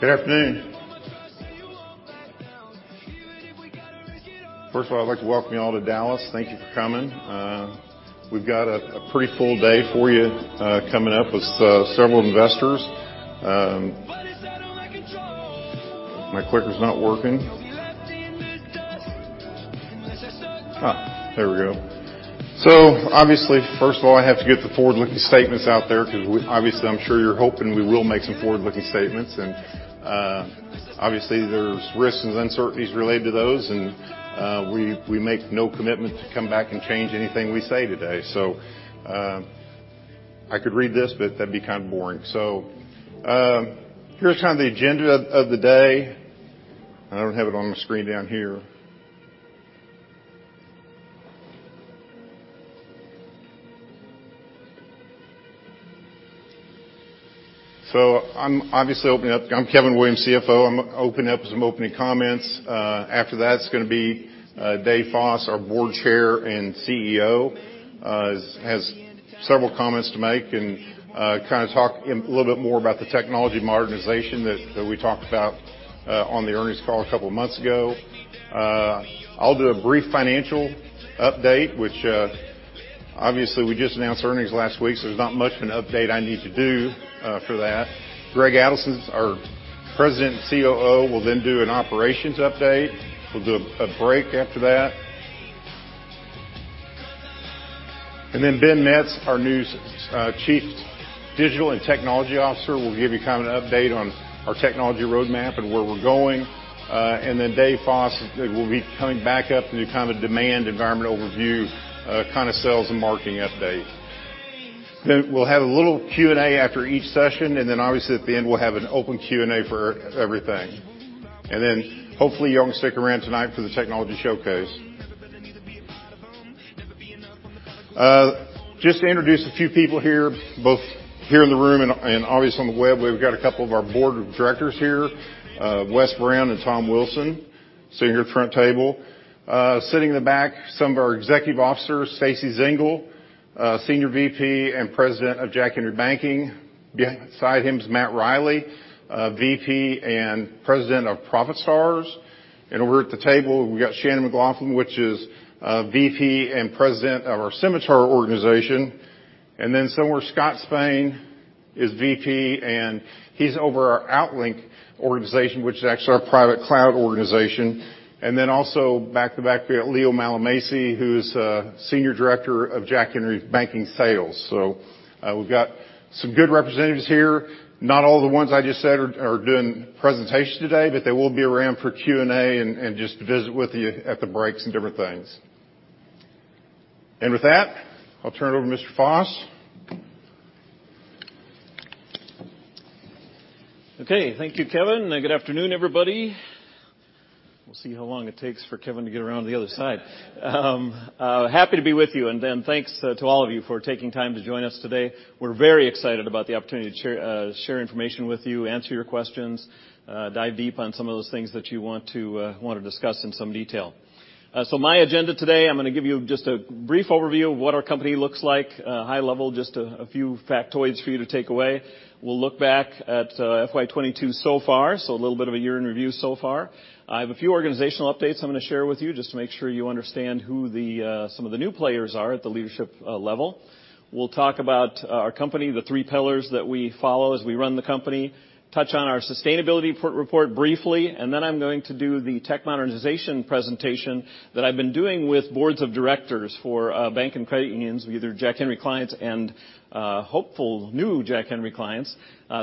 Good afternoon. First of all, I'd like to welcome you all to Dallas. Thank you for coming. We've got a pretty full day for you coming up with several investors. My clicker's not working. Obviously, first of all, I have to get the forward-looking statements out there 'cause obviously, I'm sure you're hoping we will make some forward-looking statements. Obviously, there's risks and uncertainties related to those, and we make no commitment to come back and change anything we say today. I could read this, but that'd be kind of boring. Here's kind of the agenda of the day. I don't have it on the screen down here. I'm Kevin Williams, CFO. I'm opening up with some opening comments. After that, it's gonna be Dave Foss, our board chair and CEO, has several comments to make and kinda talk a little bit more about the technology modernization that we talked about on the earnings call a couple months ago. I'll do a brief financial update, which obviously we just announced earnings last week, so there's not much of an update I need to do for that. Greg Adelson, our President and COO, will then do an operations update. We'll do a break after that. Ben Metz, our new chief digital and technology officer, will give you kind of an update on our technology roadmap and where we're going. Dave Foss will be coming back up to do kind of a demand environment overview, kind of sales and marketing update. We'll have a little Q&A after each session, and then obviously at the end we'll have an open Q&A for everything. Hopefully you all stick around tonight for the technology showcase. Never gonna need to be a part of 'em. Never be enough on the battlefield. Just to introduce a few people here, both here in the room and obviously on the web. We've got a couple of our board of directors here, Wes Brown and Tom Wilson sitting here at the front table. Sitting in the back, some of our executive officers, Stacey Zengel, Senior VP and President of Jack Henry Banking. Beside him is Matt Riley, VP and President of ProfitStars. Over at the table, we've got Shanon McLachlan, which is VP and President of our Symitar organization. Then somewhere, Scott Spain is VP, and he's over our OutLink organization, which is actually our private cloud organization. Also back-to-back, we have Leo Mallamace, who is Senior Director of Jack Henry Banking Sales. We've got some good representatives here. Not all the ones I just said are doing presentations today, but they will be around for Q&A and just to visit with you at the breaks and different things. With that, I'll turn it over to Mr. Foss. Okay. Thank you, Kevin. Good afternoon, everybody. We'll see how long it takes for Kevin to get around to the other side. Happy to be with you. Thanks to all of you for taking time to join us today. We're very excited about the opportunity to share information with you, answer your questions, dive deep on some of those things that you want to discuss in some detail. My agenda today, I'm gonna give you just a brief overview of what our company looks like, high level, just a few factoids for you to take away. We'll look back at FY 2022 so far, so a little bit of a year in review so far. I have a few organizational updates I'm gonna share with you just to make sure you understand who some of the new players are at the leadership level. We'll talk about our company, the three pillars that we follow as we run the company, touch on our sustainability report briefly, and then I'm going to do the tech modernization presentation that I've been doing with boards of directors for bank and credit unions, either Jack Henry clients and hopeful new Jack Henry clients.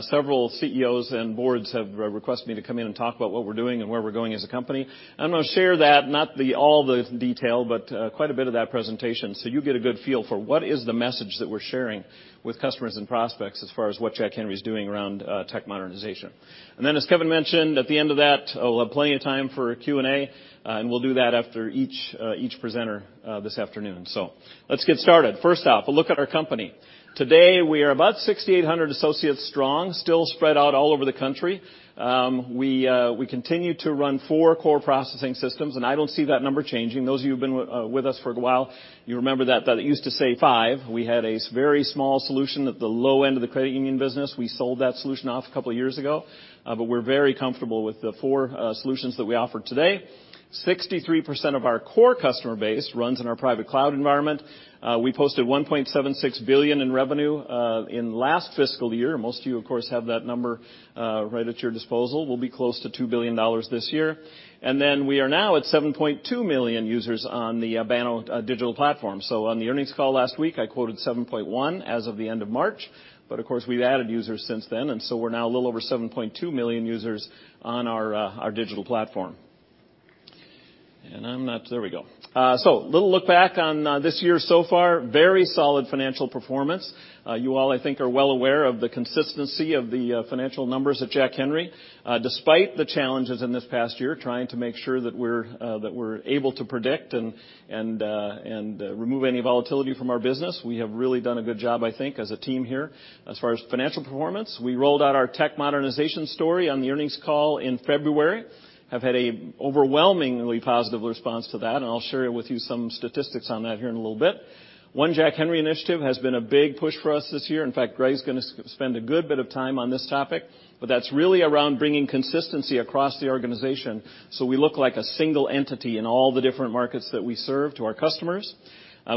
Several CEOs and boards have requested me to come in and talk about what we're doing and where we're going as a company. I'm gonna share that, not all the detail, but quite a bit of that presentation so you get a good feel for what is the message that we're sharing with customers and prospects as far as what Jack Henry is doing around tech modernization. Then, as Kevin mentioned, at the end of that, we'll have plenty of time for Q&A, and we'll do that after each presenter this afternoon. Let's get started. First off, a look at our company. Today, we are about 6,800 associates strong, still spread out all over the country. We continue to run four core processing systems, and I don't see that number changing. Those of you who've been with us for a while, you remember that it used to say five. We had a very small solution at the low end of the credit union business. We sold that solution off a couple of years ago, but we're very comfortable with the four solutions that we offer today. 63% of our core customer base runs in our private cloud environment. We posted $1.76 billion in revenue in last fiscal year. Most of you, of course, have that number right at your disposal. We'll be close to $2 billion this year. We are now at 7.2 million users on the Banno digital platform. On the earnings call last week, I quoted 7.1 million as of the end of March, but of course, we've added users since then, and so we're now a little over 7.2 million users on our digital platform. Let's look back on this year so far. Very solid financial performance. You all, I think, are well aware of the consistency of the financial numbers at Jack Henry. Despite the challenges in this past year, trying to make sure that we're able to predict and remove any volatility from our business, we have really done a good job, I think, as a team here. As far as financial performance, we rolled out our tech modernization story on the earnings call in February. Have had an overwhelmingly positive response to that, and I'll share with you some statistics on that here in a little bit. One Jack Henry initiative has been a big push for us this year. In fact, Greg's gonna spend a good bit of time on this topic, but that's really around bringing consistency across the organization, so we look like a single entity in all the different markets that we serve to our customers.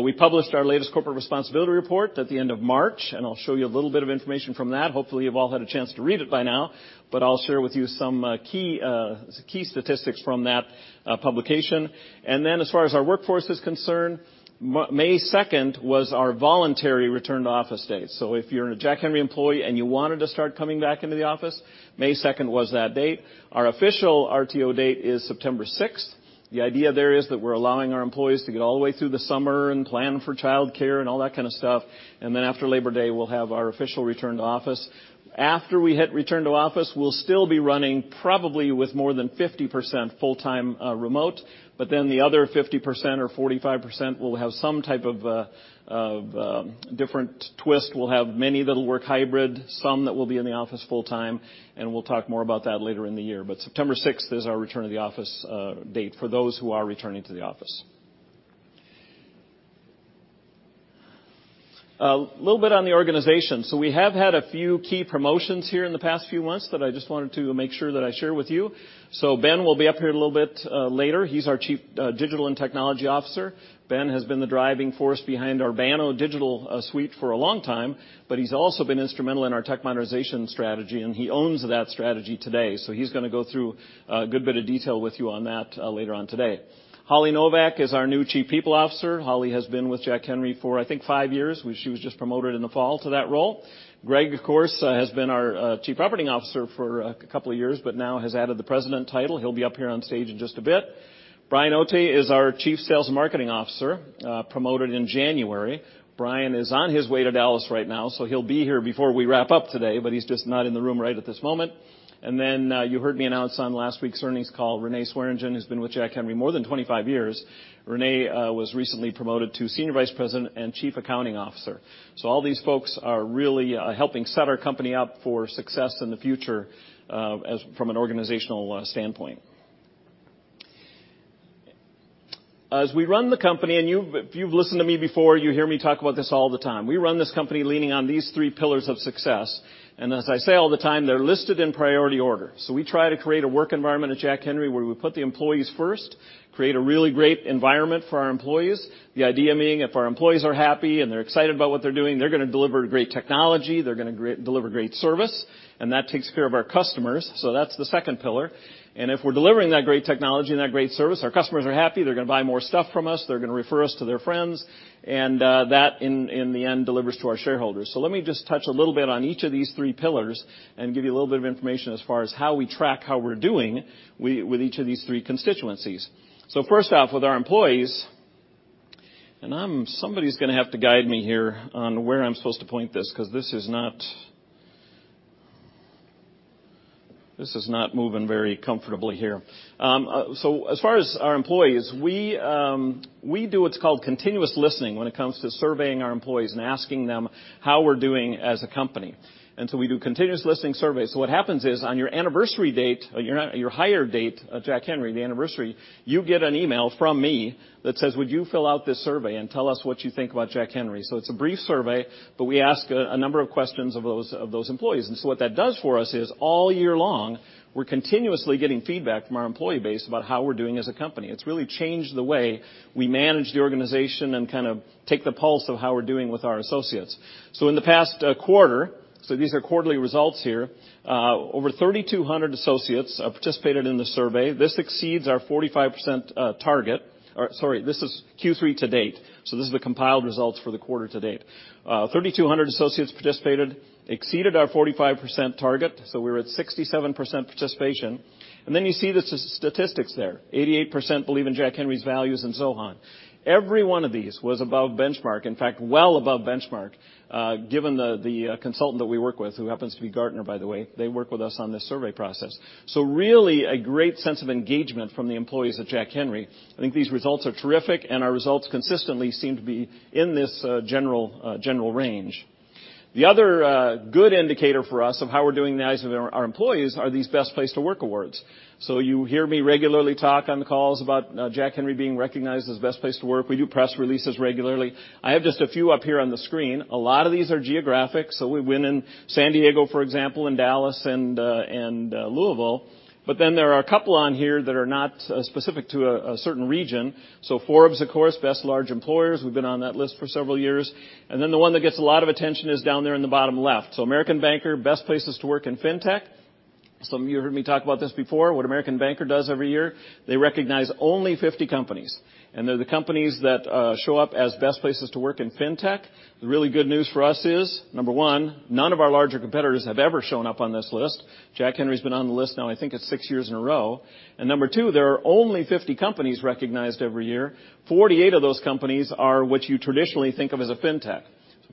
We published our latest corporate responsibility report at the end of March, and I'll show you a little bit of information from that. Hopefully, you've all had a chance to read it by now, but I'll share with you some key statistics from that publication. Then, as far as our workforce is concerned, May 2nd was our voluntary return to office date. If you're a Jack Henry employee, and you wanted to start coming back into the office, May 2nd was that date. Our official RTO date is September 6th. The idea there is that we're allowing our employees to get all the way through the summer and plan for childcare and all that kind of stuff. Then after Labor Day, we'll have our official return to office. After we hit return to office, we'll still be running probably with more than 50% full-time remote, but then the other 50% or 45% will have some type of different twist. We'll have many that'll work hybrid, some that will be in the office full-time, and we'll talk more about that later in the year. September 6th is our return to the office date for those who are returning to the office. A little bit on the organization. We have had a few key promotions here in the past few months that I just wanted to make sure that I share with you. Ben will be up here a little bit later. He's our Chief Digital and Technology Officer. Ben has been the driving force behind our Banno digital suite for a long time, but he's also been instrumental in our tech modernization strategy, and he owns that strategy today. He's gonna go through a good bit of detail with you on that later on today. Holly Novak is our new Chief People Officer. Holly has been with Jack Henry for I think five years, where she was just promoted in the fall to that role. Greg, of course, has been our Chief Operating Officer for a couple of years, but now has added the president title. He'll be up here on stage in just a bit. Brian Otte is our Chief Sales and Marketing Officer, promoted in January. Brian is on his way to Dallas right now, so he'll be here before we wrap up today, but he's just not in the room right at this moment. You heard me announce on last week's earnings call, Renee Swearingen, who's been with Jack Henry more than 25 years. Renee was recently promoted to Senior Vice President and Chief Accounting Officer. All these folks are really helping set our company up for success in the future, as from an organizational standpoint. As we run the company and you've. If you've listened to me before, you hear me talk about this all the time. We run this company leaning on these three pillars of success. As I say all the time, they're listed in priority order. We try to create a work environment at Jack Henry where we put the employees first, create a really great environment for our employees. The idea being if our employees are happy, and they're excited about what they're doing, they're gonna deliver great technology. They're gonna deliver great service, and that takes care of our customers. That's the second pillar. If we're delivering that great technology and that great service, our customers are happy. They're gonna buy more stuff from us. They're gonna refer us to their friends. That in the end delivers to our shareholders. Let me just touch a little bit on each of these three pillars and give you a little bit of information as far as how we track how we're doing with each of these three constituencies. First off, with our employees. Somebody's gonna have to guide me here on where I'm supposed to point this because this is not moving very comfortably here. As far as our employees, we do what's called continuous listening when it comes to surveying our employees and asking them how we're doing as a company. We do continuous listening surveys. What happens is, on your anniversary date, or your hire date at Jack Henry, the anniversary, you get an email from me that says, "Would you fill out this survey and tell us what you think about Jack Henry?" It's a brief survey, but we ask a number of questions of those employees. What that does for us is all year long, we're continuously getting feedback from our employee base about how we're doing as a company. It's really changed the way we manage the organization and kind of take the pulse of how we're doing with our associates. In the past quarter, these are quarterly results here, over 3,200 associates participated in the survey. This exceeds our 45% target. Or sorry, this is Q3 to date. This is the compiled results for the quarter-to-date. 3,200 associates participated, exceeded our 45% target, so we're at 67% participation. And then you see the statistics there. 88% believe in Jack Henry's values and so on. Every one of these was above benchmark. In fact, well above benchmark, given the consultant that we work with, who happens to be Gartner, by the way. They work with us on this survey process. Really a great sense of engagement from the employees at Jack Henry. I think these results are terrific, and our results consistently seem to be in this general range. The other good indicator for us of how we're doing in the eyes of our employees are these Best Place to Work awards. You hear me regularly talk on the calls about Jack Henry being recognized as a Best Place to Work. We do press releases regularly. I have just a few up here on the screen. A lot of these are geographic, so we win in San Diego, for example, in Dallas and Louisville. Then there are a couple on here that are not specific to a certain region. Forbes, of course, Best Large Employers, we've been on that list for several years. Then the one that gets a lot of attention is down there in the bottom left. American Banker, Best Places to Work in Fintech. Some of you heard me talk about this before, what American Banker does every year, they recognize only 50 companies, and they're the companies that show up as best places to work in fintech. The really good news for us is, number one, none of our larger competitors have ever shown up on this list. Jack Henry's been on the list now I think it's six years in a row. Number two, there are only 50 companies recognized every year. 48 of those companies are what you traditionally think of as a fintech.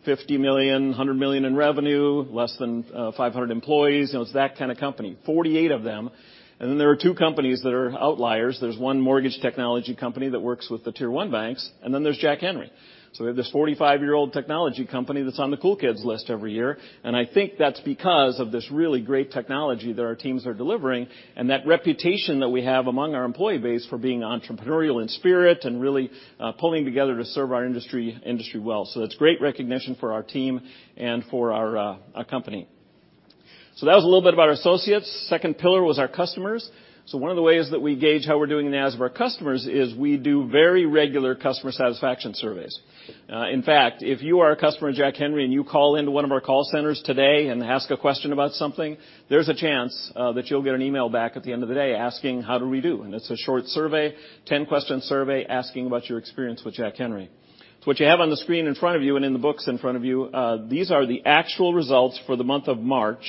$50 million, $100 million in revenue, less than 500 employees. You know, it's that kind of company. 48 of them, and then there are two companies that are outliers. There's one mortgage technology company that works with the Tier 1 banks, and then there's Jack Henry. We have this 45-year-old technology company that's on the cool kids list every year, and I think that's because of this really great technology that our teams are delivering and that reputation that we have among our employee base for being entrepreneurial in spirit and really pulling together to serve our industry well. It's great recognition for our team and for our company. That was a little bit about our associates. Second pillar was our customers. One of the ways that we gauge how we're doing in the eyes of our customers is we do very regular customer satisfaction surveys. In fact, if you are a customer of Jack Henry, and you call into one of our call centers today and ask a question about something, there's a chance that you'll get an email back at the end of the day asking how did we do. It's a short survey, 10-question survey asking about your experience with Jack Henry. What you have on the screen in front of you and in the books in front of you, these are the actual results for the month of March.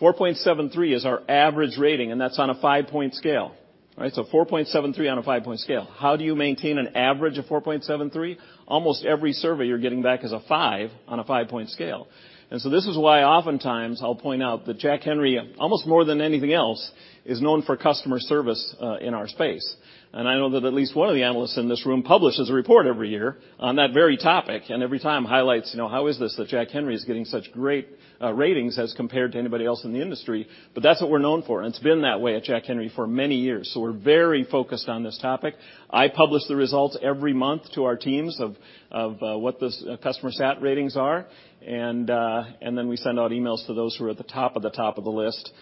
4.73% is our average rating, and that's on a five-point scale. All right? 4.73% on a five-point scale. How do you maintain an average of 4.73%? Almost every survey you're getting back is a five on a five-point scale. This is why oftentimes I'll point out that Jack Henry, almost more than anything else, is known for customer service in our space. I know that at least one of the analysts in this room publishes a report every year on that very topic, and every time highlights, you know, how is this that Jack Henry is getting such great ratings as compared to anybody else in the industry. That's what we're known for, and it's been that way at Jack Henry for many years. We're very focused on this topic. I publish the results every month to our teams of what this customer sat ratings are. Then we send out emails to those who are at the top of the list,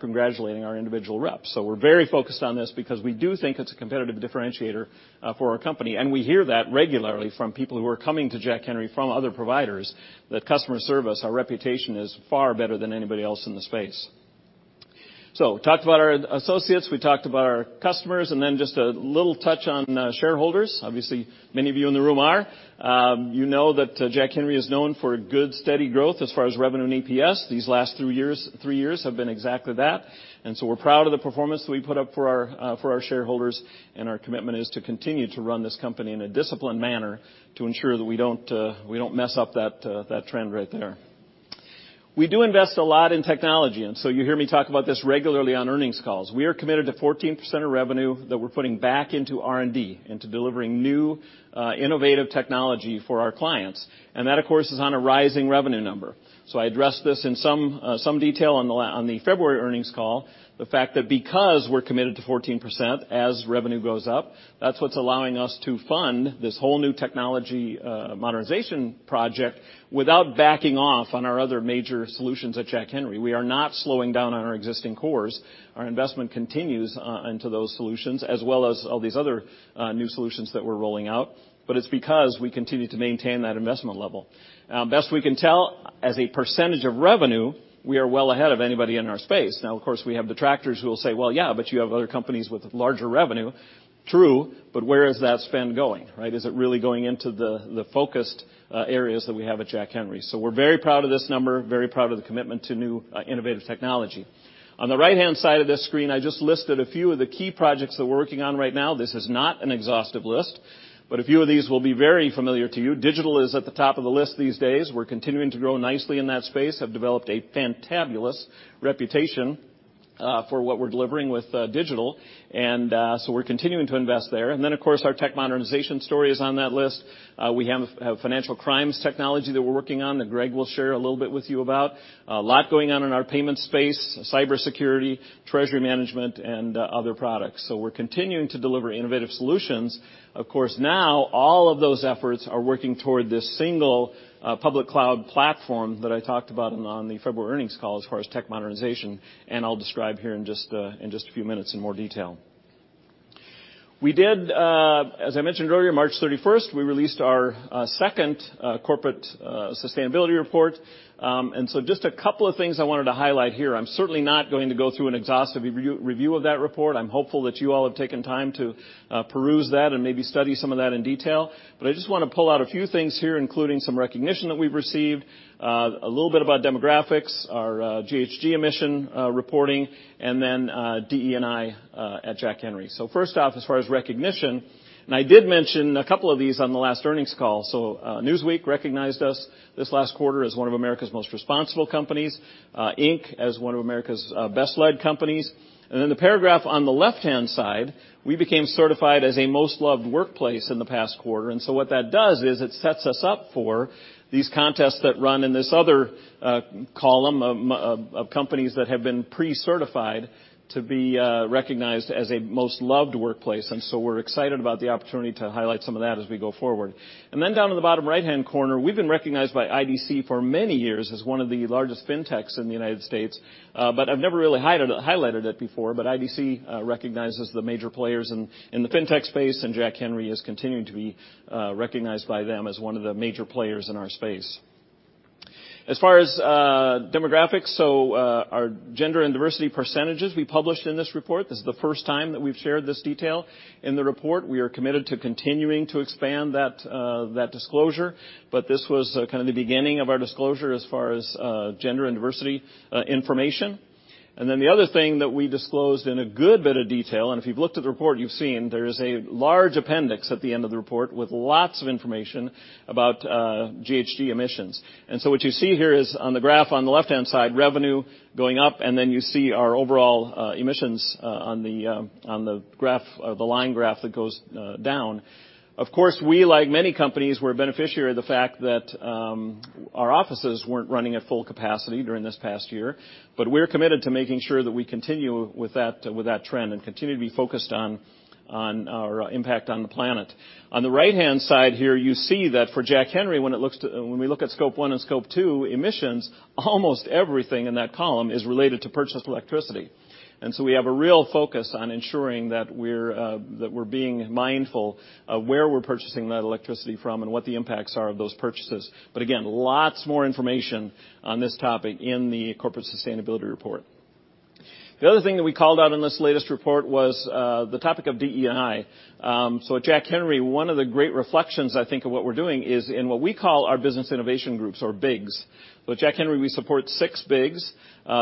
congratulating our individual reps. We're very focused on this because we do think it's a competitive differentiator for our company. We hear that regularly from people who are coming to Jack Henry from other providers, that customer service, our reputation is far better than anybody else in the space. We talked about our associates, we talked about our customers, and then just a little touch on shareholders. Obviously, many of you in the room are. You know that Jack Henry is known for good, steady growth as far as revenue and EPS. These last three years have been exactly that. We're proud of the performance that we put up for our shareholders, and our commitment is to continue to run this company in a disciplined manner to ensure that we don't mess up that trend right there. We do invest a lot in technology, and so you hear me talk about this regularly on earnings calls. We are committed to 14% of revenue that we're putting back into R&D, into delivering new innovative technology for our clients. That, of course, is on a rising revenue number. I addressed this in some detail on the February earnings call. The fact that because we're committed to 14% as revenue goes up, that's what's allowing us to fund this whole new technology modernization project without backing off on our other major solutions at Jack Henry. We are not slowing down on our existing cores. Our investment continues on to those solutions as well as all these other new solutions that we're rolling out. It's because we continue to maintain that investment level. Best we can tell, as a percentage of revenue, we are well ahead of anybody in our space. Now, of course, we have detractors who will say, "Well, yeah, but you have other companies with larger revenue." True, but where is that spend going, right? Is it really going into the focused areas that we have at Jack Henry? We're very proud of this number, very proud of the commitment to new innovative technology. On the right-hand side of this screen, I just listed a few of the key projects that we're working on right now. This is not an exhaustive list, but a few of these will be very familiar to you. Digital is at the top of the list these days. We're continuing to grow nicely in that space, have developed a fantabulous reputation for what we're delivering with digital. We're continuing to invest there. Of course, our tech modernization story is on that list. We have financial crimes technology that we're working on that Greg will share a little bit with you about. A lot going on in our payment space, cybersecurity, treasury management, and other products. We're continuing to deliver innovative solutions. Of course, now all of those efforts are working toward this single, public cloud platform that I talked about on the February earnings call as far as tech modernization, and I'll describe here in just a few minutes in more detail. We did, as I mentioned earlier, March 31st, we released our second corporate sustainability report. Just a couple of things I wanted to highlight here. I'm certainly not going to go through an exhaustive review of that report. I'm hopeful that you all have taken time to peruse that and maybe study some of that in detail. I just wanna pull out a few things here, including some recognition that we've received, a little bit about demographics, our GHG emission reporting, and then DE&I at Jack Henry. First off, as far as recognition, and I did mention a couple of these on the last earnings call. Newsweek recognized us this last quarter as one of America's Most Responsible Companies, Inc as one of America's best-led companies. In the paragraph on the left-hand side, we became certified as a most loved workplace in the past quarter. What that does is it sets us up for these contests that run in this other column of companies that have been pre-certified to be recognized as a most loved workplace. We're excited about the opportunity to highlight some of that as we go forward. Down in the bottom right-hand corner, we've been recognized by IDC for many years as one of the largest fintechs in the United States. I've never really highlighted it before, but IDC recognizes the major players in the fintech space, and Jack Henry is continuing to be recognized by them as one of the major players in our space. As far as demographics, our gender and diversity percentages we published in this report. This is the first time that we've shared this detail in the report. We are committed to continuing to expand that disclosure, but this was kind of the beginning of our disclosure as far as gender and diversity information. The other thing that we disclosed in a good bit of detail, and if you've looked at the report, you've seen there is a large appendix at the end of the report with lots of information about GHG emissions. What you see here is on the graph on the left-hand side, revenue going up, and then you see our overall emissions on the graph or the line graph that goes down. Of course, we like many companies, we're a beneficiary of the fact that our offices weren't running at full capacity during this past year, but we're committed to making sure that we continue with that trend and continue to be focused on our impact on the planet. On the right-hand side here, you see that for Jack Henry, when we look at scope one and scope two emissions, almost everything in that column is related to purchased electricity. We have a real focus on ensuring that we're being mindful of where we're purchasing that electricity from and what the impacts are of those purchases. Again, lots more information on this topic in the corporate sustainability report. The other thing that we called out in this latest report was the topic of DE&I. At Jack Henry, one of the great reflections I think of what we're doing is in what we call our business innovation groups or BIGs. With Jack Henry, we support six BIGs.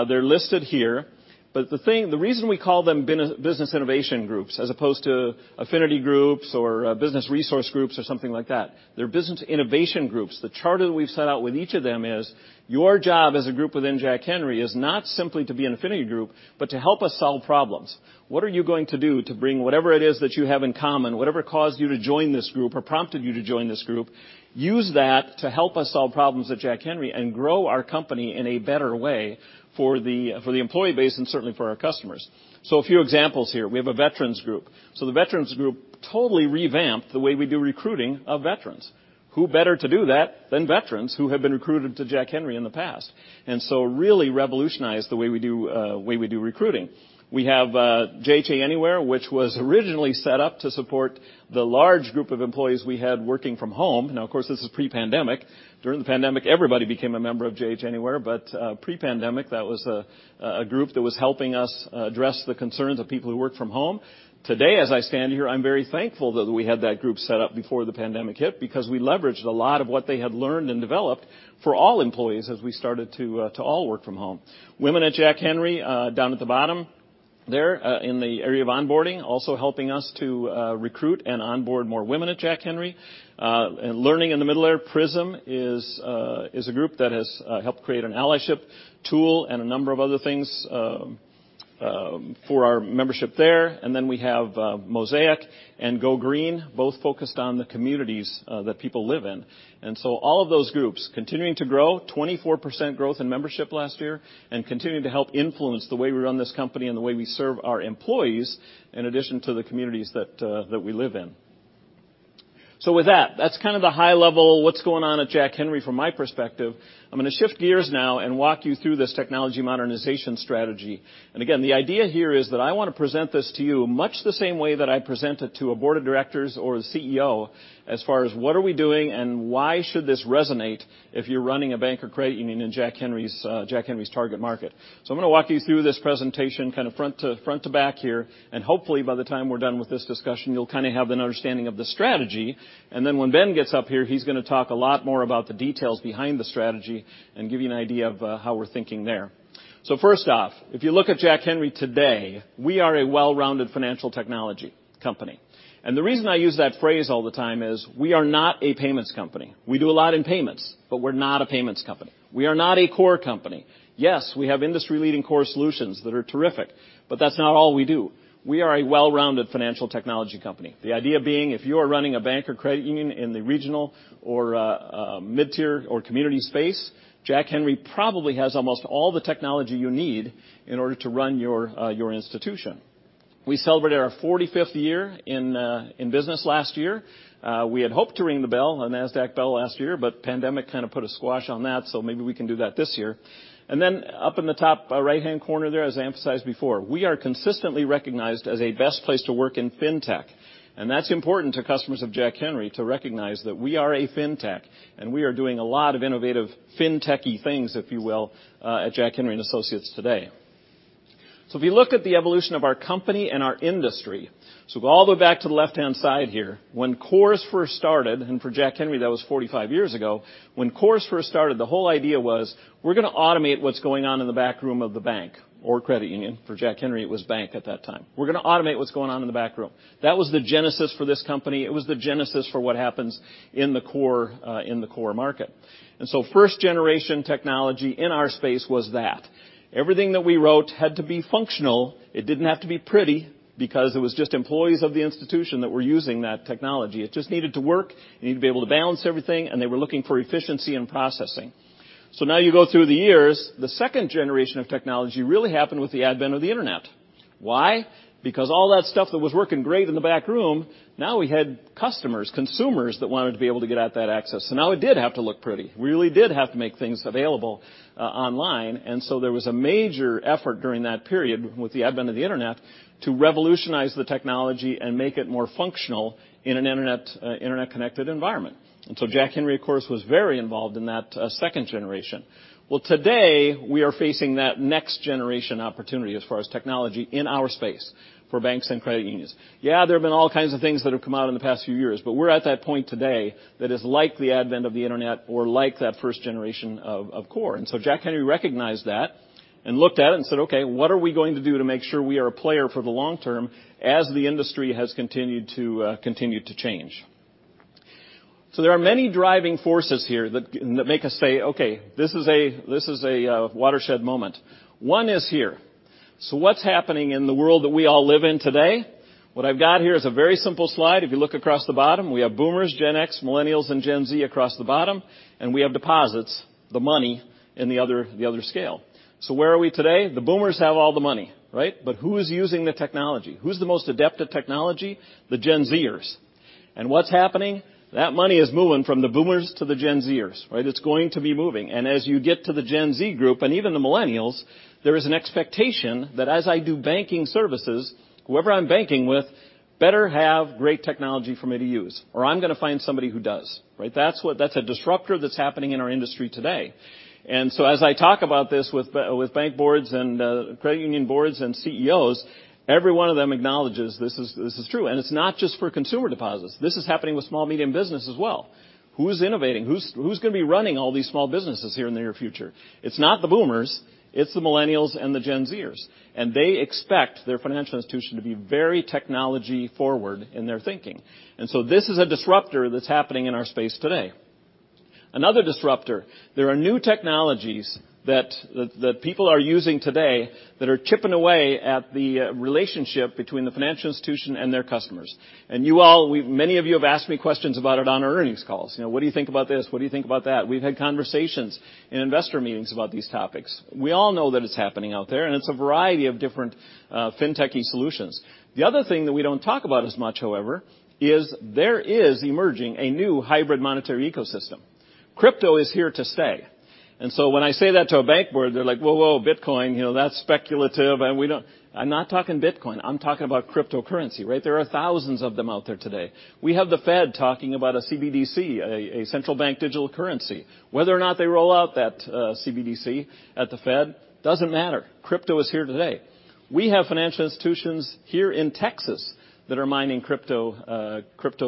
They're listed here, but the thing, the reason we call them business innovation groups as opposed to affinity groups or business resource groups or something like that, they're business innovation groups. The charter that we've set out with each of them is your job as a group within Jack Henry is not simply to be an affinity group, but to help us solve problems. What are you going to do to bring whatever it is that you have in common, whatever caused you to join this group or prompted you to join this group, use that to help us solve problems at Jack Henry and grow our company in a better way for the employee base and certainly for our customers. A few examples here. We have a veterans group. The veterans group totally revamped the way we do recruiting of veterans. Who better to do that than veterans who have been recruited to Jack Henry in the past? Really revolutionized the way we do recruiting. We have JH Anywhere, which was originally set up to support the large group of employees we had working from home. Now, of course, this is pre-pandemic. During the pandemic, everybody became a member of JH Anywhere, but pre-pandemic, that was a group that was helping us address the concerns of people who work from home. Today, as I stand here, I'm very thankful that we had that group set up before the pandemic hit because we leveraged a lot of what they had learned and developed for all employees as we started to all work from home. Women at Jack Henry, down at the bottom there, in the area of onboarding, also helping us to recruit and onboard more women at Jack Henry. Learning in the middle there, PRISM is a group that has helped create an allyship tool and a number of other things for our membership there. Then we have Mosaic and Go Green, both focused on the communities that people live in. All of those groups continuing to grow, 24% growth in membership last year, and continuing to help influence the way we run this company and the way we serve our employees in addition to the communities that we live in. With that's kind of the high level what's going on at Jack Henry from my perspective. I'm gonna shift gears now and walk you through this technology modernization strategy. Again, the idea here is that I wanna present this to you much the same way that I present it to a Board of Directors or a CEO as far as what are we doing and why should this resonate if you're running a bank or credit union in Jack Henry's target market. I'm gonna walk you through this presentation kind of front to back here, and hopefully by the time we're done with this discussion, you'll kind of have an understanding of the strategy. When Ben gets up here, he's gonna talk a lot more about the details behind the strategy and give you an idea of how we're thinking there. First off, if you look at Jack Henry today, we are a well-rounded financial technology company. The reason I use that phrase all the time is we are not a payments company. We do a lot in payments, but we're not a payments company. We are not a core company. Yes, we have industry-leading core solutions that are terrific, but that's not all we do. We are a well-rounded financial technology company. The idea being if you are running a bank or credit union in the regional or a mid-tier or community space, Jack Henry probably has almost all the technology you need in order to run your institution. We celebrated our 45th year in business last year. We had hoped to ring the bell, the Nasdaq bell last year, but pandemic kind of put a squash on that, so maybe we can do that this year. Then up in the top right-hand corner there, as I emphasized before, we are consistently recognized as a best place to work in fintech. That's important to customers of Jack Henry & Associates to recognize that we are a fintech, and we are doing a lot of innovative fintech-y things, if you will, at Jack Henry & Associates today. If you look at the evolution of our company and our industry, go all the way back to the left-hand side here. When cores first started, and for Jack Henry, that was 45 years ago, the whole idea was we're gonna automate what's going on in the back room of the bank or credit union. For Jack Henry, it was bank at that time. We're gonna automate what's going on in the back room. That was the genesis for this company. It was the genesis for what happens in the core, in the core market. First generation technology in our space was that. Everything that we wrote had to be functional. It didn't have to be pretty because it was just employees of the institution that were using that technology. It just needed to work. It needed to be able to balance everything, and they were looking for efficiency in processing. Now you go through the years, the second generation of technology really happened with the advent of the internet. Why? Because all that stuff that was working great in the back room, now we had customers, consumers that wanted to be able to get at that access. Now it did have to look pretty. We really did have to make things available, online. There was a major effort during that period with the advent of the Internet to revolutionize the technology and make it more functional in an Internet-connected environment. Jack Henry, of course, was very involved in that, second generation. Today we are facing that next generation opportunity as far as technology in our space for banks and credit unions. Yeah, there have been all kinds of things that have come out in the past few years, but we're at that point today that is like the advent of the Internet or like that first generation of core. Jack Henry recognized that and looked at it and said, "Okay, what are we going to do to make sure we are a player for the long term as the industry has continued to change?" There are many driving forces here that make us say, "Okay, this is a watershed moment." One is here. What's happening in the world that we all live in today? What I've got here is a very simple slide. If you look across the bottom, we have Boomers, Gen X, Millennials, and Gen Z across the bottom, and we have deposits, the money in the other scale. Where are we today? The Boomers have all the money, right? Who is using the technology? Who's the most adept at technology? The Gen Zers. What's happening? That money is moving from the Boomers to the Gen Zers, right? It's going to be moving. As you get to the Gen Z group, and even the Millennials, there is an expectation that as I do banking services, whoever I'm banking with better have great technology for me to use, or I'm gonna find somebody who does, right? That's a disruptor that's happening in our industry today. As I talk about this with bank boards and credit union boards and CEOs, every one of them acknowledges this is true. It's not just for consumer deposits. This is happening with small, medium business as well. Who's innovating? Who's gonna be running all these small businesses here in the near future? It's not the boomers. It's the millennials and the Gen Zers. They expect their financial institution to be very technology-forward in their thinking. This is a disruptor that's happening in our space today. Another disruptor. There are new technologies that people are using today that are chipping away at the relationship between the financial institution and their customers. Many of you have asked me questions about it on our earnings calls. "Now what do you think about this? What do you think about that?" We've had conversations in investor meetings about these topics. We all know that it's happening out there, and it's a variety of different fintechy solutions. The other thing that we don't talk about as much, however, is there is emerging a new hybrid monetary ecosystem. Crypto is here to stay. When I say that to a bank board, they're like, "Whoa, whoa, Bitcoin. You know, that's speculative, and we don't. I'm not talking Bitcoin. I'm talking about cryptocurrency, right? There are thousands of them out there today. We have the Fed talking about a CBDC, a Central Bank Digital Currency. Whether or not they roll out that CBDC at the Fed, doesn't matter. Crypto is here today. We have financial institutions here in Texas that are mining crypto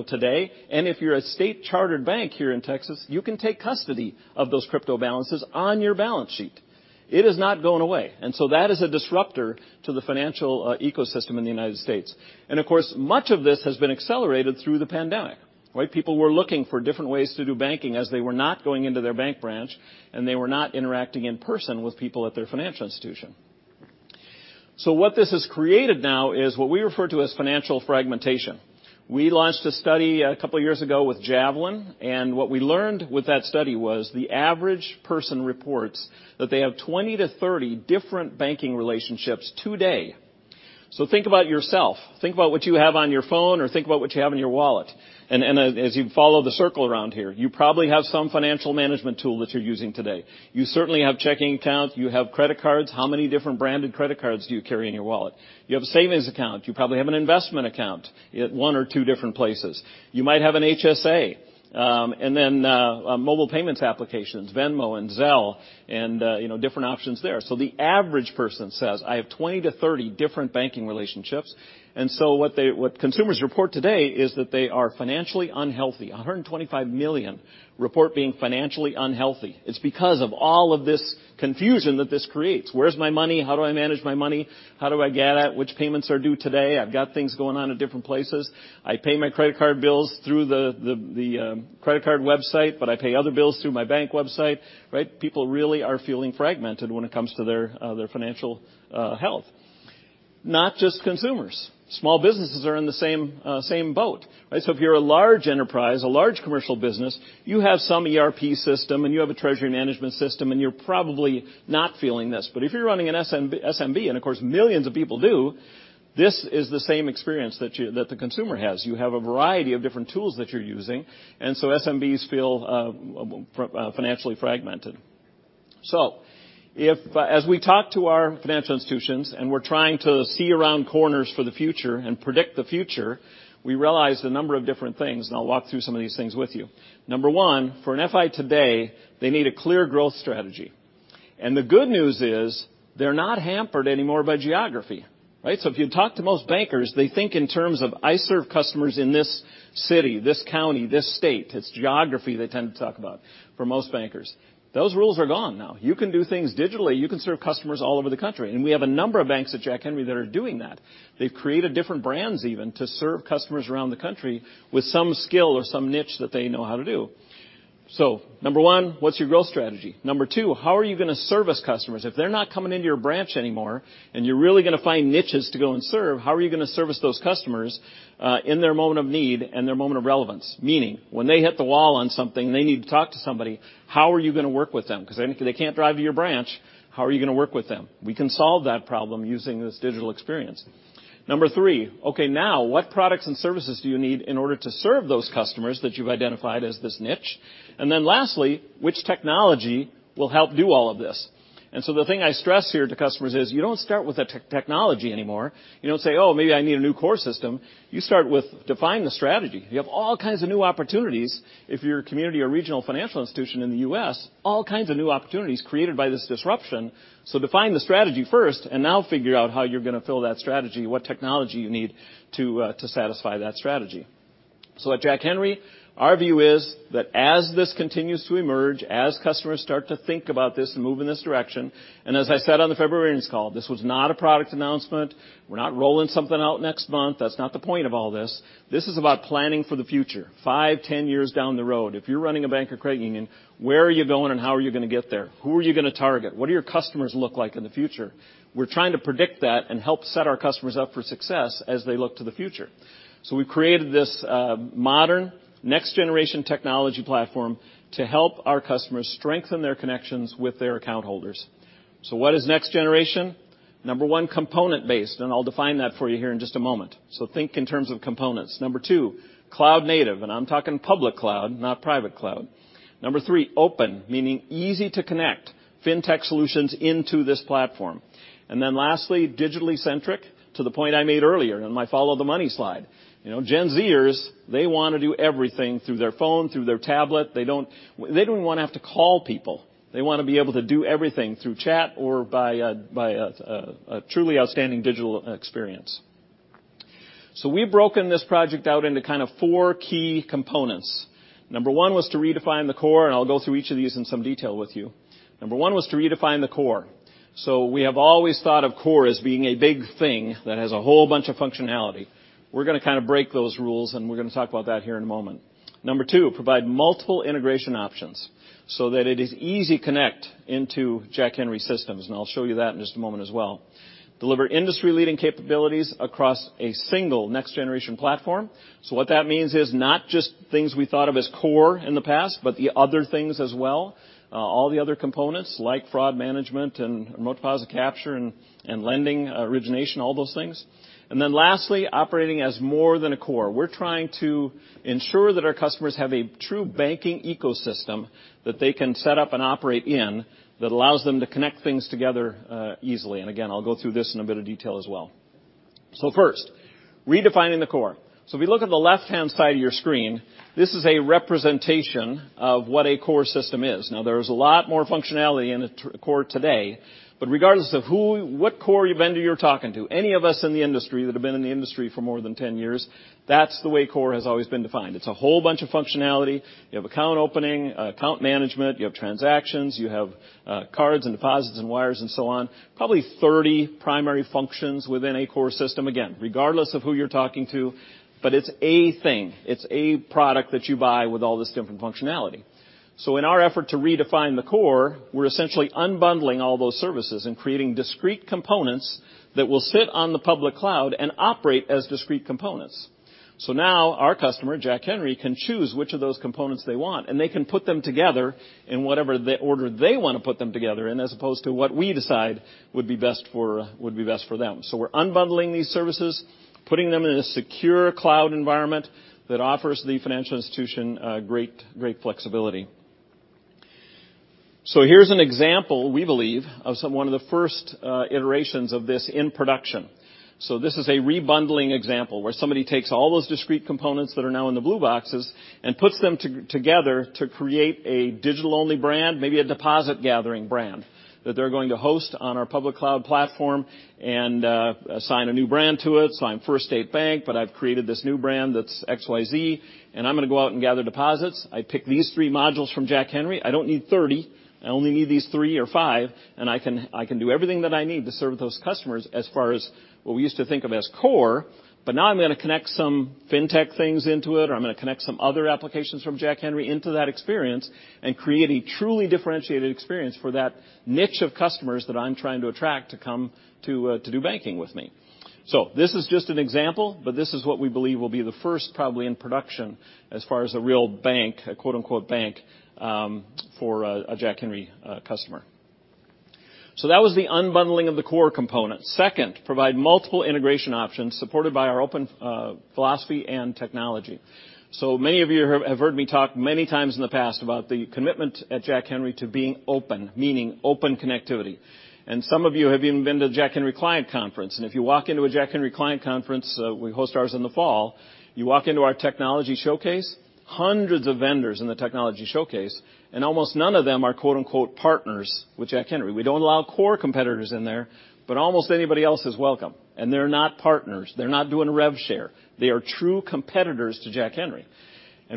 today. If you're a state-chartered bank here in Texas, you can take custody of those crypto balances on your balance sheet. It is not going away. That is a disruptor to the financial ecosystem in the United States. Of course, much of this has been accelerated through the pandemic, right? People were looking for different ways to do banking as they were not going into their bank branch and they were not interacting in person with people at their financial institution. What this has created now is what we refer to as financial fragmentation. We launched a study a couple of years ago with Javelin, and what we learned with that study was the average person reports that they have 20-30 different banking relationships today. Think about yourself. Think about what you have on your phone, or think about what you have in your wallet. As you follow the circle around here, you probably have some financial management tool that you're using today. You certainly have checking accounts. You have credit cards. How many different branded credit cards do you carry in your wallet? You have a savings account. You probably have an investment account at one or two different places. You might have an HSA. Mobile payments applications, Venmo and Zelle, and you know, different options there. The average person says, "I have 20-30 different banking relationships." What consumers report today is that they are financially unhealthy. 125 million report being financially unhealthy. It's because of all of this confusion that this creates. Where's my money? How do I manage my money? How do I get it? Which payments are due today? I've got things going on at different places. I pay my credit card bills through the credit card website, but I pay other bills through my bank website, right? People really are feeling fragmented when it comes to their financial health. Not just consumers. Small businesses are in the same boat, right? If you're a large enterprise, a large commercial business, you have some ERP system and you have a treasury management system, and you're probably not feeling this. If you're running an SMB, and of course, millions of people do, this is the same experience that the consumer has. You have a variety of different tools that you're using. SMBs feel financially fragmented. As we talk to our financial institutions and we're trying to see around corners for the future and predict the future, we realize a number of different things, and I'll walk through some of these things with you. Number one, for an FI today, they need a clear growth strategy. The good news is, they're not hampered anymore by geography, right? If you talk to most bankers, they think in terms of, "I serve customers in this city, this county, this state." It's geography they tend to talk about for most bankers. Those rules are gone now. You can do things digitally. You can serve customers all over the country. We have a number of banks at Jack Henry that are doing that. They've created different brands even to serve customers around the country with some skill or some niche that they know how to do. Number one, what's your growth strategy? Number two, how are you gonna service customers? If they're not coming into your branch anymore, and you're really gonna find niches to go and serve, how are you gonna service those customers, in their moment of need and their moment of relevance? Meaning, when they hit the wall on something, they need to talk to somebody. How are you gonna work with them? 'Cause I mean, they can't drive to your branch. How are you gonna work with them? We can solve that problem using this digital experience. Number three. Okay, now, what products and services do you need in order to serve those customers that you've identified as this niche? Then lastly, which technology will help do all of this? The thing I stress here to customers is you don't start with the tech, technology anymore. You don't say, "Oh, maybe I need a new core system." You start with define the strategy. You have all kinds of new opportunities if you're a community or regional financial institution in the U.S., all kinds of new opportunities created by this disruption. Define the strategy first and now figure out how you're gonna fill that strategy, what technology you need to satisfy that strategy. At Jack Henry, our view is that as this continues to emerge, as customers start to think about this and move in this direction, and as I said on the February earnings call, this was not a product announcement. We're not rolling something out next month. That's not the point of all this. This is about planning for the future, five, 10 years down the road. If you're running a bank or credit union, where are you going and how are you gonna get there? Who are you gonna target? What do your customers look like in the future? We're trying to predict that and help set our customers up for success as they look to the future. We've created this modern next-generation technology platform to help our customers strengthen their connections with their account holders. What is next generation? Number one, component-based, and I'll define that for you here in just a moment. Think in terms of components. Number two, cloud native, and I'm talking public cloud, not private cloud. Number three, open, meaning easy to connect fintech solutions into this platform. Then lastly, digitally centric, to the point I made earlier in my follow the money slide. You know, Gen Z-ers, they wanna do everything through their phone, through their tablet. They don't wanna have to call people. They wanna be able to do everything through chat or by a truly outstanding digital experience. We've broken this project out into kind of four key components. Number one was to redefine the core, and I'll go through each of these in some detail with you. We have always thought of core as being a big thing that has a whole bunch of functionality. We're gonna kinda break those rules, and we're gonna talk about that here in a moment. Number two, provide multiple integration options, so that it is easy to connect into Jack Henry systems, and I'll show you that in just a moment as well. Deliver industry-leading capabilities across a single next-generation platform. What that means is not just things we thought of as core in the past, but the other things as well, all the other components like fraud management and remote deposit capture and lending origination, all those things. Lastly, operating as more than a core. We're trying to ensure that our customers have a true banking ecosystem that they can set up and operate in that allows them to connect things together, easily. Again, I'll go through this in a bit of detail as well. First, redefining the core. If you look at the left-hand side of your screen, this is a representation of what a core system is. Now, there's a lot more functionality in a core today, but regardless of who or what core vendor you're talking to, any of us in the industry that have been in the industry for more than 10 years, that's the way core has always been defined. It's a whole bunch of functionality. You have account opening, account management. You have transactions. You have, cards and deposits and wires and so on. Probably 30 primary functions within a core system, again, regardless of who you're talking to, but it's a thing. It's a product that you buy with all this different functionality. In our effort to redefine the core, we're essentially unbundling all those services and creating discrete components that will sit on the public cloud and operate as discrete components. Now our customer, Jack Henry, can choose which of those components they want, and they can put them together in whatever the order they wanna put them together in, as opposed to what we decide would be best for, would be best for them. We're unbundling these services, putting them in a secure cloud environment that offers the financial institution great flexibility. Here's an example, we believe, of some one of the first iterations of this in production. This is a rebundling example where somebody takes all those discrete components that are now in the blue boxes and puts them together to create a digital-only brand, maybe a deposit-gathering brand that they're going to host on our public cloud platform and assign a new brand to it. I'm First State Bank, but I've created this new brand that's XYZ, and I'm gonna go out and gather deposits. I pick these three modules from Jack Henry. I don't need 30. I only need these three or five, and I can do everything that I need to serve those customers as far as what we used to think of as core. Now I'm gonna connect some fintech things into it, or I'm gonna connect some other applications from Jack Henry into that experience and create a truly differentiated experience for that niche of customers that I'm trying to attract to come to do banking with me. This is just an example, but this is what we believe will be the first probably in production as far as a real bank, a quote-unquote bank, for a Jack Henry customer. That was the unbundling of the core component. Second, provide multiple integration options supported by our open philosophy and technology. Many of you have heard me talk many times in the past about the commitment at Jack Henry to being open, meaning open connectivity. Some of you have even been to a Jack Henry client conference. If you walk into a Jack Henry client conference, we host ours in the fall, you walk into our technology showcase, hundreds of vendors in the technology showcase and almost none of them are, quote-unquote, partners with Jack Henry. We don't allow core competitors in there, but almost anybody else is welcome. They're not partners. They're not doing rev share.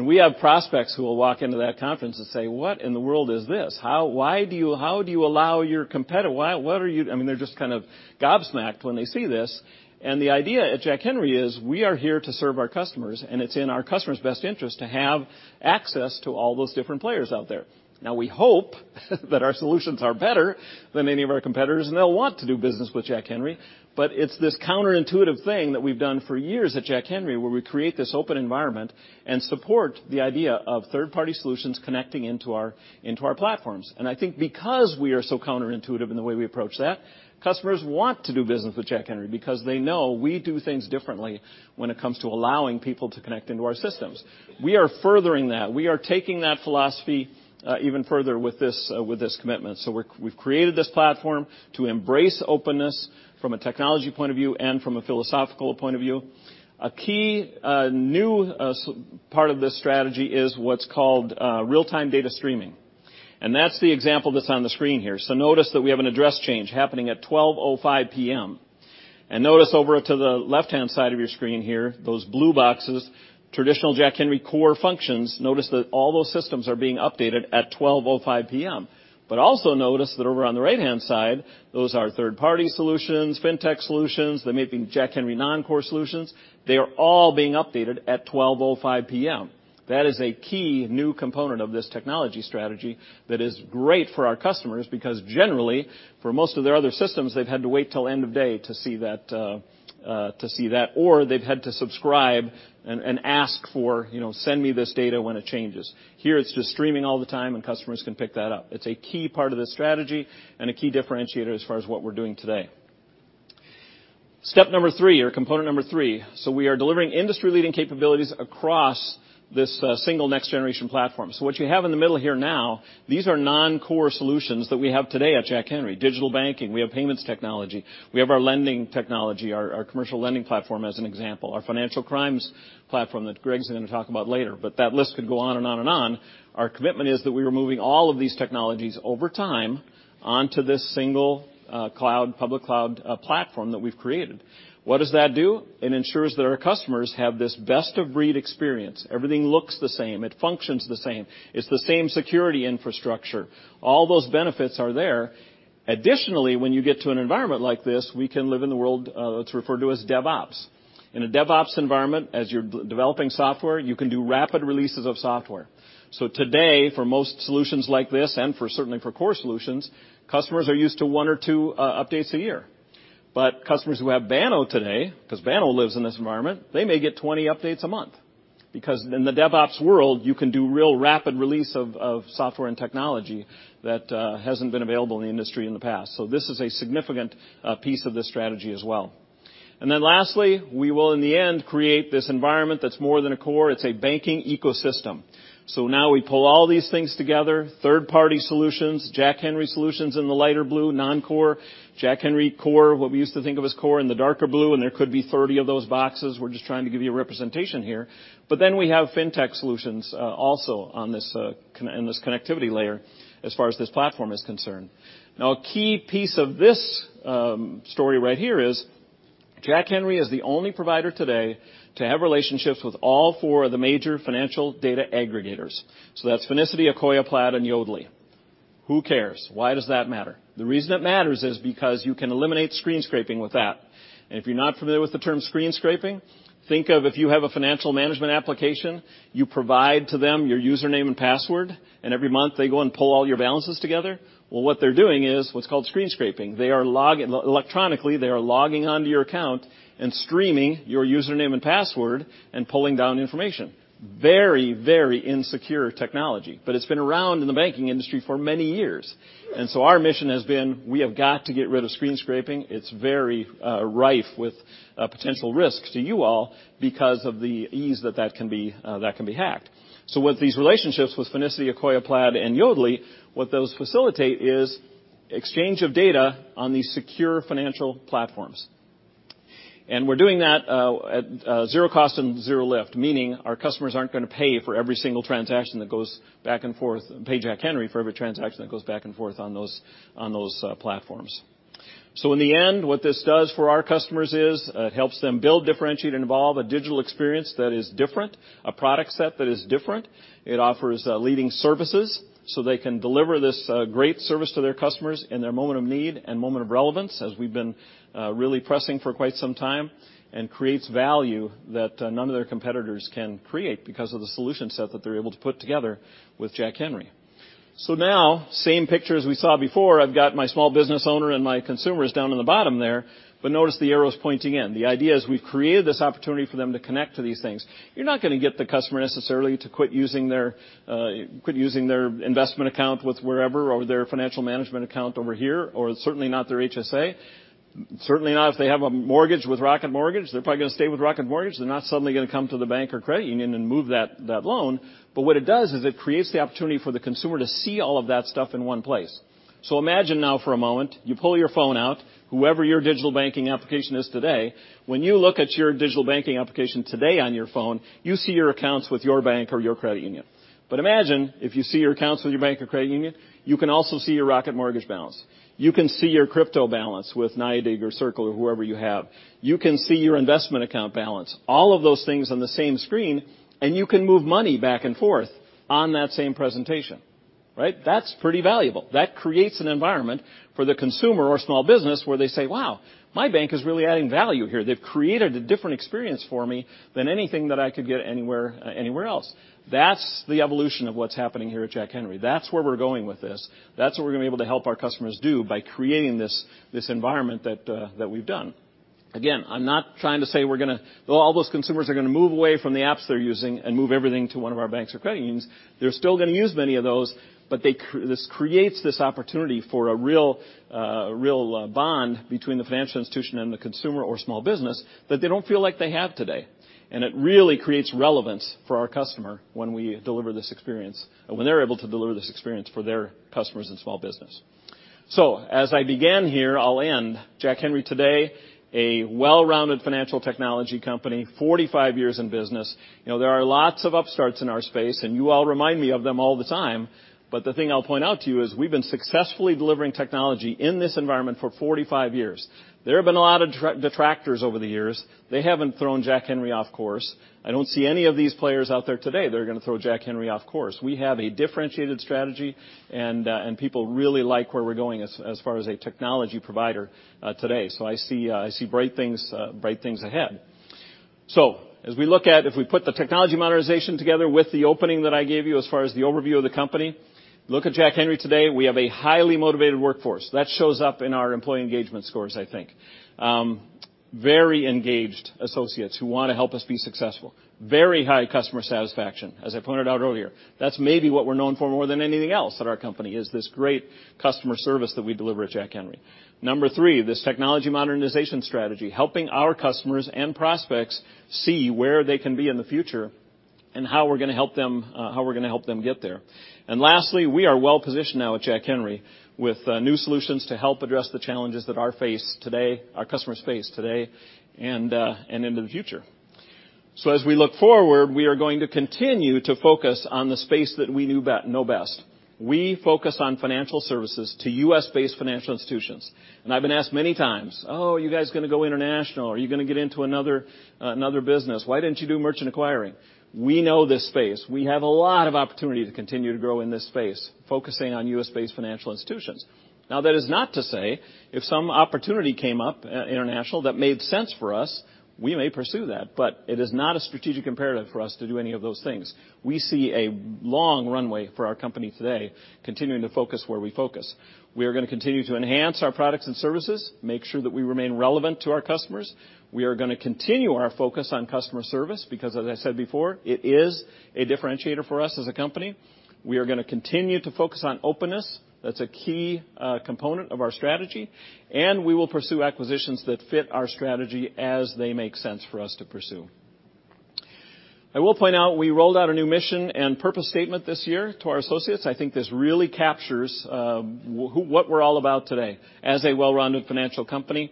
We have prospects who will walk into that conference and say, "What in the world is this? How do you allow your competitors? Why? What are you..." I mean, they're just kind of gobsmacked when they see this. The idea at Jack Henry is we are here to serve our customers, and it's in our customers' best interest to have access to all those different players out there. Now, we hope that our solutions are better than any of our competitors, and they'll want to do business with Jack Henry. It's this counterintuitive thing that we've done for years at Jack Henry, where we create this open environment and support the idea of third-party solutions connecting into our platforms. I think because we are so counterintuitive in the way we approach that, customers want to do business with Jack Henry because they know we do things differently. When it comes to allowing people to connect into our systems. We are furthering that. We are taking that philosophy, even further with this, with this commitment. We've created this platform to embrace openness from a technology point of view and from a philosophical point of view. A key new part of this strategy is what's called real-time data streaming, and that's the example that's on the screen here. Notice that we have an address change happening at 12:05 P.M. Notice over to the left-hand side of your screen here, those blue boxes, traditional Jack Henry core functions, notice that all those systems are being updated at 12:05 P.M. Notice that over on the right-hand side, those are third-party solutions, fintech solutions, they may be Jack Henry non-core solutions. They are all being updated at 12:05 P.M. That is a key new component of this technology strategy that is great for our customers because generally for most of their other systems, they've had to wait till end of day to see that, to see that, or they've had to subscribe and ask for, you know, "Send me this data when it changes." Here, it's just streaming all the time, and customers can pick that up. It's a key part of the strategy and a key differentiator as far as what we're doing today. Step number three or component number three. We are delivering industry-leading capabilities across this single next generation platform. What you have in the middle here now, these are non-core solutions that we have today at Jack Henry. Digital banking. We have payments technology. We have our lending technology, our commercial lending platform as an example, our financial crimes platform that Greg's going to talk about later. That list could go on and on and on. Our commitment is that we are moving all of these technologies over time onto this single, cloud, public cloud, platform that we've created. What does that do? It ensures that our customers have this best of breed experience. Everything looks the same. It functions the same. It's the same security infrastructure. All those benefits are there. Additionally, when you get to an environment like this, we can live in the world, that's referred to as DevOps. In a DevOps environment, as you're developing software, you can do rapid releases of software. Today, for most solutions like this and especially for core solutions, customers are used to one or two updates a year. Customers who have Banno today, 'cause Banno lives in this environment, they may get 20 updates a month because in the DevOps world, you can do real rapid release of software and technology that hasn't been available in the industry in the past. This is a significant piece of this strategy as well. Then lastly, we will in the end create this environment that's more than a core. It's a banking ecosystem. Now we pull all these things together, third-party solutions, Jack Henry solutions in the lighter blue, non-core, Jack Henry core, what we used to think of as core in the darker blue, and there could be 30 of those boxes. We're just trying to give you a representation here. Then we have fintech solutions, also on this, in this connectivity layer as far as this platform is concerned. Now a key piece of this story right here is Jack Henry is the only provider today to have relationships with all four of the major financial data aggregators. That's Finicity, Akoya, Plaid, and Yodlee. Who cares? Why does that matter? The reason it matters is because you can eliminate screen scraping with that. If you're not familiar with the term screen scraping, think of if you have a financial management application, you provide to them your username and password, and every month they go and pull all your balances together. Well, what they're doing is what's called screen scraping. They are log Electronically, they are logging onto your account and streaming your username and password and pulling down information. Very, very insecure technology, but it's been around in the banking industry for many years. Our mission has been we have got to get rid of screen scraping. It's very rife with potential risks to you all because of the ease that can be hacked. With these relationships with Finicity, Akoya, Plaid, and Yodlee, what those facilitate is exchange of data on these secure financial platforms. We're doing that at zero cost and zero lift, meaning our customers aren't gonna pay Jack Henry for every single transaction that goes back and forth on those platforms. In the end, what this does for our customers is it helps them build, differentiate, involve a digital experience that is different, a product set that is different. It offers leading services, so they can deliver this great service to their customers in their moment of need and moment of relevance, as we've been really pressing for quite some time, and creates value that none of their competitors can create because of the solution set that they're able to put together with Jack Henry. Now, same picture as we saw before, I've got my small business owner and my consumers down in the bottom there, but notice the arrows pointing in. The idea is we've created this opportunity for them to connect to these things. You're not gonna get the customer necessarily to quit using their investment account with wherever or their financial management account over here or certainly not their HSA, certainly not if they have a mortgage with Rocket Mortgage. They're probably gonna stay with Rocket Mortgage. They're not suddenly gonna come to the bank or credit union and move that loan. What it does is it creates the opportunity for the consumer to see all of that stuff in one place. Imagine now for a moment, you pull your phone out, whoever your digital banking application is today. When you look at your digital banking application today on your phone, you see your accounts with your bank or your credit union. Imagine if you see your accounts with your bank or credit union, you can also see your Rocket Mortgage balance. You can see your crypto balance with NYDIG or Circle or whoever you have. You can see your investment account balance, all of those things on the same screen, and you can move money back and forth on that same presentation, right? That's pretty valuable. That creates an environment for the consumer or small business where they say, "Wow, my bank is really adding value here. They've created a different experience for me than anything that I could get anywhere else." That's the evolution of what's happening here at Jack Henry. That's where we're going with this. That's what we're gonna be able to help our customers do by creating this environment that we've done. Again, I'm not trying to say all those consumers are gonna move away from the apps they're using and move everything to one of our banks or credit unions. They're still gonna use many of those, but this creates this opportunity for a real bond between the financial institution and the consumer or small business that they don't feel like they have today. It really creates relevance for our customer when we deliver this experience, and when they're able to deliver this experience for their customers and small business. As I began here, I'll end. Jack Henry today, a well-rounded financial technology company, 45 years in business. You know, there are lots of upstarts in our space, and you all remind me of them all the time. The thing I'll point out to you is we've been successfully delivering technology in this environment for 45 years. There have been a lot of detractors over the years. They haven't thrown Jack Henry off course. I don't see any of these players out there today that are gonna throw Jack Henry off course. We have a differentiated strategy, and people really like where we're going as far as a technology provider today. I see bright things ahead. As we look at if we put the technology modernization together with the opening that I gave you as far as the overview of the company, look at Jack Henry today. We have a highly motivated workforce. That shows up in our employee engagement scores, I think. Very engaged associates who wanna help us be successful. Very high customer satisfaction. As I pointed out earlier. That's maybe what we're known for more than anything else at our company, is this great customer service that we deliver at Jack Henry. Number three, this technology modernization strategy, helping our customers and prospects see where they can be in the future and how we're gonna help them get there. Lastly, we are well-positioned now at Jack Henry with new solutions to help address the challenges that our customers face today and into the future. As we look forward, we are going to continue to focus on the space that we know best. We focus on financial services to U.S.-based financial institutions. I've been asked many times, "Oh, are you guys gonna go international? Are you gonna get into another business? Why didn't you do merchant acquiring?" We know this space. We have a lot of opportunity to continue to grow in this space, focusing on U.S.-based financial institutions. Now, that is not to say if some opportunity came up, international that made sense for us, we may pursue that. It is not a strategic imperative for us to do any of those things. We see a long runway for our company today, continuing to focus where we focus. We are gonna continue to enhance our products and services, make sure that we remain relevant to our customers. We are gonna continue our focus on customer service because, as I said before, it is a differentiator for us as a company. We are gonna continue to focus on openness. That's a key component of our strategy. We will pursue acquisitions that fit our strategy as they make sense for us to pursue. I will point out, we rolled out a new mission and purpose statement this year to our associates. I think this really captures what we're all about today as a well-rounded financial company.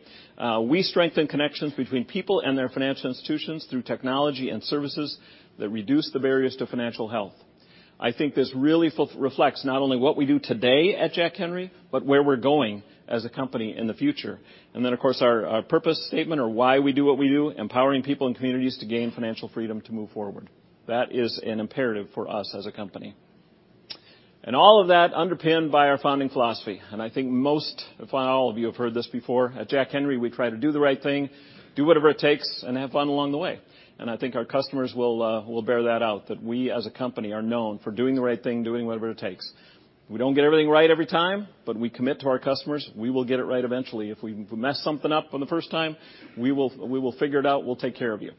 We strengthen connections between people and their financial institutions through technology and services that reduce the barriers to financial health. I think this really reflects not only what we do today at Jack Henry, but where we're going as a company in the future. Then, of course, our purpose statement or why we do what we do, empowering people and communities to gain financial freedom to move forward. That is an imperative for us as a company. All of that underpinned by our founding philosophy. I think most, if not all of you, have heard this before. At Jack Henry, we try to do the right thing, do whatever it takes, and have fun along the way. I think our customers will bear that out, that we, as a company, are known for doing the right thing, doing whatever it takes. We don't get everything right every time, but we commit to our customers, we will get it right eventually. If we mess something up on the first time, we will figure it out, we'll take care of you.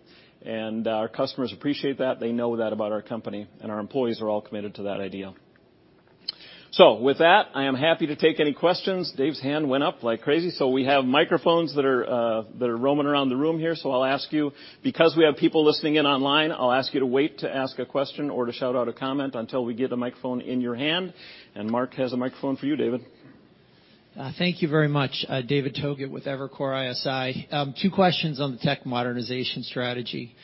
Our customers appreciate that. They know that about our company, and our employees are all committed to that ideal. With that, I am happy to take any questions. Dave's hand went up like crazy, so we have microphones that are roaming around the room here. I'll ask you, because we have people listening in online, I'll ask you to wait to ask a question or to shout out a comment until we get a microphone in your hand. Mark has a microphone for you, David. Thank you very much. David Togut with Evercore ISI. Two questions on the tech modernization strategy.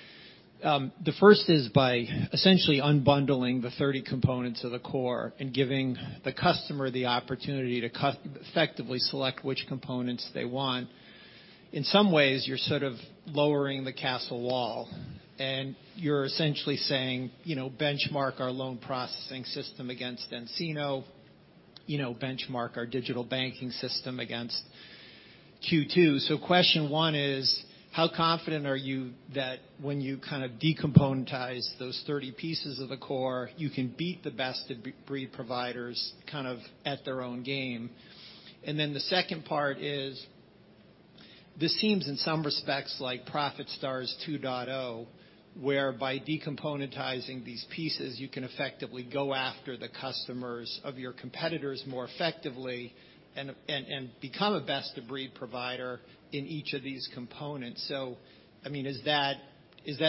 The first is by essentially unbundling the 30 components of the core and giving the customer the opportunity to effectively select which components they want, in some ways, you're sort of lowering the castle wall, and you're essentially saying, you know, benchmark our loan processing system against nCino. You know, benchmark our digital banking system against Q2. Question one is, how confident are you that when you kind of decomponentize those 30 pieces of the core, you can beat the best of breed providers kind of at their own game? The second part is, this seems in some respects like ProfitStars 2.0, whereby decomponentizing these pieces, you can effectively go after the customers of your competitors more effectively and become a best-of-breed provider in each of these components. I mean, is that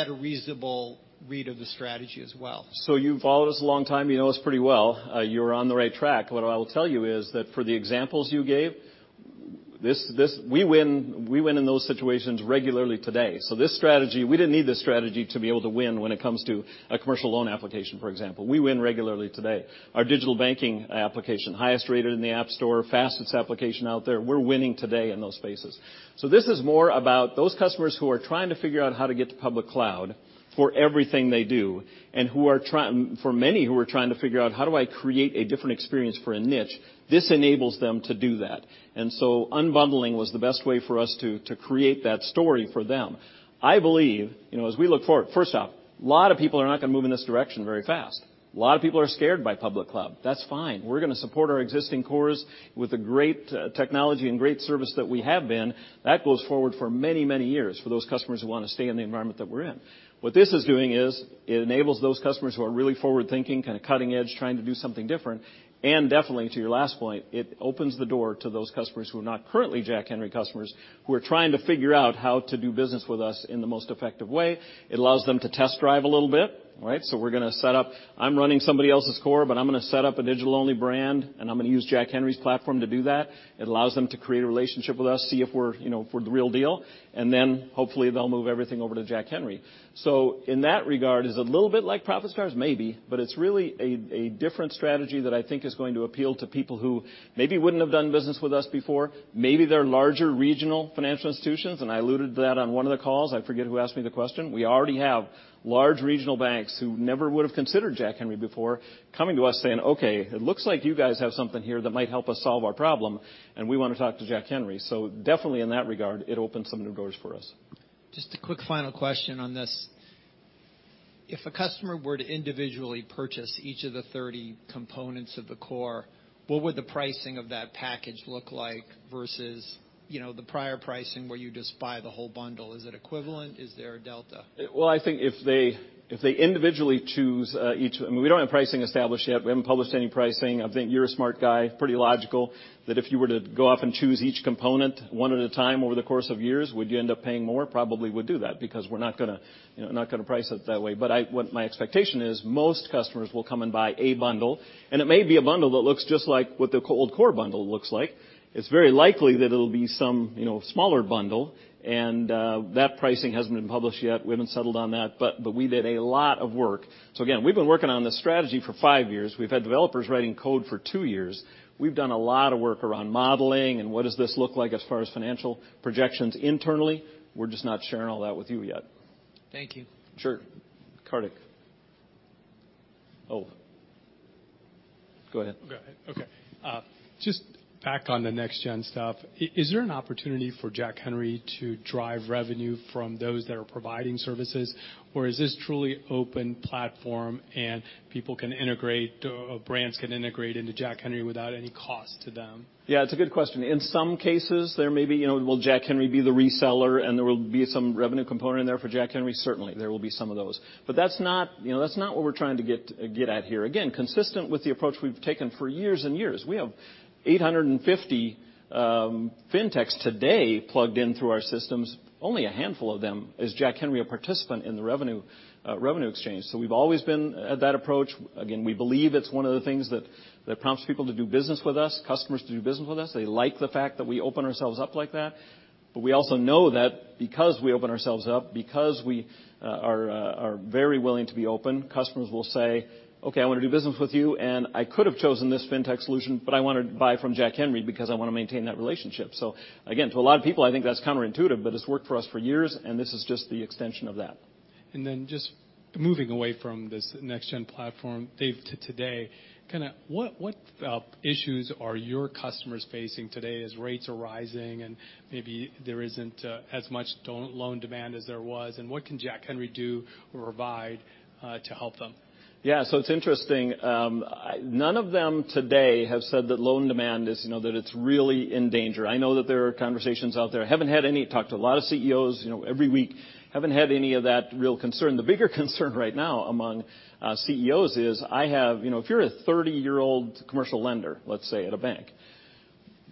a reasonable read of the strategy as well? You've followed us a long time, you know us pretty well. You're on the right track. What I will tell you is that for the examples you gave. This, we win in those situations regularly today. This strategy, we didn't need this strategy to be able to win when it comes to a commercial loan application, for example. We win regularly today. Our digital banking application, highest rated in the App Store, fastest application out there. We're winning today in those spaces. This is more about those customers who are trying to figure out how to get to public cloud for everything they do and who are, for many, trying to figure out how do I create a different experience for a niche, this enables them to do that. Unbundling was the best way for us to create that story for them. I believe, you know, as we look forward, first off, a lot of people are not going to move in this direction very fast. A lot of people are scared by public cloud. That's fine. We're gonna support our existing cores with the great technology and great service that we have been. That goes forward for many, many years for those customers who want to stay in the environment that we're in. What this is doing is it enables those customers who are really forward-thinking, kind of cutting edge, trying to do something different. Definitely to your last point, it opens the door to those customers who are not currently Jack Henry customers, who are trying to figure out how to do business with us in the most effective way. It allows them to test drive a little bit, right? We're gonna set up. I'm running somebody else's core, but I'm gonna set up a digital-only brand, and I'm gonna use Jack Henry's platform to do that. It allows them to create a relationship with us, see if we're, you know, if we're the real deal, and then hopefully they'll move everything over to Jack Henry. In that regard, is it a little bit like ProfitStars? Maybe, but it's really a different strategy that I think is going to appeal to people who maybe wouldn't have done business with us before. Maybe they're larger regional financial institutions, and I alluded to that on one of the calls. I forget who asked me the question. We already have large regional banks who never would have considered Jack Henry before coming to us saying, "Okay, it looks like you guys have something here that might help us solve our problem, and we want to talk to Jack Henry." Definitely in that regard, it opens some new doors for us. Just a quick final question on this. If a customer were to individually purchase each of the 30 components of the core, what would the pricing of that package look like versus, you know, the prior pricing where you just buy the whole bundle? Is it equivalent? Is there a delta? Well, I think if they individually choose each. We don't have pricing established yet. We haven't published any pricing. I think you're a smart guy, pretty logical, that if you were to go off and choose each component one at a time over the course of years, would you end up paying more? Probably would do that because we're not gonna, you know, not gonna price it that way. But what my expectation is most customers will come and buy a bundle, and it may be a bundle that looks just like what the old core bundle looks like. It's very likely that it'll be some, you know, smaller bundle, and that pricing hasn't been published yet. We haven't settled on that, but we did a lot of work. Again, we've been working on this strategy for five years. We've had developers writing code for two years. We've done a lot of work around modeling and what does this look like as far as financial projections internally. We're just not sharing all that with you yet. Thank you. Sure. Kartik. Oh. Go ahead. Go ahead? Okay. Just back on the next gen stuff. Is there an opportunity for Jack Henry to drive revenue from those that are providing services, or is this truly open platform and people can integrate or brands can integrate into Jack Henry without any cost to them? Yeah, it's a good question. In some cases, there may be, you know, will Jack Henry be the reseller and there will be some revenue component in there for Jack Henry? Certainly, there will be some of those. That's not, you know, that's not what we're trying to get at here. Again, consistent with the approach we've taken for years and years, we have 850 fintechs today plugged in through our systems. Only a handful of them is Jack Henry a participant in the revenue exchange. We've always been at that approach. Again, we believe it's one of the things that prompts people to do business with us, customers to do business with us. They like the fact that we open ourselves up like that. We also know that because we open ourselves up, because we are very willing to be open, customers will say, "Okay, I want to do business with you, and I could have chosen this fintech solution, but I want to buy from Jack Henry because I want to maintain that relationship." Again, to a lot of people, I think that's counterintuitive, but it's worked for us for years, and this is just the extension of that. Just moving away from this next gen platform, Dave, today, kinda what issues are your customers facing today as rates are rising and maybe there isn't as much loan demand as there was, and what can Jack Henry do or provide to help them? Yeah. It's interesting. None of them today have said that loan demand is, you know, that it's really in danger. I know that there are conversations out there. Talked to a lot of CEOs, you know, every week. Haven't had any of that real concern. The bigger concern right now among CEOs is, you know, if you're a 30-year-old commercial lender, let's say, at a bank.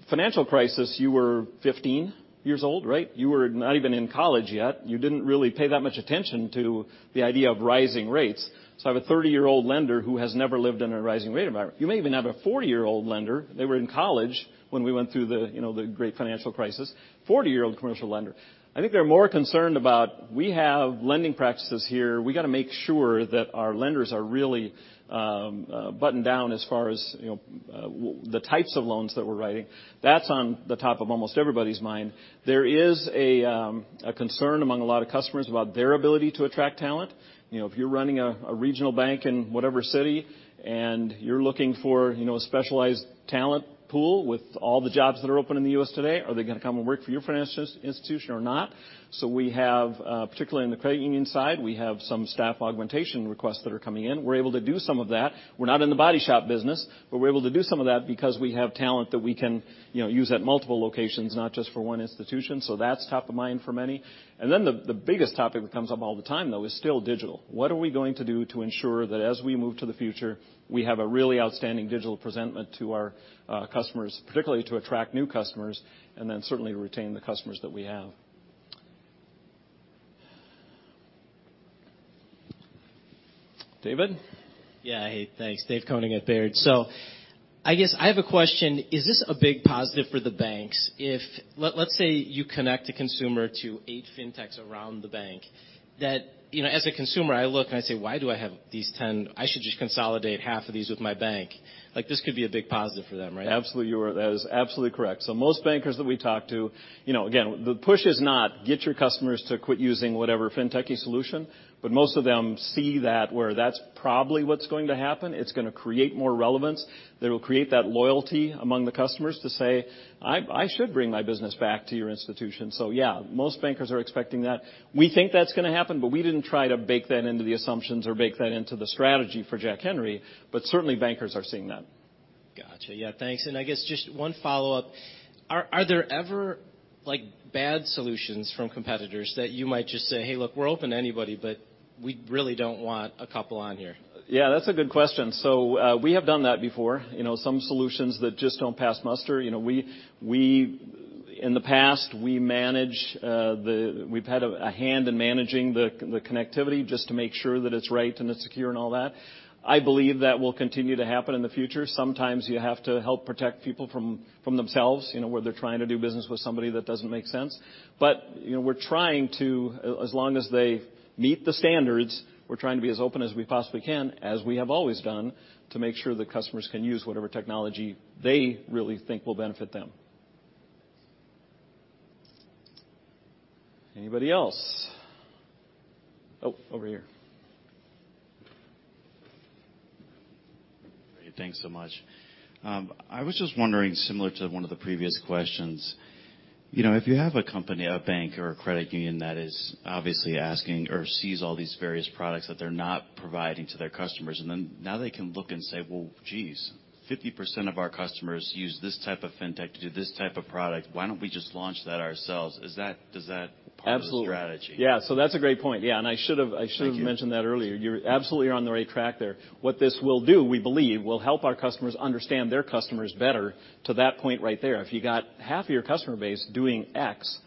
Financial crisis, you were 15 years old, right? You were not even in college yet. You didn't really pay that much attention to the idea of rising rates. I have a 30-year-old lender who has never lived in a rising rate environment. You may even have a 40-year-old lender. They were in college when we went through the, you know, the great financial crisis. 40-year-old commercial lender. I think they're more concerned about we have lending practices here. We got to make sure that our lenders are really, buttoned down as far as, you know, the types of loans that we're writing. That's on the top of almost everybody's mind. There is a concern among a lot of customers about their ability to attract talent. You know, if you're running a regional bank in whatever city and you're looking for, you know, a specialized talent pool with all the jobs that are open in the U.S. today, are they going to come and work for your financial institution or not? We have, particularly in the credit union side, we have some staff augmentation requests that are coming in. We're able to do some of that. We're not in the body shop business, but we're able to do some of that because we have talent that we can, you know, use at multiple locations, not just for one institution. That's top of mind for many. The biggest topic that comes up all the time, though, is still digital. What are we going to do to ensure that as we move to the future, we have a really outstanding digital presentment to our customers, particularly to attract new customers, and then certainly retain the customers that we have. David? Yeah. Hey, thanks. Dave Koning at Baird. I guess I have a question. Is this a big positive for the banks if let's say you connect a consumer to eight fintechs around the bank that, you know, as a consumer I look and I say, "Why do I have these 10? I should just consolidate half of these with my bank." Like, this could be a big positive for them, right? Absolutely, that is absolutely correct. Most bankers that we talk to, you know, again, the push is not get your customers to quit using whatever fintechy solution, but most of them see that where that's probably what's going to happen. It's gonna create more relevance that will create that loyalty among the customers to say, "I should bring my business back to your institution." Yeah, most bankers are expecting that. We think that's gonna happen, but we didn't try to bake that into the assumptions or bake that into the strategy for Jack Henry. Certainly bankers are seeing that. Gotcha. Yeah, thanks. I guess just one follow-up. Are there ever, like, bad solutions from competitors that you might just say, "Hey, look, we're open to anybody, but we really don't want a couple on here? Yeah, that's a good question. So, we have done that before. You know, some solutions that just don't pass muster. You know, in the past, we've had a hand in managing the connectivity just to make sure that it's right and it's secure and all that. I believe that will continue to happen in the future. Sometimes you have to help protect people from themselves, you know, where they're trying to do business with somebody that doesn't make sense. You know, we're trying to be as open as we possibly can, as we have always done, to make sure the customers can use whatever technology they really think will benefit them. Anybody else? Oh, over here. Great. Thanks so much. I was just wondering, similar to one of the previous questions, you know, if you have a company, a bank or a credit union that is obviously asking or sees all these various products that they're not providing to their customers, and then now they can look and say, "Well, geez, 50% of our customers use this type of fintech to do this type of product. Why don't we just launch that ourselves?" Is that part of the strategy? Absolutely. Yeah. That's a great point. Yeah. I should have. Thank you. mentioned that earlier. You're absolutely on the right track there. What this will do, we believe, will help our customers understand their customers better to that point right there. If you got half of your customer base doing X,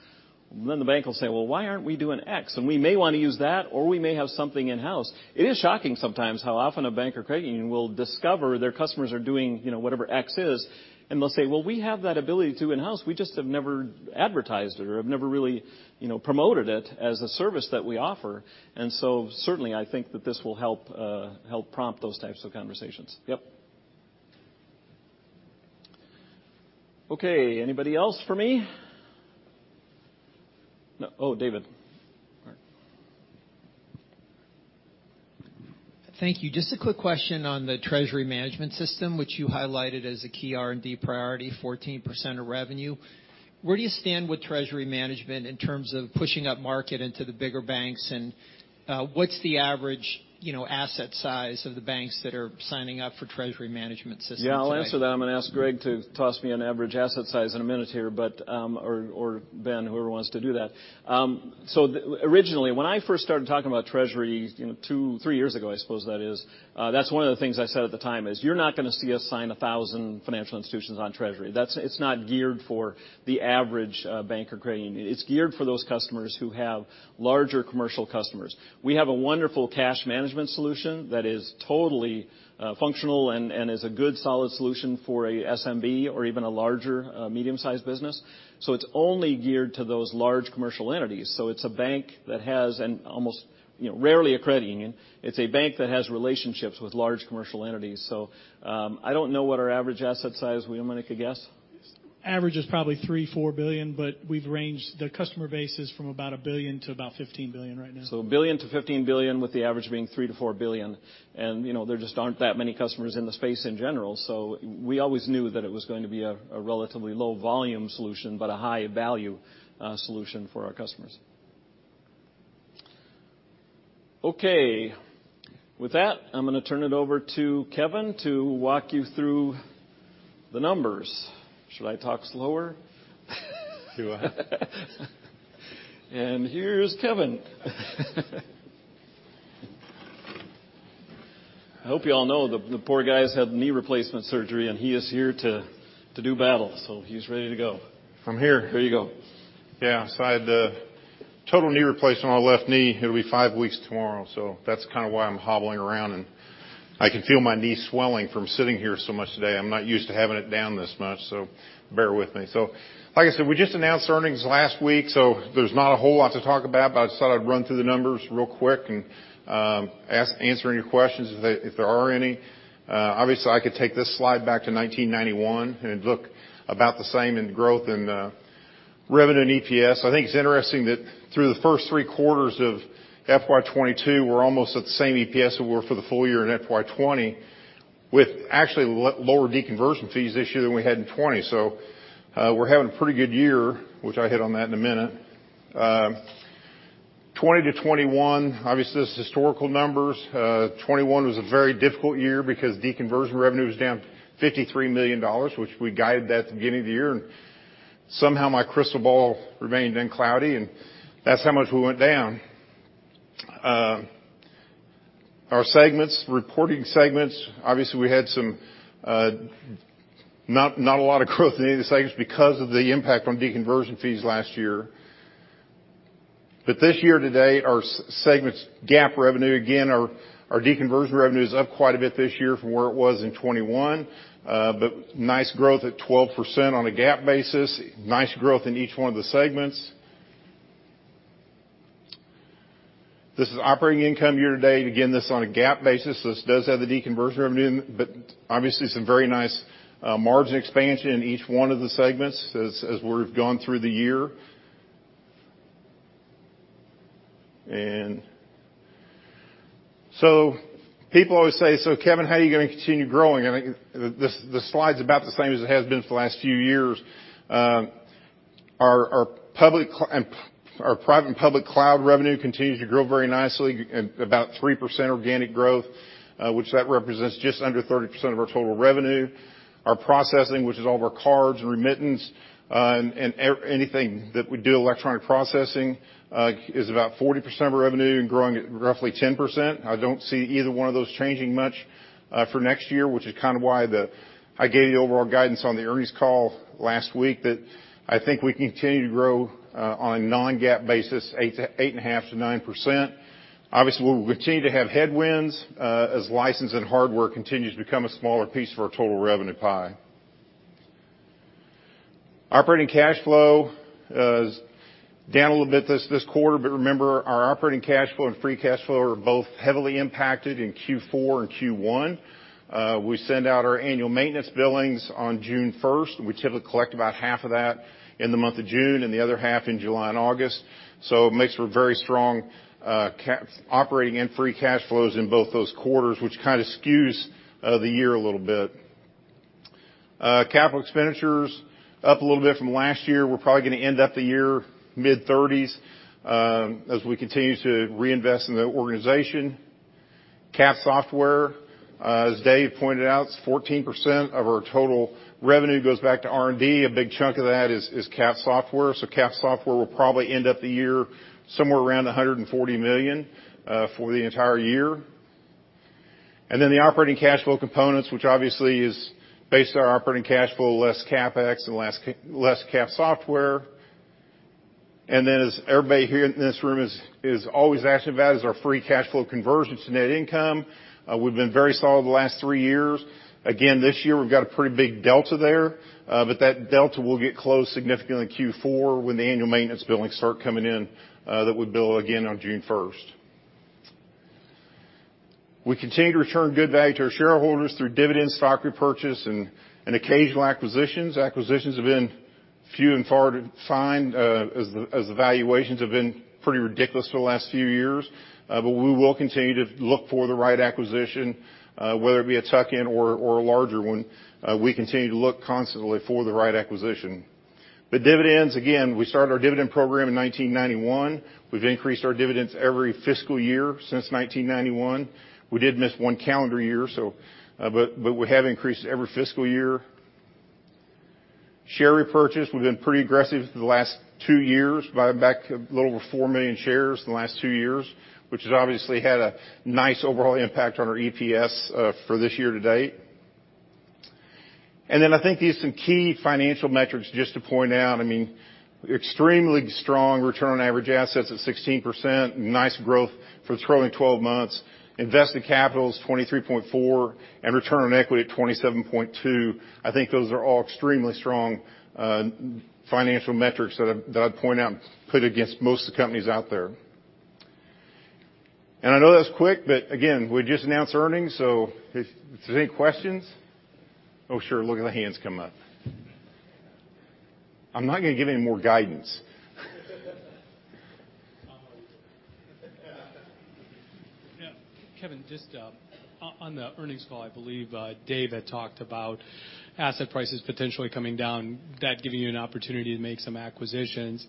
then the bank will say, "Well, why aren't we doing X? And we may wanna use that, or we may have something in-house." It is shocking sometimes how often a bank or credit union will discover their customers are doing, you know, whatever X is, and they'll say, "Well, we have that ability too in-house. We just have never advertised it or have never really, you know, promoted it as a service that we offer." Certainly I think that this will help prompt those types of conversations. Yep. Okay, anybody else for me? No. Oh, David. All right. Thank you. Just a quick question on the treasury management system, which you highlighted as a key R&D priority, 14% of revenue. Where do you stand with treasury management in terms of pushing up market into the bigger banks? And, what's the average, you know, asset size of the banks that are signing up for treasury management systems today? Yeah, I'll answer that. I'm gonna ask Greg to toss me an average asset size in a minute here, but or Ben, whoever wants to do that. Originally, when I first started talking about treasury, two, three years ago, I suppose that's one of the things I said at the time is, "You're not gonna see us sign 1,000 financial institutions on treasury." That's. It's not geared for the average bank or credit union. It's geared for those customers who have larger commercial customers. We have a wonderful cash management solution that is totally functional and is a good solid solution for a SMB or even a larger medium-sized business. It's only geared to those large commercial entities. It's a bank that has an almost rarely a credit union. It's a bank that has relationships with large commercial entities. I don't know what our average asset size. Will, you wanna make a guess? Average is probably $3 billion-$4 billion, but we've ranged the customer bases from about $1 billion to about $15 billion right now. $1 billion-$15 billion, with the average being $3 billion-$4 billion. You know, there just aren't that many customers in the space in general. We always knew that it was going to be a relatively low volume solution, but a high value solution for our customers. Okay. With that, I'm gonna turn it over to Kevin to walk you through the numbers. Should I talk slower? Sure. Here's Kevin. I hope you all know the poor guy's had knee replacement surgery, and he is here to do battle. He's ready to go. I'm here. Here you go. Yeah. I had a total knee replacement on my left knee. It'll be five weeks tomorrow, so that's kinda why I'm hobbling around. I can feel my knee swelling from sitting here so much today. I'm not used to having it down this much, so bear with me. Like I said, we just announced earnings last week, so there's not a whole lot to talk about, but I just thought I'd run through the numbers real quick and answer any questions if there are any. Obviously, I could take this slide back to 1991, and it'd look about the same in growth in revenue and EPS. I think it's interesting that through the first three quarters of FY 2022, we're almost at the same EPS that we were for the full year in FY 2020, with actually lower deconversion fees this year than we had in 2020. We're having a pretty good year, which I hit on that in a minute. 2020 to 2021, obviously, this is historical numbers. 2021 was a very difficult year because deconversion revenue was down $53 million, which we guided that at the beginning of the year. Somehow my crystal ball remained uncloudy, and that's how much we went down. Our reporting segments obviously had not a lot of growth in any of the segments because of the impact from deconversion fees last year. This year to date, our segments GAAP revenue, again, our deconversion revenue is up quite a bit this year from where it was in 2021. Nice growth at 12% on a GAAP basis. Nice growth in each one of the segments. This is operating income year-to-date. Again, this is on a GAAP basis, so this does have the deconversion revenue, but obviously some very nice margin expansion in each one of the segments as we've gone through the year. People always say, "So Kevin, how are you gonna continue growing?" This slide's about the same as it has been for the last few years. Our private and public cloud revenue continues to grow very nicely at about 3% organic growth, which represents just under 30% of our total revenue. Our processing, which is all of our cards and remittance and anything that we do electronic processing, is about 40% of our revenue and growing at roughly 10%. I don't see either one of those changing much for next year, which is kind of why I gave you the overall guidance on the earnings call last week that I think we continue to grow on a non-GAAP basis 8.5%-9%. Obviously, we'll continue to have headwinds as license and hardware continues to become a smaller piece of our total revenue pie. Operating cash flow is down a little bit this quarter, but remember, our operating cash flow and free cash flow are both heavily impacted in Q4 and Q1. We send out our annual maintenance billings on June 1st, and we typically collect about half of that in the month of June and the other half in July and August. It makes for very strong operating and free cash flows in both those quarters, which kind of skews the year a little bit. Capital expenditures up a little bit from last year. We're probably gonna end up the year mid-30s as we continue to reinvest in the organization. Cap software, as Dave pointed out, it's 14% of our total revenue goes back to R&D. A big chunk of that is Cap software. Cap software will probably end up the year somewhere around $140 million for the entire year. The operating cash flow components, which obviously is based on our operating cash flow, less CapEx and less Cap software. As everybody here in this room is always asking about, is our free cash flow conversion to net income. We've been very solid the last three years. Again, this year, we've got a pretty big delta there, but that delta will get closed significantly in Q4 when the annual maintenance billings start coming in, that we bill again on June 1st. We continue to return good value to our shareholders through dividends, stock repurchase, and occasional acquisitions. Acquisitions have been few and far to find, as the valuations have been pretty ridiculous for the last few years. We will continue to look for the right acquisition, whether it be a tuck in or a larger one. We continue to look constantly for the right acquisition. Dividends, again, we started our dividend program in 1991. We've increased our dividends every fiscal year since 1991. We did miss one calendar year, but we have increased every fiscal year. Share repurchase, we've been pretty aggressive for the last two years, buying back a little over 4 million shares in the last two years, which has obviously had a nice overall impact on our EPS for this year to date. I think these are some key financial metrics just to point out. I mean, extremely strong return on average assets at 16%. Nice growth for the trailing 12 months. Invested capital is 23.4, and return on equity at 27.2%. I think those are all extremely strong financial metrics that I'd point out, put up against most of the companies out there. I know that was quick, but again, we just announced earnings, so if there's any questions. Oh, sure. Look at the hands come up. I'm not gonna give any more guidance. Yeah. Kevin, just, on the earnings call, I believe, Dave had talked about asset prices potentially coming down, that giving you an opportunity to make some acquisitions.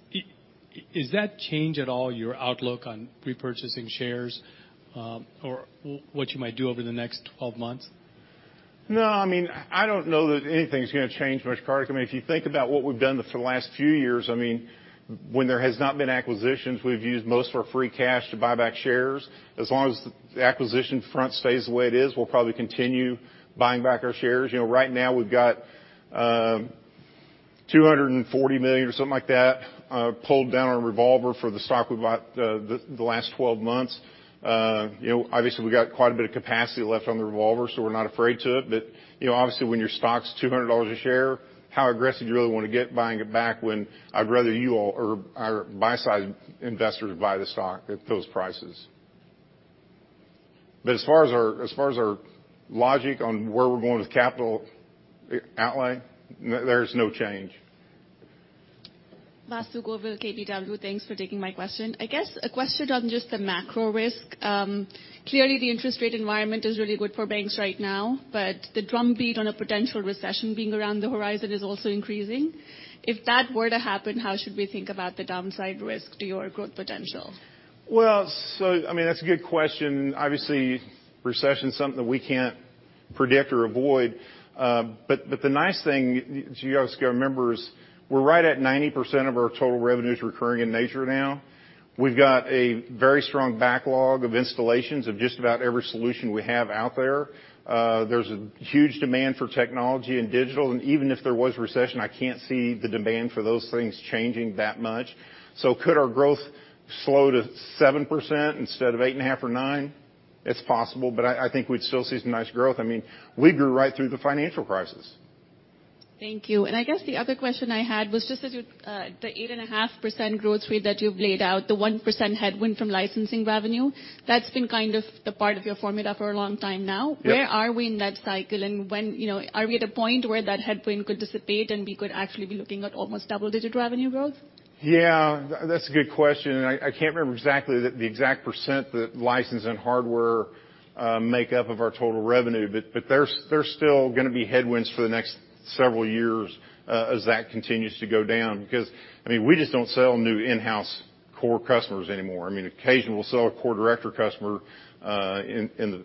Is that changed at all your outlook on repurchasing shares, or what you might do over the next 12 months? No, I mean, I don't know that anything's gonna change much, Kartik. I mean, if you think about what we've done for the last few years, I mean, when there has not been acquisitions, we've used most of our free cash to buy back shares. As long as the acquisition front stays the way it is, we'll probably continue buying back our shares. You know, right now we've got $240 million or something like that pulled down our revolver for the stock we bought the last 12 months. You know, obviously, we got quite a bit of capacity left on the revolver, so we're not afraid to. You know, obviously, when your stock's $200 a share, how aggressive do you really wanna get buying it back when I'd rather you all or our buy-side investors buy the stock at those prices? As far as our logic on where we're going with capital outlay, there's no change. Vasu Govil, KBW, thanks for taking my question. I guess a question on just the macro risk. Clearly, the interest rate environment is really good for banks right now, but the drumbeat on a potential recession being around the horizon is also increasing. If that were to happen, how should we think about the downside risk to your growth potential? Well, I mean, that's a good question. Obviously, recession is something we can't predict or avoid. But the nice thing you also gotta remember is we're right at 90% of our total revenue is recurring in nature now. We've got a very strong backlog of installations of just about every solution we have out there. There's a huge demand for technology and digital, and even if there was a recession, I can't see the demand for those things changing that much. Could our growth slow to 7% instead of 8.5% or 9%? It's possible, but I think we'd still see some nice growth. I mean, we grew right through the financial crisis. Thank you. I guess the other question I had was just that the 8.5% growth rate that you've laid out, the 1% headwind from licensing revenue, that's been kind of the part of your formula for a long time now. Yep. Where are we in that cycle, and when, you know, are we at a point where that headwind could dissipate and we could actually be looking at almost double-digit revenue growth? Yeah. That's a good question, and I can't remember exactly the exact percent that license and hardware make up of our total revenue, but there's still gonna be headwinds for the next several years as that continues to go down because, I mean, we just don't sell new in-house core customers anymore. I mean, occasionally, we'll sell a core de novo customer in the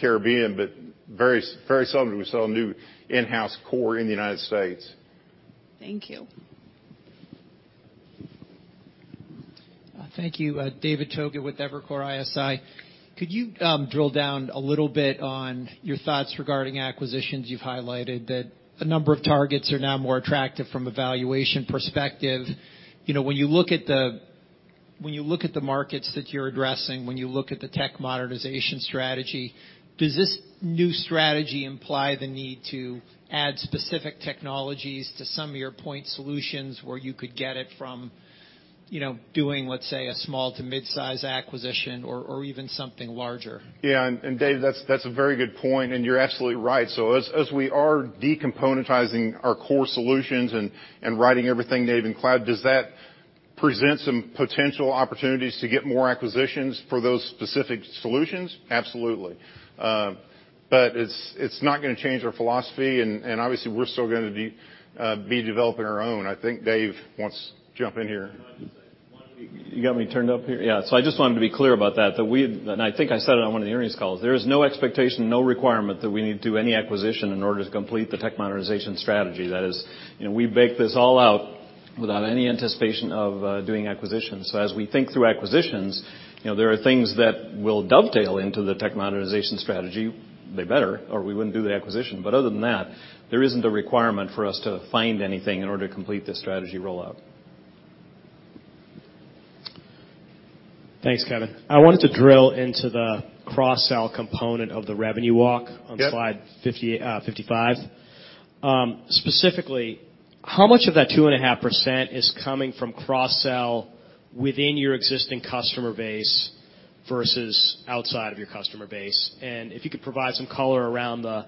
Caribbean, but very seldom do we sell a new in-house core in the United States. Thank you. Thank you. David Togut with Evercore ISI. Could you drill down a little bit on your thoughts regarding acquisitions? You've highlighted that a number of targets are now more attractive from a valuation perspective. You know, when you look at the markets that you're addressing, when you look at the tech modernization strategy, does this new strategy imply the need to add specific technologies to some of your point solutions where you could get it from, you know, doing, let's say, a small to midsize acquisition or even something larger? Yeah, and Dave, that's a very good point, and you're absolutely right. As we are decomponentizing our core solutions and writing everything native in cloud, does that present some potential opportunities to get more acquisitions for those specific solutions? Absolutely. It's not gonna change our philosophy and obviously we're still gonna be developing our own. I think Dave wants to jump in here. You got me turned up here? Yeah. I just wanted to be clear about that, and I think I said it on one of the earnings calls. There is no expectation, no requirement that we need to do any acquisition in order to complete the tech modernization strategy. That is, you know, we baked this all out without any anticipation of doing acquisitions. As we think through acquisitions, you know, there are things that will dovetail into the tech modernization strategy. They better or we wouldn't do the acquisition. Other than that, there isn't a requirement for us to find anything in order to complete this strategy rollout. Thanks, Kevin. I wanted to drill into the cross-sell component of the revenue walk. Yep. On slide 55. Specifically, how much of that 2.5% is coming from cross-sell within your existing customer base versus outside of your customer base? If you could provide some color around the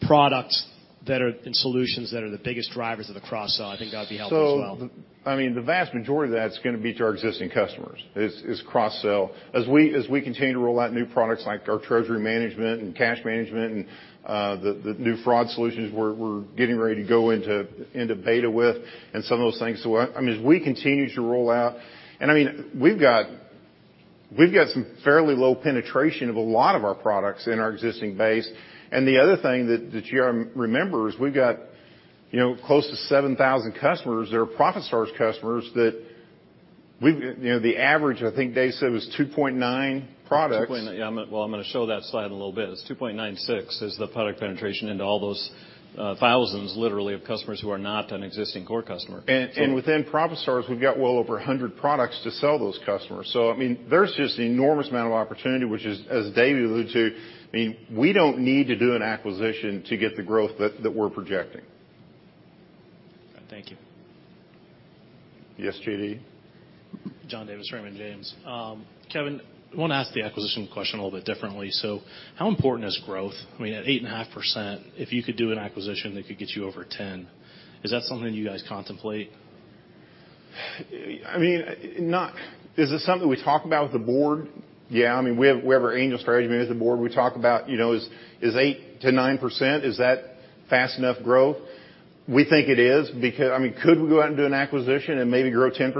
products and solutions that are the biggest drivers of the cross-sell, I think that'd be helpful as well. I mean, the vast majority of that's gonna be to our existing customers is cross-sell. As we continue to roll out new products like our treasury management and cash management and the new fraud solutions we're getting ready to go into beta with and some of those things. I mean, we've got some fairly low penetration of a lot of our products in our existing base. The other thing that you remember is we've got you know close to 7,000 customers that are ProfitStars customers. You know, the average, I think Dave said was 2.9 products. Well, I'm gonna show that slide in a little bit. It's 2.96% is the product penetration into all those thousands literally of customers who are not an existing core customer. Within ProfitStars, we've got well over 100 products to sell those customers. I mean, there's just enormous amount of opportunity, which is, as Dave alluded to, I mean, we don't need to do an acquisition to get the growth that we're projecting. Thank you. Yes, JD. John Davis, Raymond James. Kevin, I want to ask the acquisition question a little bit differently. How important is growth? I mean, at 8.5%, if you could do an acquisition that could get you over 10%, is that something you guys contemplate? Is it something we talk about with the board? Yeah. I mean, we have our annual strategy. I mean, as a board, we talk about, you know, is 8%-9% fast enough growth? We think it is because, I mean, could we go out and do an acquisition and maybe grow 10%?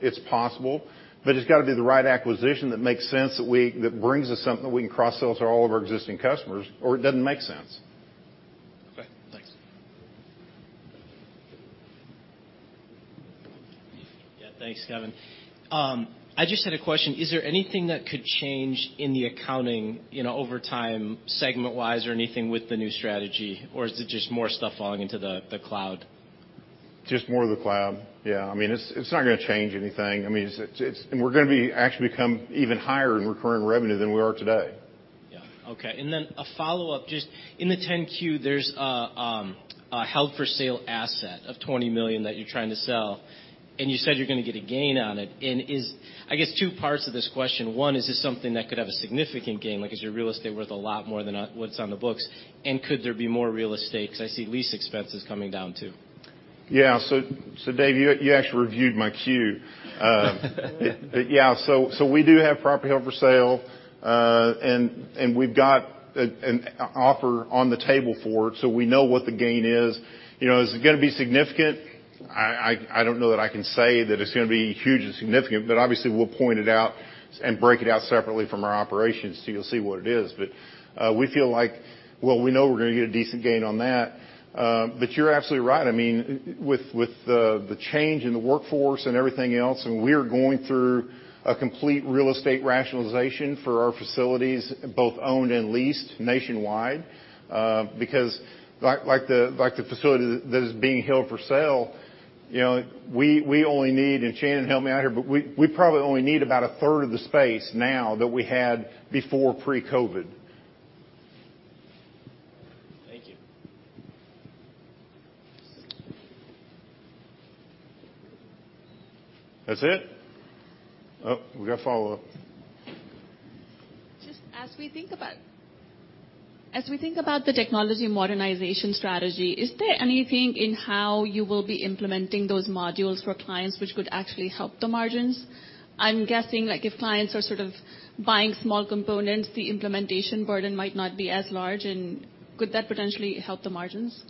It's possible, but it's gotta be the right acquisition that makes sense, that brings us something that we can cross-sell to all of our existing customers, or it doesn't make sense. Okay. Thanks. Yeah. Thanks, Kevin. I just had a question. Is there anything that could change in the accounting, you know, over time, segment-wise or anything with the new strategy? Or is it just more stuff falling into the cloud? Just more of the cloud. Yeah. I mean, it's not gonna change anything. I mean, it's. We're gonna actually become even higher in recurring revenue than we are today. Yeah. Okay. A follow-up, just in the 10-Q, there's a held for sale asset of $20 million that you're trying to sell, and you said you're gonna get a gain on it. I guess two parts to this question. One, is this something that could have a significant gain? Like, is your real estate worth a lot more than what's on the books? Could there be more real estate? 'Cause I see lease expenses coming down too. Yeah. Dave, you actually reviewed my Q. But yeah, we do have property held for sale, and we've got an offer on the table for it, so we know what the gain is. You know, is it gonna be significant? I don't know that I can say that it's gonna be huge and significant, but obviously we'll point it out and break it out separately from our operations so you'll see what it is. We feel like, well, we know we're gonna get a decent gain on that. But you're absolutely right. I mean, with the change in the workforce and everything else, and we're going through a complete real estate rationalization for our facilities, both owned and leased nationwide. Because like the facility that is being held for sale. You know, we only need, and Shannon help me out here, but we probably only need about a third of the space now than we had before pre-COVID. Thank you. That's it? Oh, we got follow-up. Just as we think about the technology modernization strategy, is there anything in how you will be implementing those modules for clients which could actually help the margins? I'm guessing, like, if clients are sort of buying small components, the implementation burden might not be as large, and could that potentially help the margins?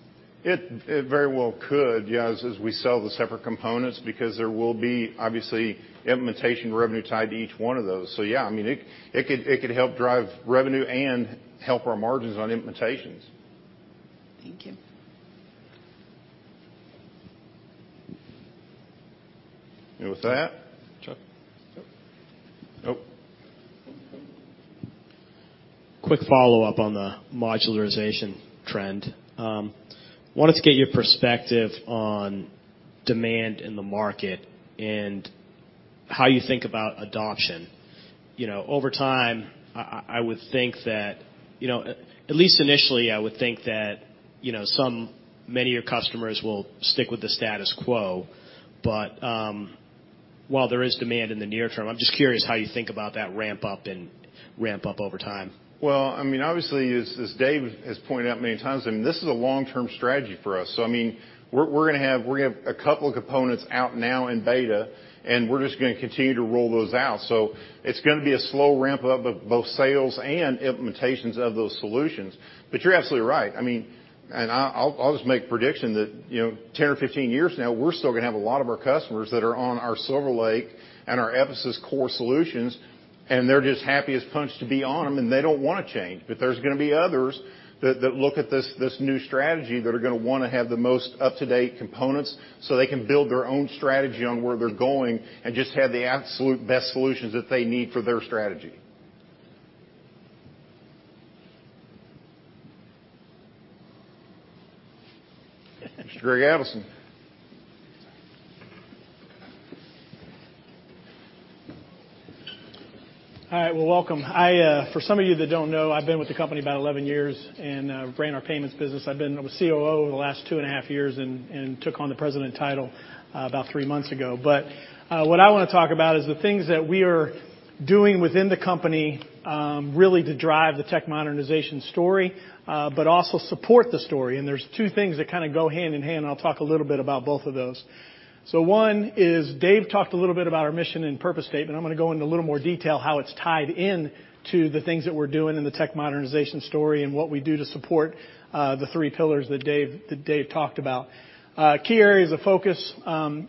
It very well could, yes, as we sell the separate components, because there will be, obviously, implementation revenue tied to each one of those. Yeah, I mean, it could help drive revenue and help our margins on implementations. Thank you. With that, Chuck. Yep. Nope. Quick follow-up on the modularization trend. Wanted to get your perspective on demand in the market and how you think about adoption. You know, over time, I would think that, you know, at least initially, some many of your customers will stick with the status quo. While there is demand in the near term, I'm just curious how you think about that ramp up over time. Well, I mean, obviously, as Dave has pointed out many times, I mean, this is a long-term strategy for us. I mean, we're gonna have a couple of components out now in beta, and we're just gonna continue to roll those out. It's gonna be a slow ramp up of both sales and implementations of those solutions. You're absolutely right. I mean, I'll just make prediction that, you know, 10 or 15 years from now, we're still gonna have a lot of our customers that are on our SilverLake and our Episys core solutions, and they're just happy as punch to be on them, and they don't wanna change. there's gonna be others that look at this new strategy that are gonna wanna have the most up-to-date components, so they can build their own strategy on where they're going and just have the absolute best solutions that they need for their strategy. Mr. Greg Adelson. All right, well, welcome. For some of you that don't know, I've been with the company about 11 years and ran our payments business. I've been the COO over the last 2.5 years and took on the president title about three months ago. What I wanna talk about is the things that we are doing within the company, really to drive the tech modernization story, but also support the story. There's two things that kinda go hand in hand, and I'll talk a little bit about both of those. One is Dave talked a little bit about our mission and purpose statement. I'm gonna go into a little more detail how it's tied into the things that we're doing in the tech modernization story and what we do to support the three pillars that Dave talked about. Key areas of focus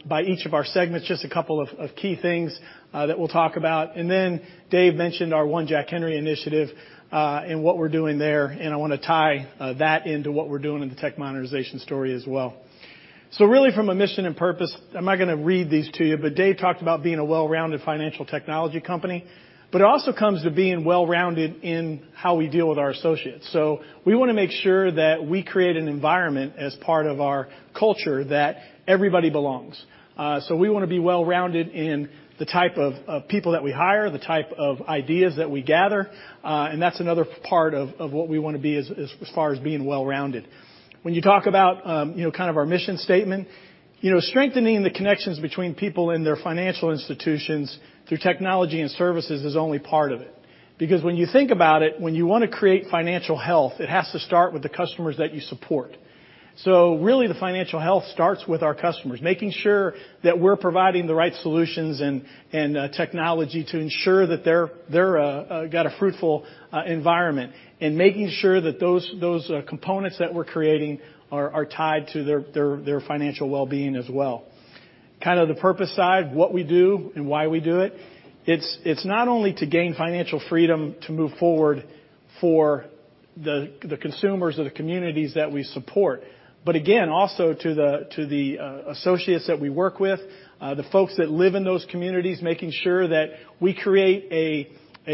by each of our segments, just a couple of key things that we'll talk about. Dave mentioned our One Jack Henry initiative and what we're doing there, and I wanna tie that into what we're doing in the tech modernization story as well. Really from a mission and purpose, I'm not gonna read these to you, but Dave talked about being a well-rounded financial technology company, but it also comes to being well-rounded in how we deal with our associates. We wanna make sure that we create an environment as part of our culture that everybody belongs. We wanna be well-rounded in the type of people that we hire, the type of ideas that we gather, and that's another part of what we wanna be as far as being well-rounded. When you talk about, you know, kind of our mission statement, you know, strengthening the connections between people and their financial institutions through technology and services is only part of it. Because when you think about it, when you wanna create financial health, it has to start with the customers that you support. Really, the financial health starts with our customers, making sure that we're providing the right solutions and technology to ensure that they're got a fruitful environment. Making sure that those components that we're creating are tied to their financial well-being as well. Kinda the purpose side, what we do and why we do it. It's not only to gain financial freedom to move forward for the consumers or the communities that we support, but again, also to the associates that we work with, the folks that live in those communities, making sure that we create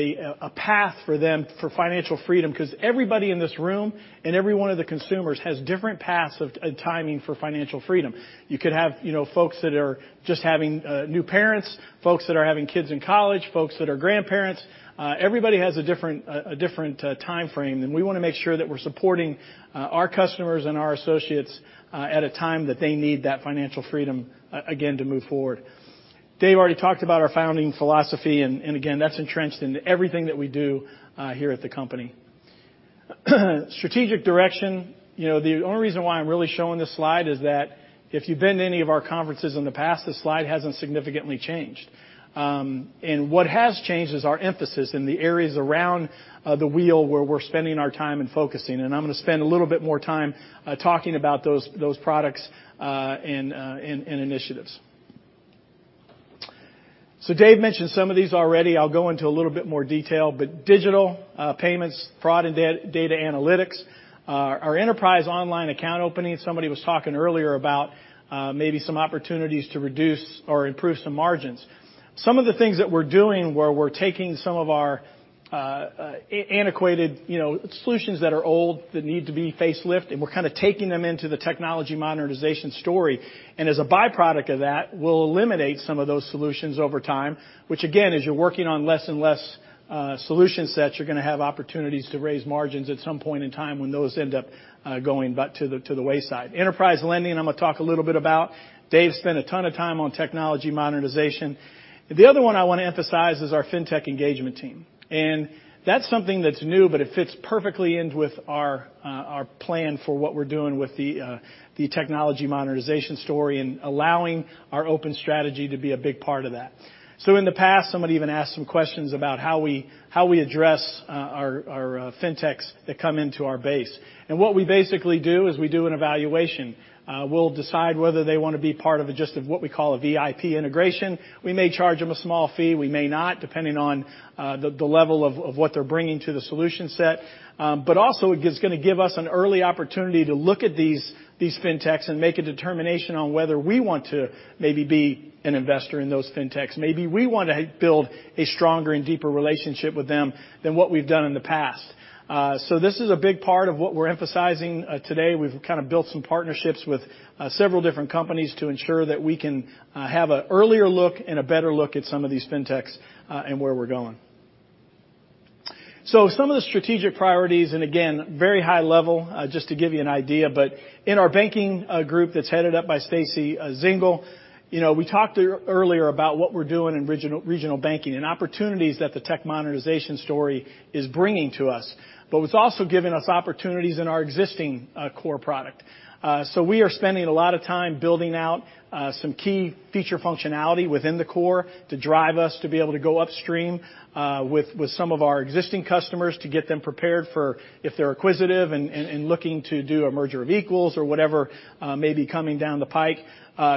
a path for them for financial freedom. 'Cause everybody in this room and every one of the consumers has different paths of timing for financial freedom. You could have, you know, folks that are just having new parents, folks that are having kids in college, folks that are grandparents. Everybody has a different time frame, and we wanna make sure that we're supporting our customers and our associates at a time that they need that financial freedom, again, to move forward. Dave already talked about our founding philosophy and again, that's entrenched into everything that we do here at the company. Strategic direction. You know, the only reason why I'm really showing this slide is that if you've been to any of our conferences in the past, this slide hasn't significantly changed. What has changed is our emphasis in the areas around the wheel where we're spending our time and focusing. I'm gonna spend a little bit more time talking about those products and initiatives. Dave mentioned some of these already. I'll go into a little bit more detail, but digital, payments, fraud and data analytics. Our enterprise online account opening. Somebody was talking earlier about maybe some opportunities to reduce or improve some margins. Some of the things that we're doing where we're taking some of our antiquated, you know, solutions that are old, that need to be facelifted, and we're kinda taking them into the technology modernization story. As a byproduct of that, we'll eliminate some of those solutions over time, which again, as you're working on less and less solution sets, you're gonna have opportunities to raise margins at some point in time when those end up going back to the wayside. Enterprise lending, I'm gonna talk a little bit about. Dave spent a ton of time on technology monetization. The other one I wanna emphasize is our fintech engagement team. That's something that's new, but it fits perfectly in with our plan for what we're doing with the technology monetization story and allowing our open strategy to be a big part of that. In the past, somebody even asked some questions about how we address our fintechs that come into our base. What we basically do is we do an evaluation. We'll decide whether they wanna be part of just what we call a VIP integration. We may charge them a small fee, we may not, depending on the level of what they're bringing to the solution set. But also it's gonna give us an early opportunity to look at these fintechs and make a determination on whether we want to maybe be an investor in those fintechs. Maybe we wanna build a stronger and deeper relationship with them than what we've done in the past. This is a big part of what we're emphasizing today. We've kind of built some partnerships with several different companies to ensure that we can have an earlier look and a better look at some of these fintechs and where we're going. Some of the strategic priorities, and again, very high level, just to give you an idea, but in our banking group that's headed up by Stacey Zengel, you know, we talked earlier about what we're doing in regional banking and opportunities that the technology modernization story is bringing to us. It's also giving us opportunities in our existing core product. We are spending a lot of time building out some key feature functionality within the core to drive us to be able to go upstream with some of our existing customers to get them prepared for if they're acquisitive and looking to do a merger of equals or whatever may be coming down the pike.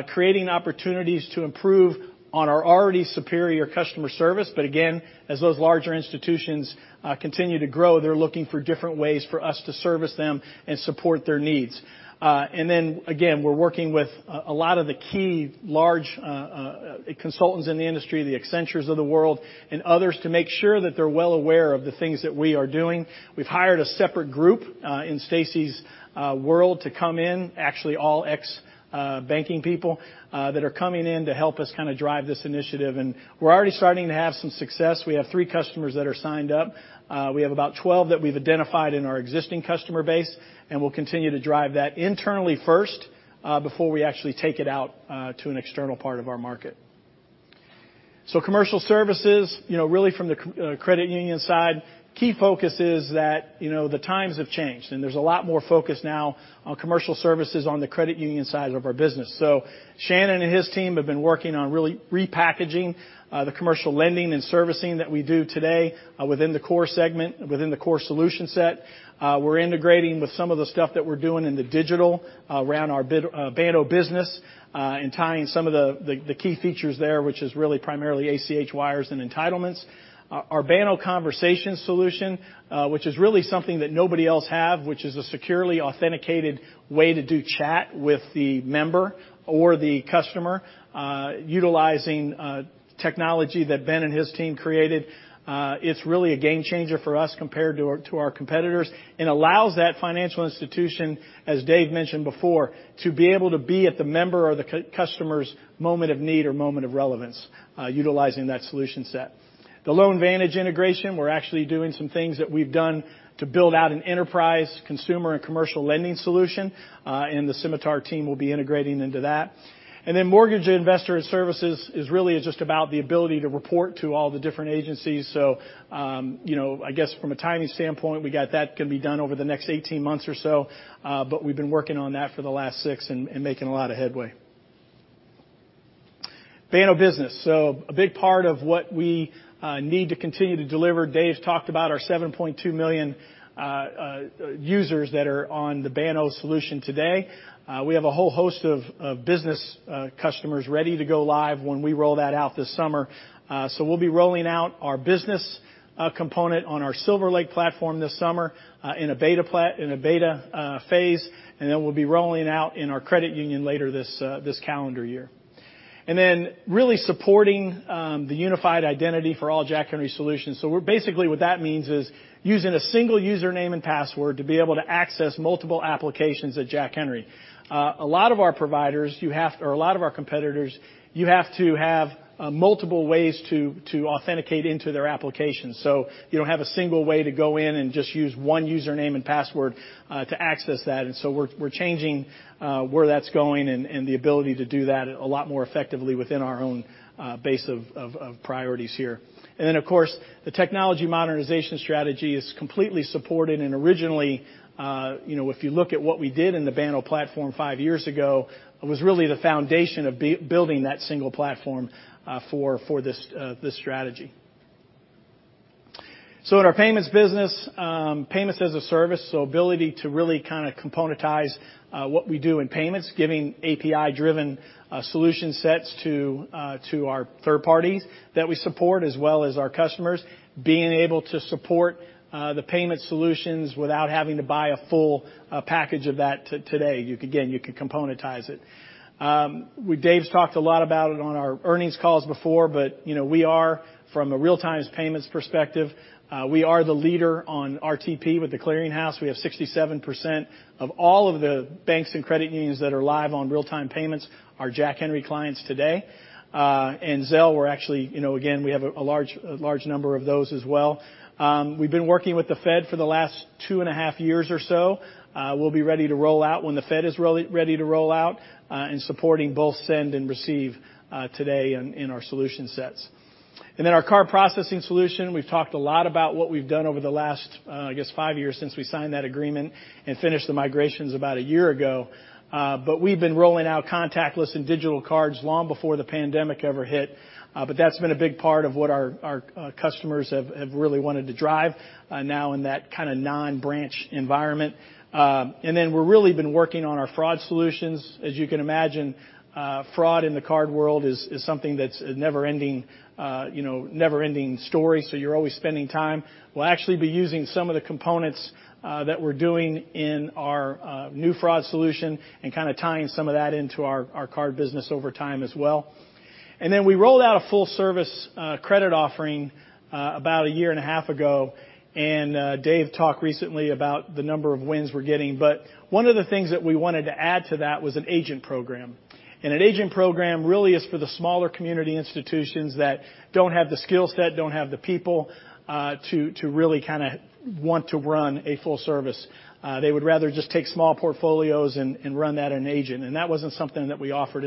Creating opportunities to improve on our already superior customer service. Again, as those larger institutions continue to grow, they're looking for different ways for us to service them and support their needs. We're working with a lot of the key large consultants in the industry, the Accenture of the world and others, to make sure that they're well aware of the things that we are doing. We've hired a separate group in Stacey's world to come in, actually all ex-banking people that are coming in to help us kinda drive this initiative, and we're already starting to have some success. We have three customers that are signed up. We have about 12 that we've identified in our existing customer base, and we'll continue to drive that internally first before we actually take it out to an external part of our market. Commercial services, you know, really from the credit union side, key focus is that, you know, the times have changed, and there's a lot more focus now on commercial services on the credit union side of our business. Shannon and his team have been working on really repackaging, the commercial lending and servicing that we do today, within the core segment, within the core solution set. We're integrating with some of the stuff that we're doing in the digital around our Banno business, and tying some of the key features there, which is really primarily ACH wires and entitlements. Our Banno Conversations solution, which is really something that nobody else have, which is a securely authenticated way to do chat with the member or the customer, utilizing technology that Ben and his team created. It's really a game changer for us compared to our competitors and allows that financial institution, as Dave mentioned before, to be able to be at the member or the customer's moment of need or moment of relevance, utilizing that solution set. The LoanVantage integration, we're actually doing some things that we've done to build out an enterprise consumer and commercial lending solution, and the Symitar team will be integrating into that. Then mortgage investor services is really just about the ability to report to all the different agencies. You know, I guess from a timing standpoint, we got that can be done over the next 18 months or so, but we've been working on that for the last six and making a lot of headway. Banno Business. A big part of what we need to continue to deliver. Dave talked about our 7.2 million users that are on the Banno solution today. We have a whole host of business customers ready to go live when we roll that out this summer. We'll be rolling out our business component on our SilverLake platform this summer, in a beta phase, and then we'll be rolling out in our credit union later this calendar year. Really supporting the unified identity for all Jack Henry solutions. Basically what that means is using a single username and password to be able to access multiple applications at Jack Henry. A lot of our competitors, you have to have multiple ways to authenticate into their applications. You don't have a single way to go in and just use one username and password to access that. We're changing where that's going and the ability to do that a lot more effectively within our own base of priorities here. Of course, the technology modernization strategy is completely supported. Originally, you know, if you look at what we did in the Banno platform five years ago, it was really the foundation of building that single platform for this strategy. In our payments business, payments as a service, ability to really kinda componentize what we do in payments, giving API-driven solution sets to our third parties that we support, as well as our customers. Being able to support the payment solutions without having to buy a full package of that today. You can—again, you can componentize it. Dave's talked a lot about it on our earnings calls before, but you know, we are from a real-time payments perspective. We are the leader on RTP with The Clearing House. We have 67% of all of the banks and credit unions that are live on real-time payments are Jack Henry clients today. And Zelle, we're actually, you know, again, we have a large number of those as well. We've been working with the Fed for the last 2.5 years or so. We'll be ready to roll out when the Fed is ready to roll out and supporting both send and receive today in our solution sets. Our card processing solution, we've talked a lot about what we've done over the last, I guess, five years since we signed that agreement and finished the migrations about one year ago. We've been rolling out contactless and digital cards long before the pandemic ever hit. That's been a big part of what our customers have really wanted to drive now in that kinda non-branch environment. We're really been working on our fraud solutions. As you can imagine, fraud in the card world is something that's a never-ending story, so you're always spending time. We'll actually be using some of the components that we're doing in our new fraud solution and kinda tying some of that into our card business over time as well. Then we rolled out a full service credit offering about a year and a half ago. Dave talked recently about the number of wins we're getting. One of the things that we wanted to add to that was an agent program. An agent program really is for the smaller community institutions that don't have the skill set, don't have the people to really kinda want to run a full service. They would rather just take small portfolios and run that in agent. That wasn't something that we offered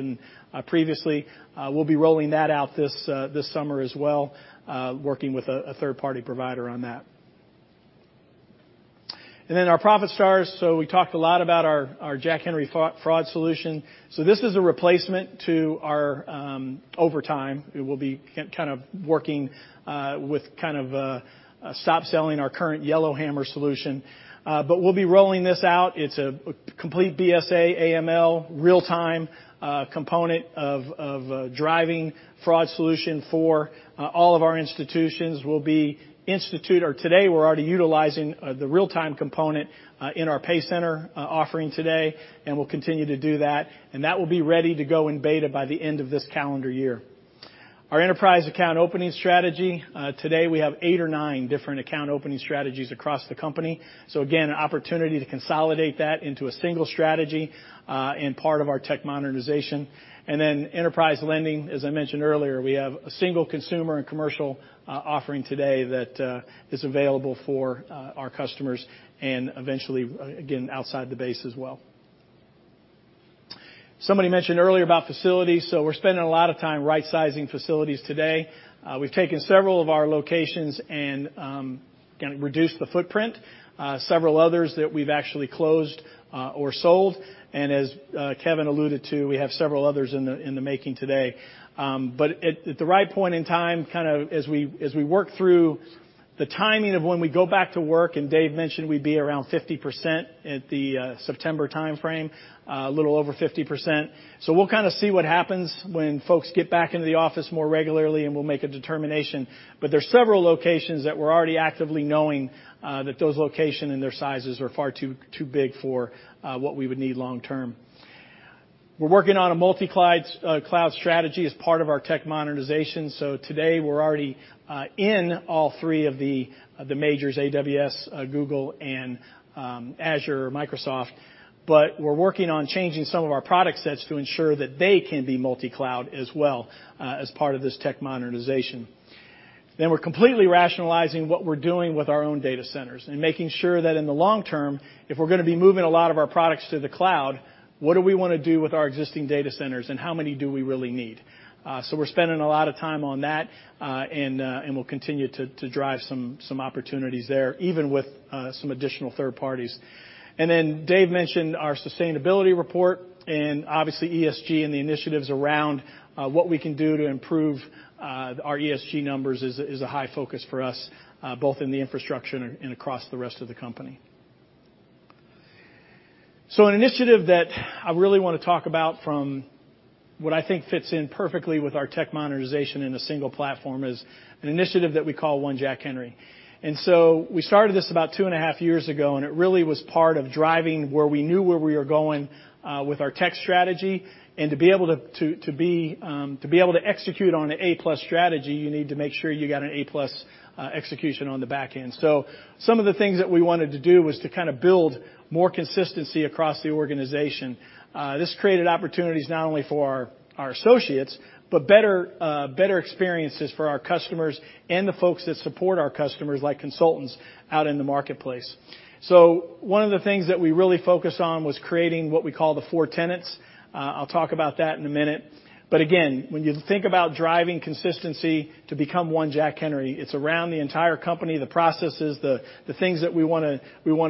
previously. We'll be rolling that out this summer as well, working with a third-party provider on that. Our ProfitStars. We talked a lot about our Jack Henry fraud solution. This is a replacement to our. Over time, it will be kind of working to stop selling our current YellowHammer solution. We'll be rolling this out. It's a complete BSA/AML real-time component of driving fraud solution for all of our institutions. Today, we're already utilizing the real-time component in our PayCenter offering today, and we'll continue to do that. That will be ready to go in beta by the end of this calendar year. Our enterprise account opening strategy. Today, we have eight or nine different account opening strategies across the company. Again, an opportunity to consolidate that into a single strategy, and part of our technology modernization. Enterprise lending, as I mentioned earlier, we have a single consumer and commercial offering today that is available for our customers and eventually, again, outside the base as well. Somebody mentioned earlier about facilities, so we're spending a lot of time right-sizing facilities today. We've taken several of our locations and kinda reduced the footprint. Several others that we've actually closed or sold. As Kevin alluded to, we have several others in the making today. At the right point in time, kind of as we work through the timing of when we go back to work, and Dave mentioned we'd be around 50% at the September timeframe, a little over 50%. We'll kind of see what happens when folks get back into the office more regularly, and we'll make a determination. There's several locations that we're already actively noting that those locations and their sizes are far too big for what we would need long term. We're working on a multi-cloud cloud strategy as part of our technology modernization. Today, we're already in all three of the majors, AWS, Google, and Azure or Microsoft. We're working on changing some of our product sets to ensure that they can be multi-cloud as well, as part of this technology modernization. We're completely rationalizing what we're doing with our own data centers and making sure that in the long term, if we're gonna be moving a lot of our products to the cloud, what do we wanna do with our existing data centers, and how many do we really need? We're spending a lot of time on that, and we'll continue to drive some opportunities there, even with some additional third parties. Dave mentioned our sustainability report and obviously ESG and the initiatives around what we can do to improve our ESG numbers is a high focus for us both in the infrastructure and across the rest of the company. An initiative that I really wanna talk about from what I think fits in perfectly with our technology modernization in a single platform is an initiative that we call One Jack Henry. We started this about 2.5 years ago, and it really was part of driving where we knew we were going with our tech strategy. To be able to execute on an A+ strategy, you need to make sure you got an A+ execution on the back end. Some of the things that we wanted to do was to kinda build more consistency across the organization. This created opportunities not only for our associates, but better experiences for our customers and the folks that support our customers, like consultants out in the marketplace. One of the things that we really focused on was creating what we call the four tenets. I'll talk about that in a minute. Again, when you think about driving consistency to become One Jack Henry, it's around the entire company, the processes, the things that we wanna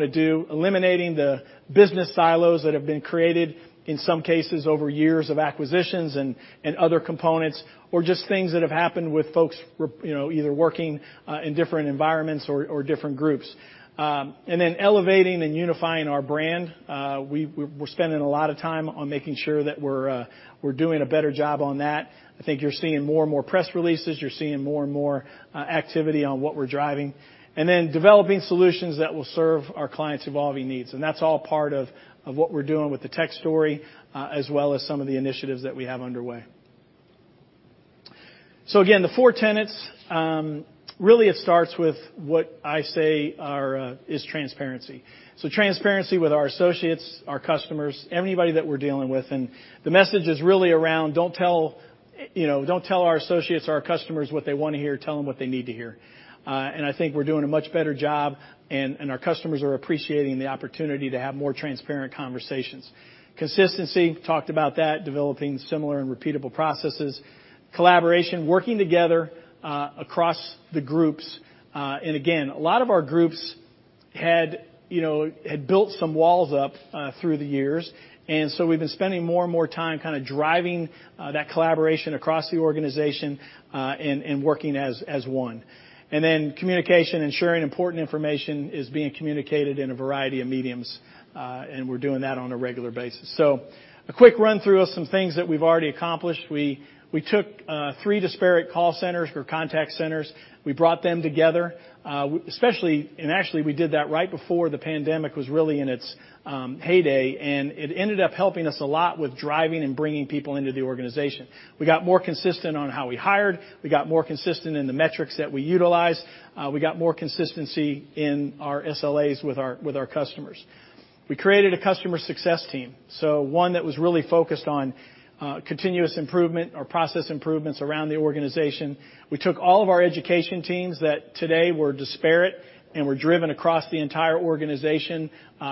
do, eliminating the business silos that have been created, in some cases, over years of acquisitions and other components, or just things that have happened with folks, you know, either working in different environments or different groups. Elevating and unifying our brand. We're spending a lot of time on making sure that we're doing a better job on that. I think you're seeing more and more press releases. You're seeing more and more activity on what we're driving. Developing solutions that will serve our clients' evolving needs. That's all part of what we're doing with the tech story, as well as some of the initiatives that we have underway. Again, the four tenets, really it starts with what I say is transparency. Transparency with our associates, our customers, anybody that we're dealing with, and the message is really around don't tell, you know, don't tell our associates, our customers what they wanna hear, tell them what they need to hear. I think we're doing a much better job and our customers are appreciating the opportunity to have more transparent conversations. Consistency, talked about that, developing similar and repeatable processes. Collaboration, working together across the groups. Again, a lot of our groups had you know had built some walls up through the years. We've been spending more and more time kinda driving that collaboration across the organization and working as one. Then communication, ensuring important information is being communicated in a variety of mediums and we're doing that on a regular basis. A quick run through of some things that we've already accomplished. We took three disparate call centers or contact centers. We brought them together, and actually, we did that right before the pandemic was really in its heyday, and it ended up helping us a lot with driving and bringing people into the organization. We got more consistent on how we hired. We got more consistent in the metrics that we utilize. We got more consistency in our SLAs with our customers. We created a customer success team, so one that was really focused on continuous improvement or process improvements around the organization. We took all of our education teams that today were disparate and were driven across the entire organization,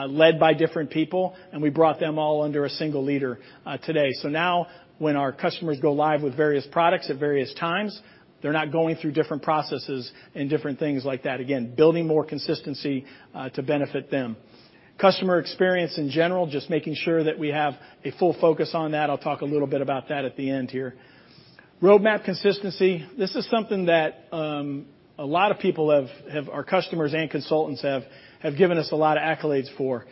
led by different people, and we brought them all under a single leader, today. Now when our customers go live with various products at various times, they're not going through different processes and different things like that. Again, building more consistency to benefit them. Customer experience in general, just making sure that we have a full focus on that. I'll talk a little bit about that at the end here. Roadmap consistency. This is something that a lot of people, our customers and consultants, have given us a lot of accolades for.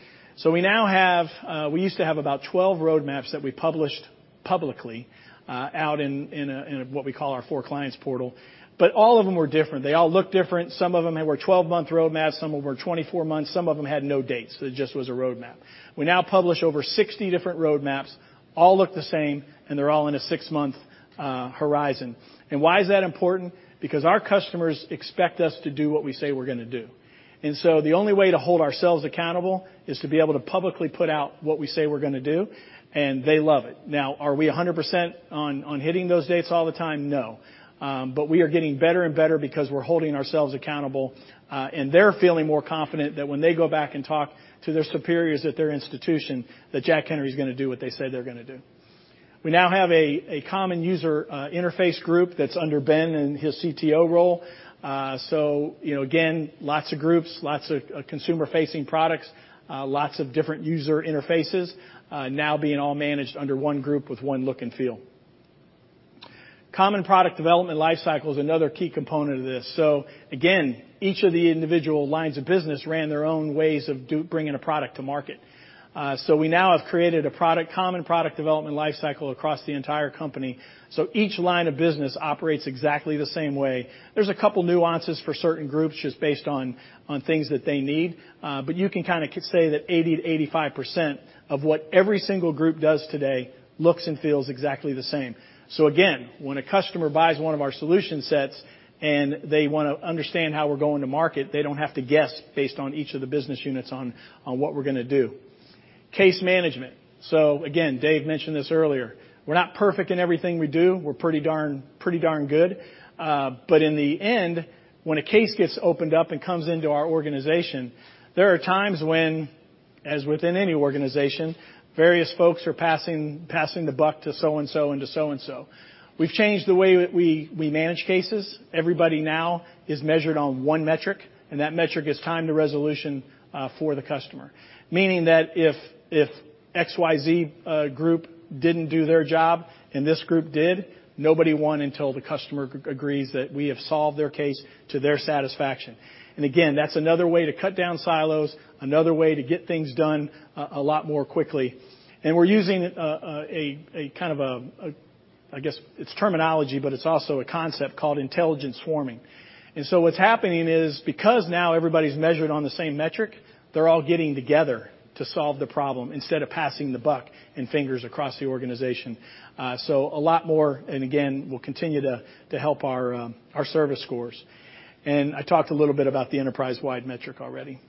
We now have, we used to have about 12 roadmaps that we published publicly, out in what we call our For Clients portal. But all of them were different. They all look different. Some of them were 12-month roadmaps, some of them were 24 months, some of them had no dates. It just was a roadmap. We now publish over 60 different roadmaps, all look the same, and they're all in a six-month horizon. Why is that important? Because our customers expect us to do what we say we're gonna do. The only way to hold ourselves accountable is to be able to publicly put out what we say we're gonna do, and they love it. Now, are we 100% on hitting those dates all the time? No. We are getting better and better because we're holding ourselves accountable, and they're feeling more confident that when they go back and talk to their superiors at their institution, that Jack Henry is gonna do what they say they're gonna do. We now have a common user interface group that's under Ben and his CTO role. You know, again, lots of groups, lots of consumer-facing products, lots of different user interfaces, now being all managed under one group with one look and feel. Common product development lifecycle is another key component of this. Again, each of the individual lines of business ran their own ways of bringing a product to market. We now have created a product, common product development lifecycle across the entire company, so each line of business operates exactly the same way. There's a couple nuances for certain groups just based on things that they need, but you can kinda say that 80%-85% of what every single group does today looks and feels exactly the same. Again, when a customer buys one of our solution sets and they wanna understand how we're going to market, they don't have to guess based on each of the business units on what we're gonna do. Case management. Again, Dave mentioned this earlier. We're not perfect in everything we do. We're pretty darn good. In the end, when a case gets opened up and comes into our organization, there are times when, as within any organization, various folks are passing the buck to so and so and to so and so. We've changed the way we manage cases. Everybody now is measured on one metric, and that metric is time to resolution for the customer. Meaning that if XYZ group didn't do their job and this group did, nobody won until the customer agrees that we have solved their case to their satisfaction. Again, that's another way to cut down silos, another way to get things done a lot more quickly. We're using a kind of. I guess it's terminology, but it's also a concept called intelligence forming. What's happening is because now everybody's measured on the same metric, they're all getting together to solve the problem instead of passing the buck and pointing fingers across the organization. A lot more, and again, we'll continue to help our service scores. I talked a little bit about the enterprise-wide metric already.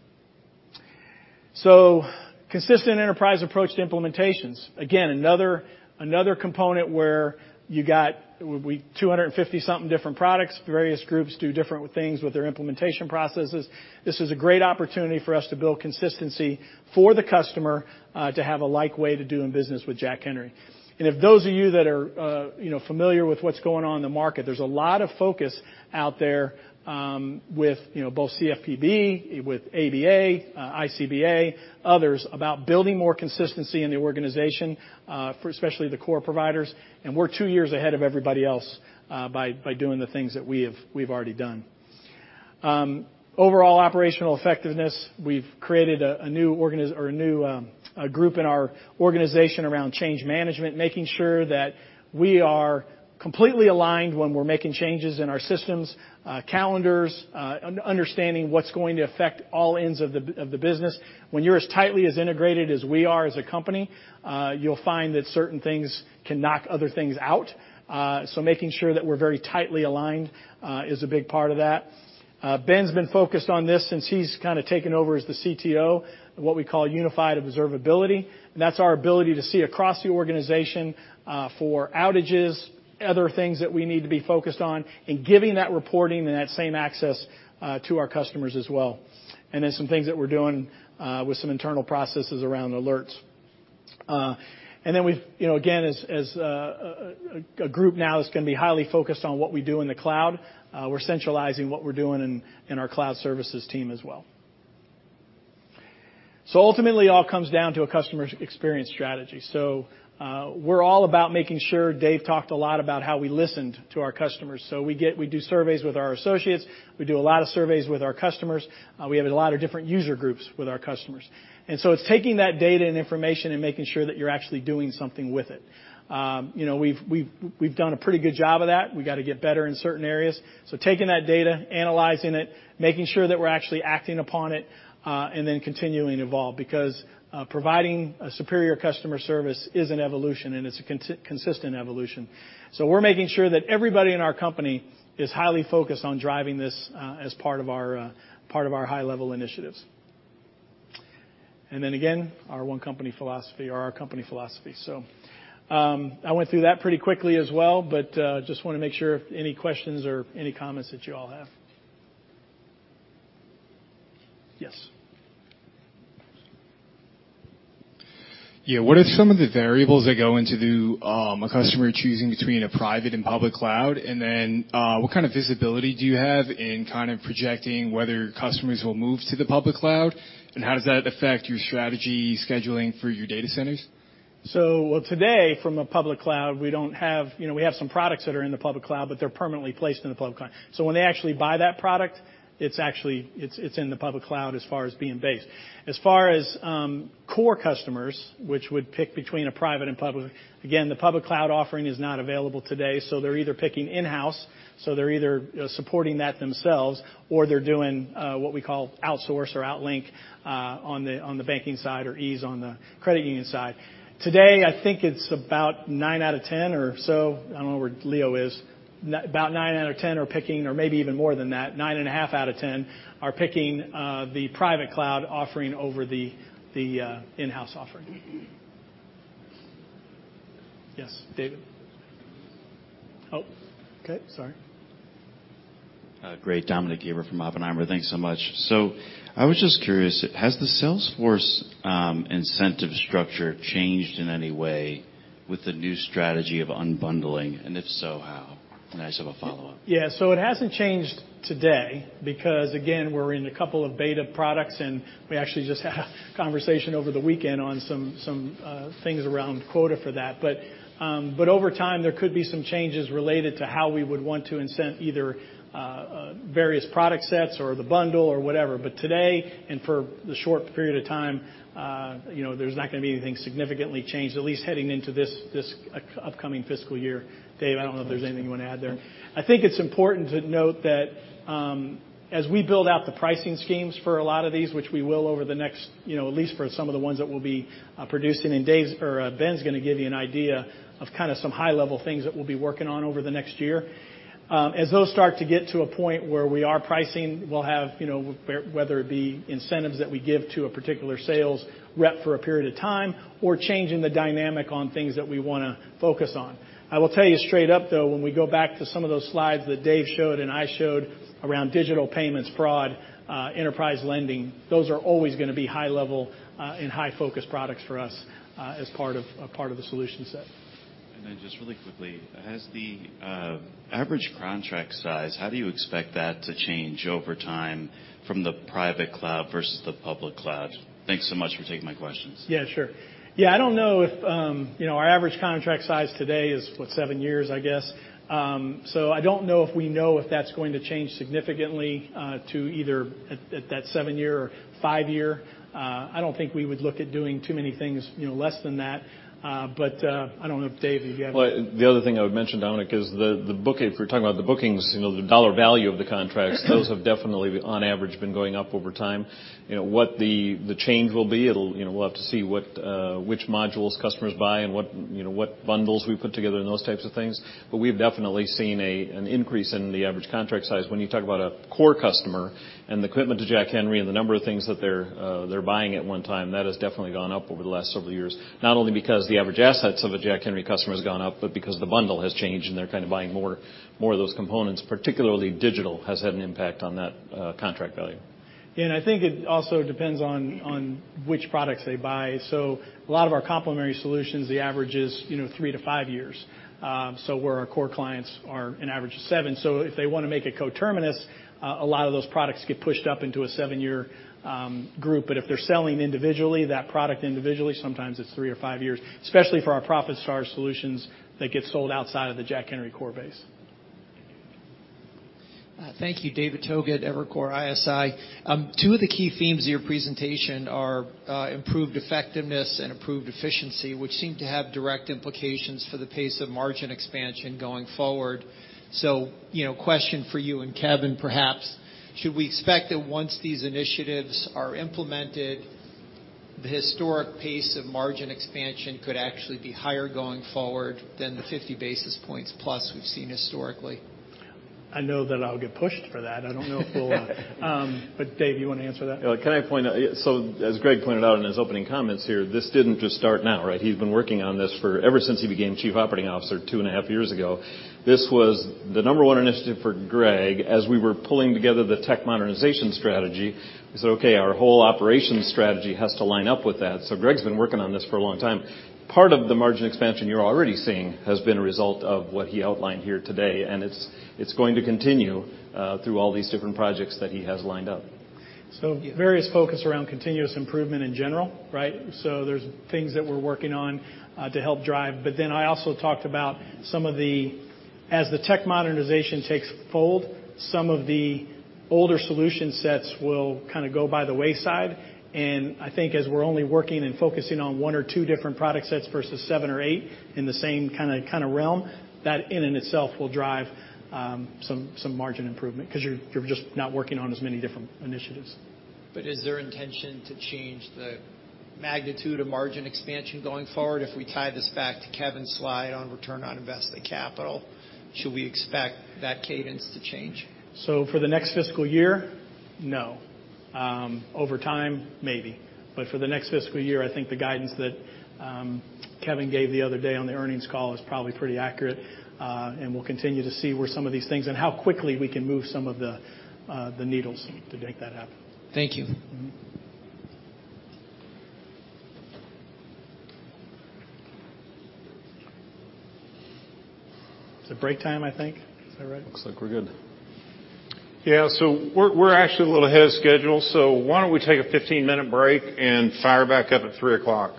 Consistent enterprise approach to implementations. Again, another component where we've got 250-something different products. Various groups do different things with their implementation processes. This is a great opportunity for us to build consistency for the customer, to have a like way to doing business with Jack Henry. If those of you that are you know familiar with what's going on in the market, there's a lot of focus out there with you know both CFPB, with ABA, ICBA, others about building more consistency in the organization for especially the core providers, and we're two years ahead of everybody else by doing the things that we have we've already done. Overall operational effectiveness, we've created a new group in our organization around change management, making sure that we are completely aligned when we're making changes in our systems, calendars, understanding what's going to affect all ends of the business. When you're as tightly as integrated as we are as a company, you'll find that certain things can knock other things out. Making sure that we're very tightly aligned is a big part of that. Ben's been focused on this since he's kinda taken over as the CTO, what we call unified observability. That's our ability to see across the organization for outages, other things that we need to be focused on, and giving that reporting and that same access to our customers as well. Some things that we're doing with some internal processes around alerts. We've, you know, again, as a group now it's gonna be highly focused on what we do in the cloud. We're centralizing what we're doing in our cloud services team as well. Ultimately, it all comes down to a customer experience strategy. We're all about making sure Dave talked a lot about how we listened to our customers. We do surveys with our associates, we do a lot of surveys with our customers, we have a lot of different user groups with our customers. It's taking that data and information and making sure that you're actually doing something with it. You know, we've done a pretty good job of that. We gotta get better in certain areas. Taking that data, analyzing it, making sure that we're actually acting upon it, and then continuing to evolve because providing a superior customer service is an evolution, and it's a consistent evolution. We're making sure that everybody in our company is highly focused on driving this as part of our high-level initiatives. Our one company philosophy or our company philosophy. I went through that pretty quickly as well, but just wanna make sure if any questions or any comments that you all have. Yes. Yeah. What are some of the variables that go into a customer choosing between a private and public cloud? What kind of visibility do you have in kind of projecting whether customers will move to the public cloud? How does that affect your strategy scheduling for your data centers? Well, today from a public cloud, we don't have you know, we have some products that are in the public cloud, but they're permanently placed in the public cloud. When they actually buy that product, it's actually in the public cloud as far as being based. As far as core customers, which would pick between a private and public, again, the public cloud offering is not available today, so they're either picking in-house, you know, supporting that themselves, or they're doing what we call outsource or OutLink on the banking side or Episys on the credit union side. Today, I think it's about nine out of 10 or so. I don't know where Leo is. About nine out of 10 are picking or maybe even more than that. 9.5 out of 10 are picking the private cloud offering over the in-house offering. Yes, David. Oh, okay. Sorry. Great. Dominick Gabriele from Oppenheimer. Thanks so much. I was just curious, has the Salesforce incentive structure changed in any way with the new strategy of unbundling? And if so, how? And I just have a follow-up. Yeah. It hasn't changed today because, again, we're in a couple of beta products, and we actually just had a conversation over the weekend on some things around quota for that. Over time, there could be some changes related to how we would want to incent either various product sets or the bundle or whatever. Today and for the short period of time, you know, there's not gonna be anything significantly changed, at least heading into this upcoming fiscal year. Dave, I don't know if there's anything you want to add there. I think it's important to note that, as we build out the pricing schemes for a lot of these, which we will over the next, you know, at least for some of the ones that we'll be producing in days or, Ben's gonna give you an idea of kinda some high-level things that we'll be working on over the next year. As those start to get to a point where we are pricing, we'll have, you know, where whether it be incentives that we give to a particular sales rep for a period of time or changing the dynamic on things that we wanna focus on. I will tell you straight up, though, when we go back to some of those slides that Dave showed and I showed around digital payments, fraud, enterprise lending, those are always gonna be high level, and high focus products for us, as part of the solution set. Just really quickly, has the average contract size, how do you expect that to change over time from the private cloud versus the public cloud? Thanks so much for taking my questions. Yeah, sure. Yeah, I don't know if you know, our average contract size today is, what, seven years, I guess. I don't know if we know if that's going to change significantly, to either at that seven-year or five-year. I don't think we would look at doing too many things, you know, less than that. I don't know if Dave, you have- Well, the other thing I would mention, Dominick, is if we're talking about the bookings, you know, the dollar value of the contracts, those have definitely, on average, been going up over time. You know, what the change will be, it'll, you know, we'll have to see what which modules customers buy and what, you know, what bundles we put together and those types of things. But we've definitely seen an increase in the average contract size. When you talk about a core customer and the commitment to Jack Henry and the number of things that they're buying at one time, that has definitely gone up over the last several years, not only because the average assets of a Jack Henry customer has gone up, but because the bundle has changed and they're kind of buying more of those components, particularly digital, has had an impact on that contract value. I think it also depends on which products they buy. A lot of our complementary solutions, the average is, you know, three to five years, so where our core clients are an average of seven. If they wanna make it coterminous, a lot of those products get pushed up into a seven-year group. If they're selling individually, that product individually, sometimes it's three or five years, especially for our ProfitStars solutions that get sold outside of the Jack Henry core base. Thank you. David Togut, Evercore ISI. Two of the key themes of your presentation are improved effectiveness and improved efficiency, which seem to have direct implications for the pace of margin expansion going forward. You know, question for you and Kevin, perhaps, should we expect that once these initiatives are implemented, the historic pace of margin expansion could actually be higher going forward than the 50 basis points plus we've seen historically? I know that I'll get pushed for that. I don't know if we'll, Dave, you wanna answer that? Can I point out? As Greg pointed out in his opening comments here, this didn't just start now, right? He's been working on this ever since he became chief operating officer 2.5 years ago. This was the number one initiative for Greg as we were pulling together the tech modernization strategy. He said, "Okay, our whole operations strategy has to line up with that." Greg's been working on this for a long time. Part of the margin expansion you're already seeing has been a result of what he outlined here today, and it's going to continue through all these different projects that he has lined up. Various focus around continuous improvement in general, right? There's things that we're working on to help drive. I also talked about some of the as the tech modernization takes hold, some of the older solution sets will kinda go by the wayside. I think as we're only working and focusing on one or two different product sets versus seven or eight in the same kinda realm, that in and of itself will drive some margin improvement 'cause you're just not working on as many different initiatives. Is there intention to change the magnitude of margin expansion going forward? If we tie this back to Kevin's slide on return on invested capital, should we expect that cadence to change? For the next fiscal year, no. Over time, maybe. For the next fiscal year, I think the guidance that Kevin gave the other day on the earnings call is probably pretty accurate. We'll continue to see where some of these things and how quickly we can move some of the needles to make that happen. Thank you. It's break time, I think. Is that right? Looks like we're good. Yeah. We're actually a little ahead of schedule, so why don't we take a 15-minute break and fire back up at 3:00?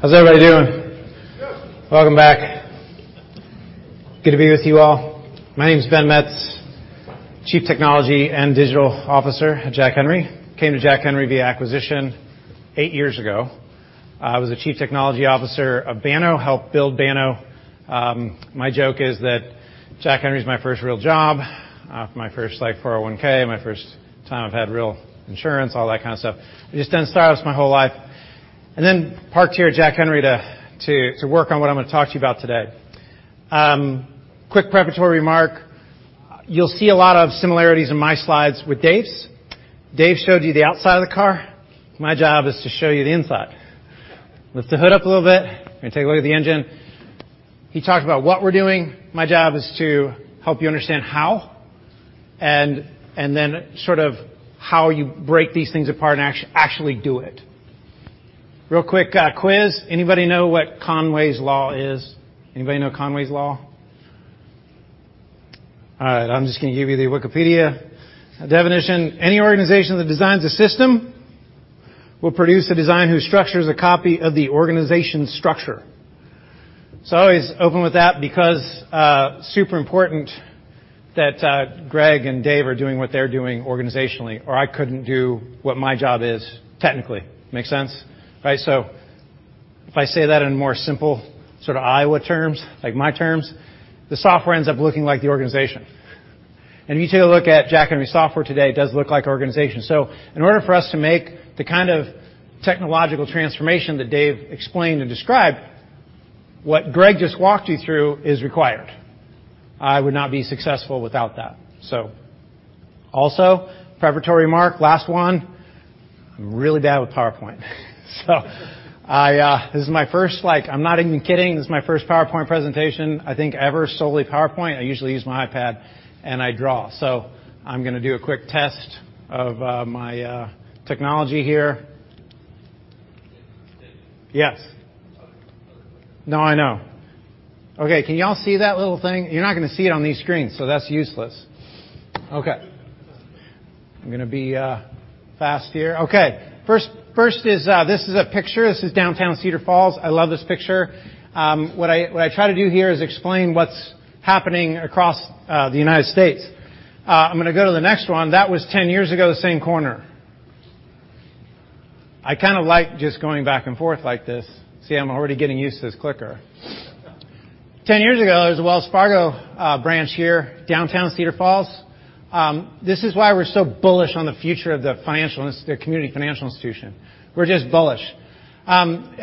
How's everybody doing? Good. Welcome back. Good to be with you all. My name is Ben Metz, Chief Technology and Digital Officer at Jack Henry. Came to Jack Henry via acquisition eight years ago. I was the chief technology officer of Banno, helped build Banno. My joke is that Jack Henry is my first real job, my first, like, 401(k), my first time I've had real insurance, all that kind of stuff. I've just done startups my whole life. Parked here at Jack Henry to work on what I'm gonna talk to you about today. Quick preparatory remark. You'll see a lot of similarities in my slides with Dave's. Dave showed you the outside of the car. My job is to show you the inside. Lift the hood up a little bit and take a look at the engine. He talked about what we're doing. My job is to help you understand how you break these things apart and actually do it. Real quick, quiz. Anybody know what Conway's Law is? Anybody know Conway's Law? All right, I'm just gonna give you the Wikipedia definition. Any organization that designs a system will produce a design whose structure is a copy of the organization's structure. I always open with that because super important that Greg and Dave are doing what they're doing organizationally, or I couldn't do what my job is technically. Make sense? Right. If I say that in more simple sorta Iowa terms, like my terms, the software ends up looking like the organization. If you take a look at Jack Henry software today, it does look like our organization. In order for us to make the kind of technological transformation that Dave explained and described, what Greg just walked you through is required. I would not be successful without that. Also, preparatory mark, last one. I'm really bad with PowerPoint. It's my first strike. I'm not even kidding. This is my first PowerPoint presentation, I think ever, solely PowerPoint. I usually use my iPad and I draw. I'm gonna do a quick test of my technology here. Ben. Yes. It's not. No, I know. Okay, can y'all see that little thing? You're not gonna see it on these screens, so that's useless. Okay. I'm gonna be fast here. Okay. First, this is a picture. This is downtown Cedar Falls. I love this picture. What I try to do here is explain what's happening across the United States. I'm gonna go to the next one. That was 10 years ago, the same corner. I kinda like just going back and forth like this. See, I'm already getting used to this clicker. 10 years ago, there was a Wells Fargo branch here, downtown Cedar Falls. This is why we're so bullish on the future of the community financial institution. We're just bullish. I'm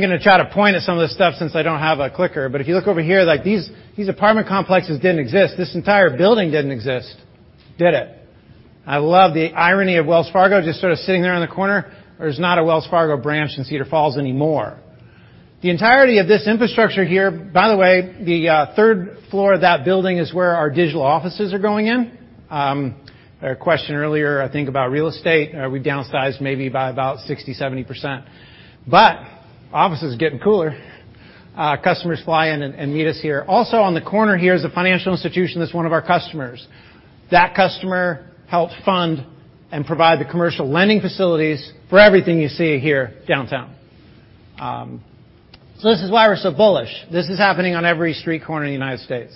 gonna try to point at some of this stuff since I don't have a clicker. If you look over here, like, these apartment complexes didn't exist. This entire building didn't exist, did it? I love the irony of Wells Fargo just sort of sitting there on the corner. There's not a Wells Fargo branch in Cedar Falls anymore. The entirety of this infrastructure here. By the way, the third floor of that building is where our digital offices are going in. There was a question earlier, I think, about real estate. We downsized maybe by about 60%-70%. Office is getting cooler. Customers fly in and meet us here. Also on the corner here is a financial institution that's one of our customers. That customer helped fund and provide the commercial lending facilities for everything you see here downtown. This is why we're so bullish. This is happening on every street corner in the United States.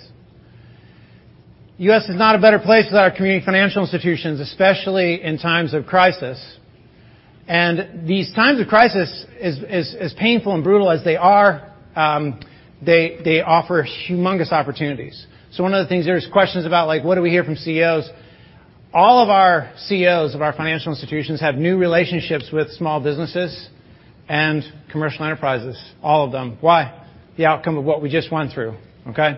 The U.S. is not a better place than our community financial institutions, especially in times of crisis. These times of crisis as painful and brutal as they are, they offer humongous opportunities. One of the things there's questions about, like, what do we hear from CEOs? All of our CEOs of our financial institutions have new relationships with small businesses and commercial enterprises, all of them. Why? The outcome of what we just went through, okay?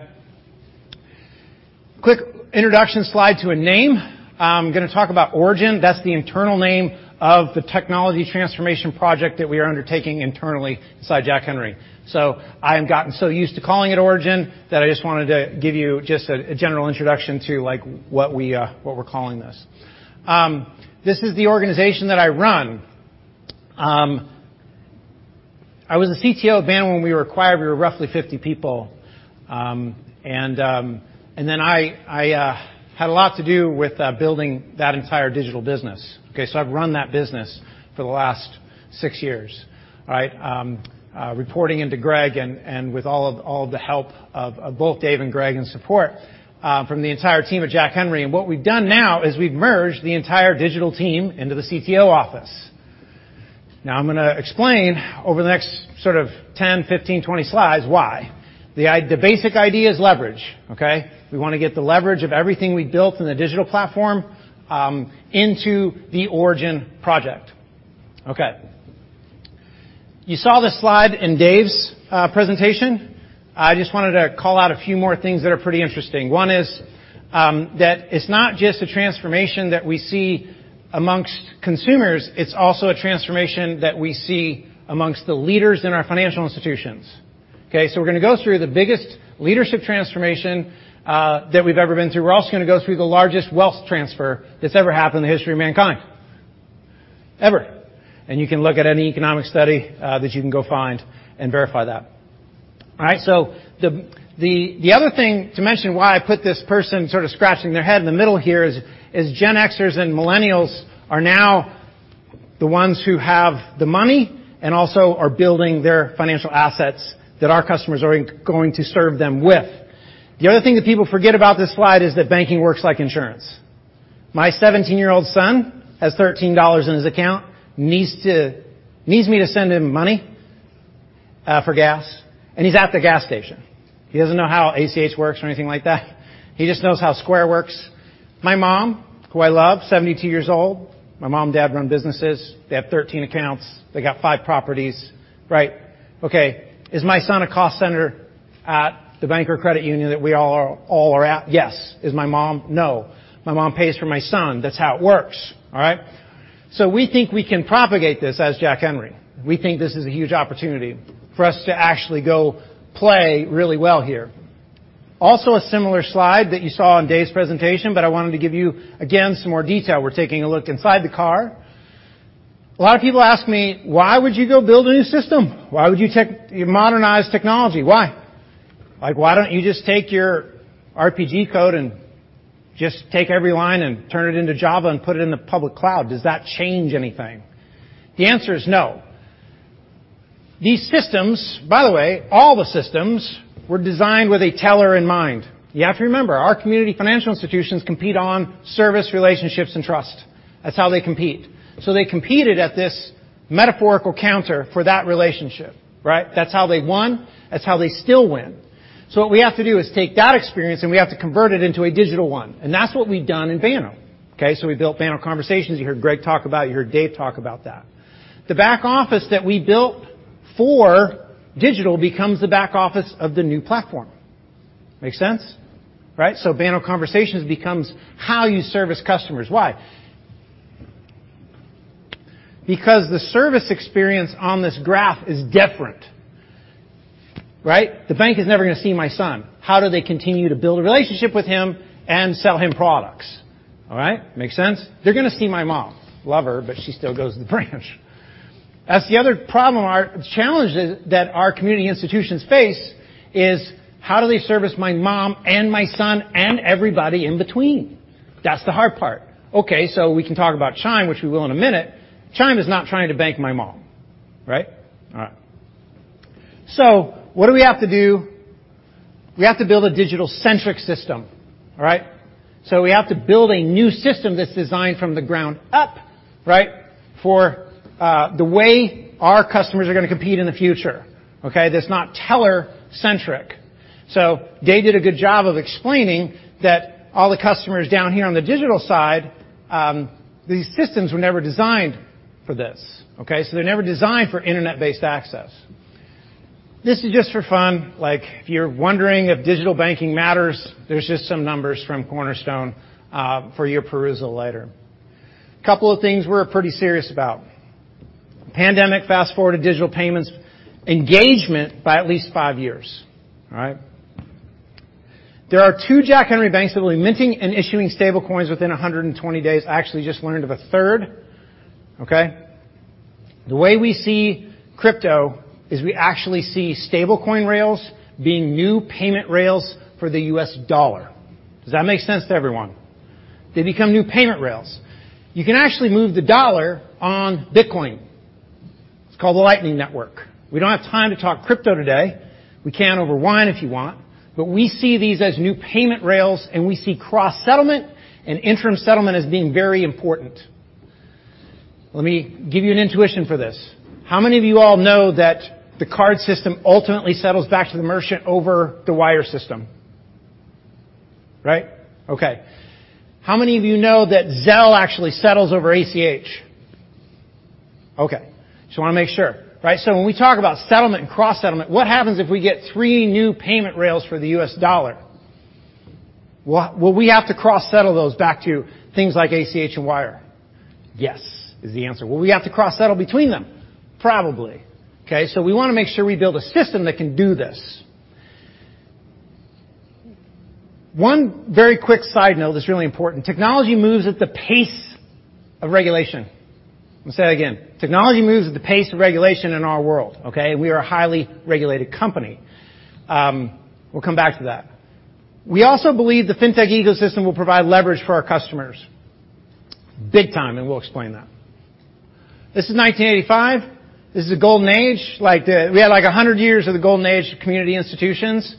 Quick introduction slide to a name. I'm gonna talk about Origin. That's the internal name of the technology transformation project that we are undertaking internally inside Jack Henry. I have gotten so used to calling it Origin that I just wanted to give you a general introduction to, like, what we're calling this. This is the organization that I run. I was the CTO of Banno when we were acquired. We were roughly 50 people. I had a lot to do with building that entire digital business, okay? I've run that business for the last six years, all right? Reporting into Greg and with all of the help of both Dave and Greg and support from the entire team at Jack Henry. What we've done now is we've merged the entire digital team into the CTO office. Now I'm gonna explain over the next sort of 10, 15, 20 slides why. The basic idea is leverage, okay? We wanna get the leverage of everything we built in the digital platform into the Origin project. Okay. You saw this slide in Dave's presentation. I just wanted to call out a few more things that are pretty interesting. One is that it's not just a transformation that we see among consumers, it's also a transformation that we see among the leaders in our financial institutions, okay? We're gonna go through the biggest leadership transformation that we've ever been through. We're also gonna go through the largest wealth transfer that's ever happened in the history of mankind. Ever. You can look at any economic study that you can go find and verify that. All right? The other thing to mention why I put this person sort of scratching their head in the middle here is Gen X-ers and Millennials are now the ones who have the money and also are building their financial assets that our customers are going to serve them with. The other thing that people forget about this slide is that banking works like insurance. My 17-year-old son has $13 in his account, needs me to send him money for gas, and he's at the gas station. He doesn't know how ACH works or anything like that. He just knows how Square works. My mom, who I love, 72-year-old. My mom and dad run businesses. They have 13 accounts. They got five properties, right? Okay, is my son a cost center at the bank or credit union that we all are at? Yes. Is my mom? No. My mom pays for my son. That's how it works, all right? We think we can propagate this as Jack Henry. We think this is a huge opportunity for us to actually go play really well here. Also, a similar slide that you saw in Dave's presentation, but I wanted to give you again some more detail. We're taking a look inside the core. A lot of people ask me: Why would you go build a new system? Why would you modernize technology? Why? Like, why don't you just take your RPG code and just take every line and turn it into Java and put it in the public cloud? Does that change anything? The answer is no. These systems, by the way, all the systems were designed with a teller in mind. You have to remember, our community financial institutions compete on service, relationships, and trust. That's how they compete. They competed at this metaphorical counter for that relationship, right? That's how they won. That's how they still win. What we have to do is take that experience, and we have to convert it into a digital one, and that's what we've done in Banno. Okay? We built Banno Conversations. You heard Greg talk about it, you heard Dave talk about that. The back office that we built for digital becomes the back office of the new platform. Make sense? Right. Banno Conversations becomes how you service customers. Why? Because the service experience on this app is different, right? The bank is never gonna see my son. How do they continue to build a relationship with him and sell him products? All right. Make sense? They're gonna see my mom. Love her, but she still goes to the branch. That's the other problem or challenge that our community institutions face is how do they service my mom and my son and everybody in between? That's the hard part. Okay. We can talk about Chime, which we will in a minute. Chime is not trying to bank my mom. Right? All right. What do we have to do? We have to build a digital-centric system. All right? We have to build a new system that's designed from the ground up, right, for the way our customers are gonna compete in the future, okay, that's not teller-centric. Dave did a good job of explaining that all the customers down here on the digital side, these systems were never designed for this. Okay? They're never designed for internet-based access. This is just for fun. Like, if you're wondering if digital banking matters, there's just some numbers from Cornerstone for your perusal later. Couple of things we're pretty serious about. Pandemic fast-forwarded digital payments engagement by at least five years. All right? There are two Jack Henry banks that'll be minting and issuing stablecoins within 120 days. I actually just learned of a third. Okay? The way we see crypto is we actually see stablecoin rails being new payment rails for the U.S. dollar. Does that make sense to everyone? They become new payment rails. You can actually move the dollar on Bitcoin. It's called the Lightning Network. We don't have time to talk crypto today. We can over wine if you want, but we see these as new payment rails, and we see cross-settlement and interim settlement as being very important. Let me give you an intuition for this. How many of you all know that the card system ultimately settles back to the merchant over the wire system? Right? Okay. How many of you know that Zelle actually settles over ACH? Okay. Just wanna make sure, right? When we talk about settlement and cross-settlement, what happens if we get three new payment rails for the U.S. dollar? Will we have to cross-settle those back to things like ACH and wire? Yes is the answer. Will we have to cross-settle between them? Probably. Okay? We wanna make sure we build a system that can do this. One very quick side note that's really important. Technology moves at the pace of regulation. I'm gonna say that again. Technology moves at the pace of regulation in our world, okay? We are a highly regulated company. We'll come back to that. We also believe the fintech ecosystem will provide leverage for our customers big time, and we'll explain that. This is 1985. This is the golden age. Like we had like 100 years of the golden age of community institutions.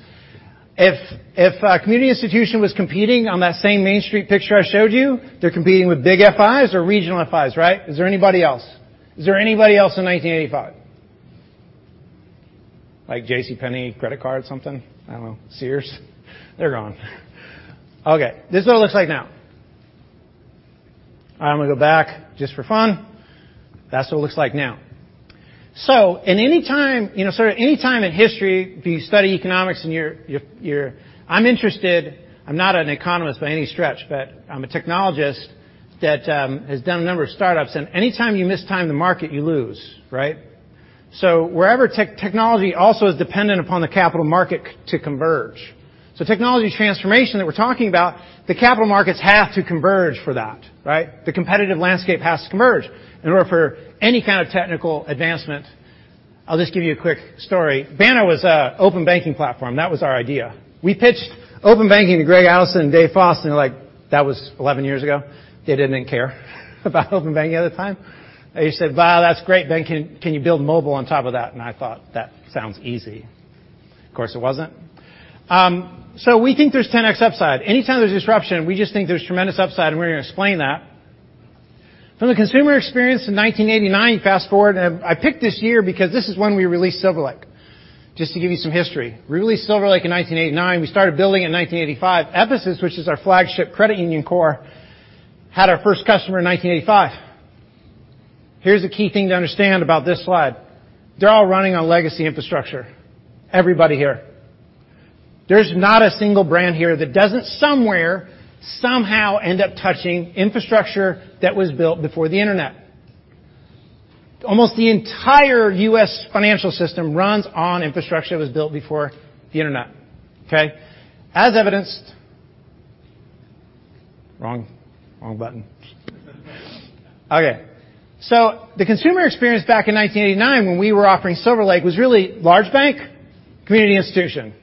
If a community institution was competing on that same Main Street picture I showed you, they're competing with big FIs or regional FIs, right? Is there anybody else? Is there anybody else in 1985? Like JCPenney credit card something. I don't know. Sears. They're gone. Okay. This is what it looks like now. I'm gonna go back just for fun. That's what it looks like now. In any time, you know, sort of any time in history, if you study economics and you're interested. I'm interested. I'm not an economist by any stretch, but I'm a technologist that has done a number of startups. Anytime you mistime the market, you lose, right? Wherever technology also is dependent upon the capital markets to converge. Technology transformation that we're talking about, the capital markets have to converge for that, right? The competitive landscape has to converge in order for any kind of technical advancement. I'll just give you a quick story. Banno was an open banking platform. That was our idea. We pitched open banking to Greg Adelson and Dave Foss like that was 11 years ago. They didn't care about open banking at the time. They said, "Wow, that's great. Then can you build mobile on top of that?" I thought, "That sounds easy." Of course, it wasn't. We think there's 10x upside. Anytime there's disruption, we just think there's tremendous upside, and we're gonna explain that. From the consumer experience in 1989, you fast-forward. I picked this year because this is when we released SilverLake, just to give you some history. We released SilverLake in 1989. We started building in 1985. Episys, which is our flagship credit union core, had our first customer in 1985. Here's the key thing to understand about this slide. They're all running on legacy infrastructure, everybody here. There's not a single brand here that doesn't somewhere, somehow end up touching infrastructure that was built before the Internet. Almost the entire U.S. financial system runs on infrastructure that was built before the Internet, okay? The consumer experience back in 1989 when we were offering SilverLake was really large bank, community institution,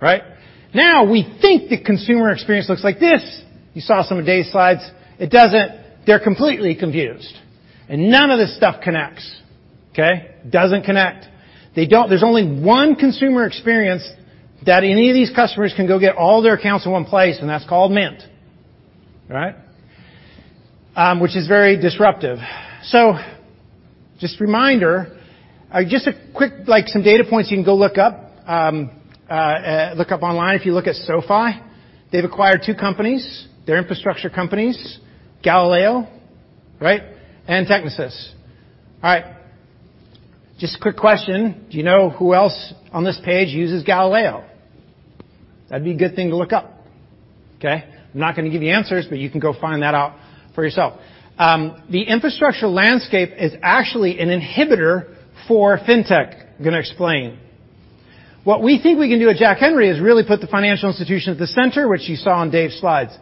right? Now we think the consumer experience looks like this. You saw some of Dave's slides. It doesn't. They're completely confused, and none of this stuff connects, okay? Doesn't connect. There's only one consumer experience that any of these customers can go get all their accounts in one place, and that's called Mint, right? Which is very disruptive. Just a reminder, just a quick like some data points you can go look up online. If you look at SoFi, they've acquired two companies. They're infrastructure companies, Galileo, right, and Technisys. All right. Just a quick question. Do you know who else on this page uses Galileo? That'd be a good thing to look up, okay? I'm not gonna give you answers, but you can go find that out for yourself. The infrastructure landscape is actually an inhibitor for fintech. I'm gonna explain. What we think we can do at Jack Henry is really put the financial institution at the center, which you saw on Dave's slides.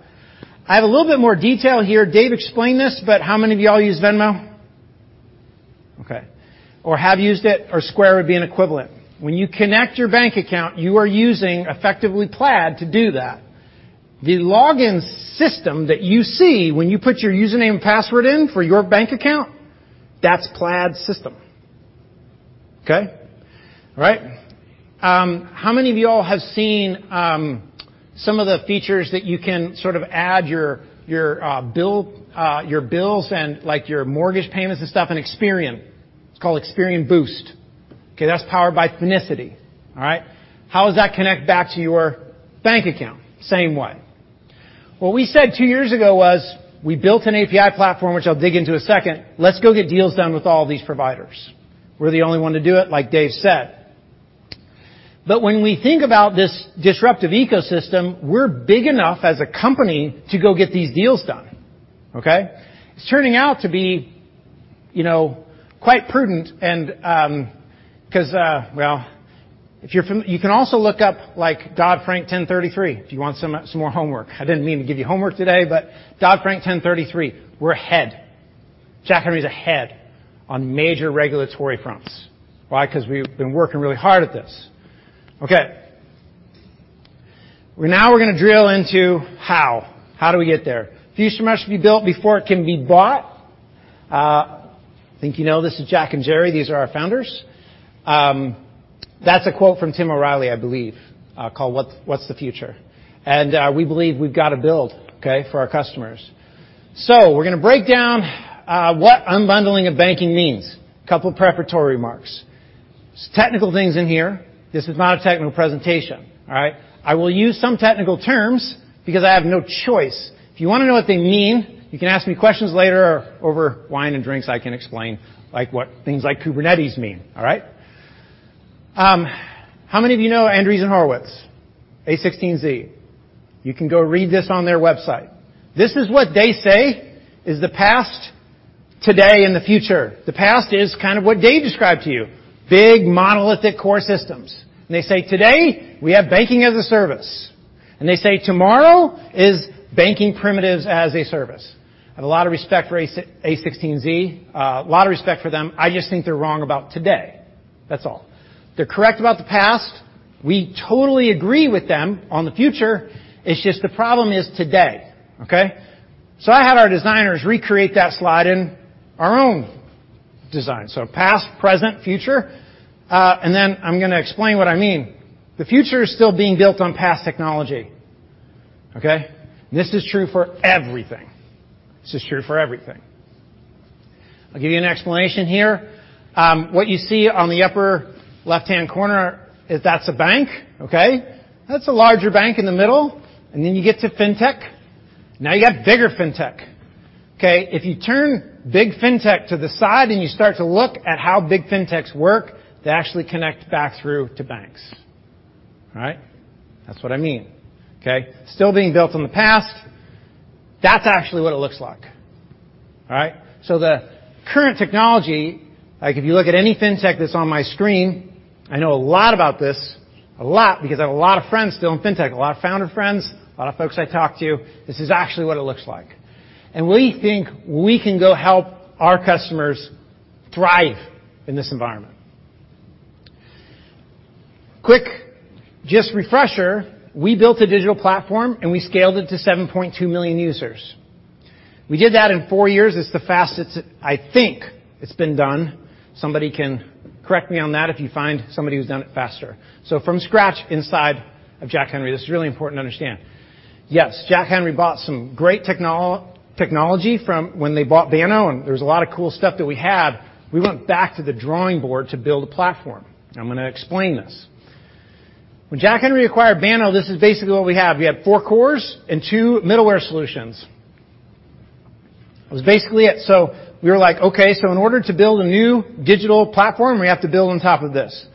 I have a little bit more detail here. Dave explained this, but how many of you all use Venmo? Okay. Or have used it or Square would be an equivalent. When you connect your bank account, you are using effectively Plaid to do that. The login system that you see when you put your username and password in for your bank account, that's Plaid system, okay? All right. How many of y'all have seen some of the features that you can sort of add your bills and like your mortgage payments and stuff in Experian? It's called Experian Boost. Okay. That's powered by Finicity. All right. How does that connect back to your bank account? Same way. What we said two years ago was we built an API platform, which I'll dig into a second. Let's go get deals done with all these providers. We're the only one to do it, like Dave said. But when we think about this disruptive ecosystem, we're big enough as a company to go get these deals done, okay? It's turning out to be, you know, quite prudent and, 'cause, well. You can also look up like Dodd-Frank 1033 if you want some more homework. I didn't mean to give you homework today, but Dodd-Frank 1033, we're ahead. Jack Henry's ahead on major regulatory fronts. Why? 'Cause we've been working really hard at this. Okay. We're gonna drill into how. How do we get there? The future must be built before it can be bought. I think you know this is Jack and Jerry. These are our founders. That's a quote from Tim O'Reilly, I believe, called What's the Future? We believe we've got to build, okay, for our customers. We're gonna break down what unbundling of banking means. A couple of preparatory remarks. Technical things in here. This is not a technical presentation, all right? I will use some technical terms because I have no choice. If you want to know what they mean, you can ask me questions later or over wine and drinks. I can explain like what things like Kubernetes mean. All right? How many of you know Andreessen Horowitz, a16z? You can go read this on their website. This is what they say is the past, today and the future. The past is kind of what Dave described to you, big monolithic core systems. They say today we have banking as a service, and they say tomorrow is banking primitives as a service. I have a lot of respect for a16z, a lot of respect for them. I just think they're wrong about today. That's all. They're correct about the past. We totally agree with them on the future. It's just the problem is today, okay? I had our designers recreate that slide in our own design. Past, present, future, and then I'm gonna explain what I mean. The future is still being built on past technology, okay? This is true for everything. I'll give you an explanation here. What you see on the upper left-hand corner is that's a bank, okay? That's a larger bank in the middle. Then you get to fintech. Now you got bigger fintech, okay? If you turn big fintech to the side and you start to look at how big fintechs work, they actually connect back through to banks. All right? That's what I mean. Okay? Still being built on the past. That's actually what it looks like. All right? The current technology, like if you look at any fintech that's on my screen, I know a lot about this, a lot because I have a lot of friends still in fintech, a lot of founder friends, a lot of folks I talk to. This is actually what it looks like. We think we can go help our customers thrive in this environment. Quick just refresher, we built a digital platform, and we scaled it to 7.2 million users. We did that in four years. It's the fastest I think it's been done. Somebody can correct me on that if you find somebody who's done it faster. From scratch inside of Jack Henry, this is really important to understand. Yes, Jack Henry bought some great technology from when they bought Banno, and there's a lot of cool stuff that we had. We went back to the drawing board to build a platform. I'm gonna explain this. When Jack Henry acquired Banno, this is basically what we have. We had four cores and two middleware solutions. It was basically it. We were like, okay, so in order to build a new digital platform, we have to build on top of this.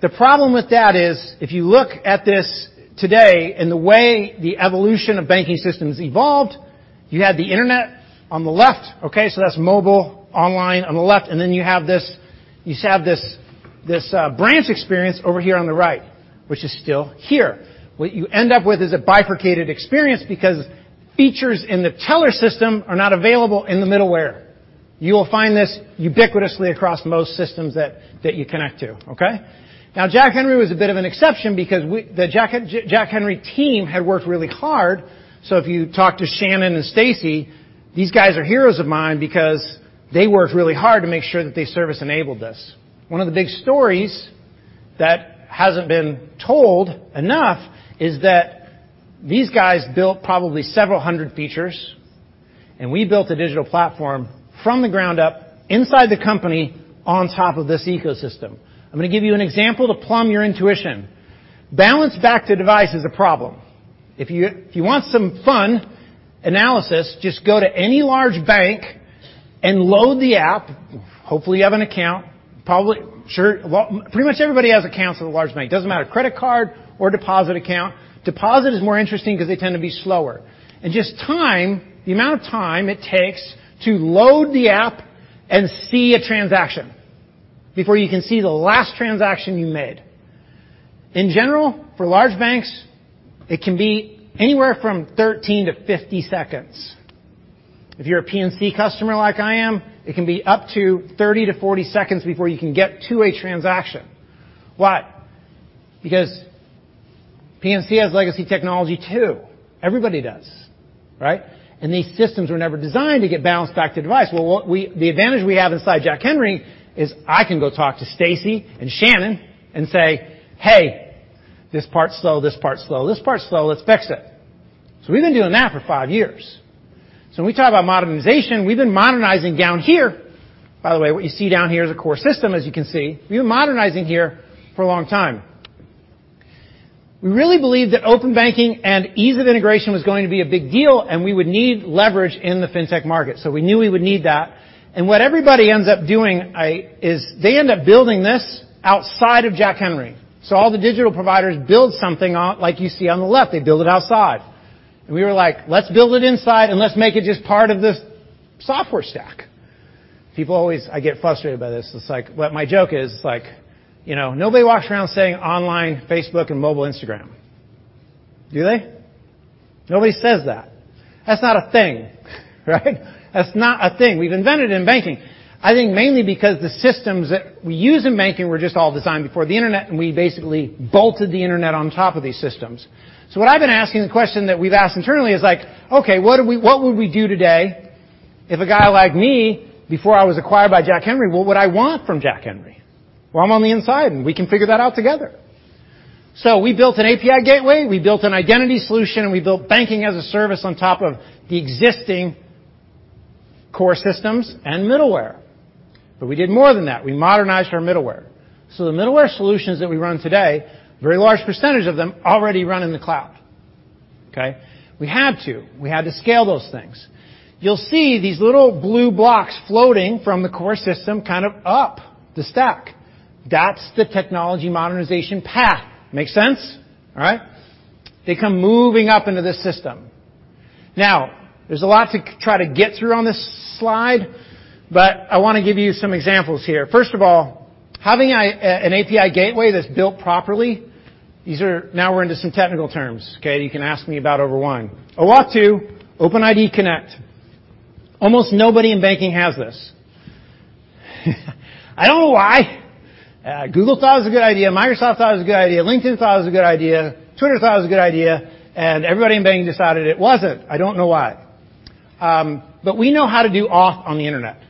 The problem with that is if you look at this today and the way the evolution of banking systems evolved, you had the internet on the left, okay? That's mobile online on the left, and then you have this branch experience over here on the right, which is still here. What you end up with is a bifurcated experience because features in the teller system are not available in the middleware. You will find this ubiquitously across most systems that you connect to, okay? Now Jack Henry was a bit of an exception because the Jack Henry team had worked really hard. If you talk to Shannon and Stacy, these guys are heroes of mine because they worked really hard to make sure that they service-enabled this. One of the big stories that hasn't been told enough is that these guys built probably several hundred features, and we built a digital platform from the ground up inside the company on top of this ecosystem. I'm gonna give you an example to plumb your intuition. Balance back to device is a problem. If you want some fun analysis, just go to any large bank and load the app. Hopefully, you have an account. Probably. Well, pretty much everybody has accounts with a large bank. Doesn't matter, credit card or deposit account. Deposit is more interesting because they tend to be slower. Just time, the amount of time it takes to load the app and see a transaction before you can see the last transaction you made. In general, for large banks, it can be anywhere from 13-50 seconds. If you're a PNC customer like I am, it can be up to 30-40 seconds before you can get to a transaction. Why? Because PNC has legacy technology too. Everybody does, right? These systems were never designed to get balanced back to device. Well, the advantage we have inside Jack Henry is I can go talk to Stacey and Shannon and say, "Hey, this part's slow, this part's slow, this part's slow. Let's fix it." We've been doing that for five years. When we talk about modernization, we've been modernizing down here. By the way, what you see down here is a core system, as you can see. We've been modernizing here for a long time. We really believe that open banking and ease of integration was going to be a big deal, and we would need leverage in the fintech market. We knew we would need that, and what everybody ends up doing is they end up building this outside of Jack Henry. All the digital providers build something on... Like you see on the left, they build it outside. We were like, "Let's build it inside, and let's make it just part of this software stack." People always, I get frustrated by this. It's like, what my joke is like, you know, nobody walks around saying online Facebook and mobile Instagram. Do they? Nobody says that. That's not a thing, right? That's not a thing. We've invented it in banking, I think mainly because the systems that we use in banking were just all designed before the internet, and we basically bolted the internet on top of these systems. What I've been asking, the question that we've asked internally is like, "Okay, what would we do today if a guy like me before I was acquired by Jack Henry, what would I want from Jack Henry? Well, I'm on the inside, and we can figure that out together." We built an API gateway, we built an identity solution, and we built banking-as-a-service on top of the existing core systems and middleware. We did more than that. We modernized our middleware. The middleware solutions that we run today, very large percentage of them already run in the cloud, okay? We had to. We had to scale those things. You'll see these little blue blocks floating from the core system kind of up the stack. That's the technology modernization path. Make sense? All right. They come moving up into the system. Now, there's a lot to try to get through on this slide, but I want to give you some examples here. First of all, having an API gateway that's built properly, these are. Now we're into some technical terms, okay? You can ask me about over wine. OAuth 2.0, OpenID Connect. Almost nobody in banking has this. I don't know why. Google thought it was a good idea. Microsoft thought it was a good idea. LinkedIn thought it was a good idea. Twitter thought it was a good idea, and everybody in banking decided it wasn't. I don't know why. We know how to do Auth on the internet.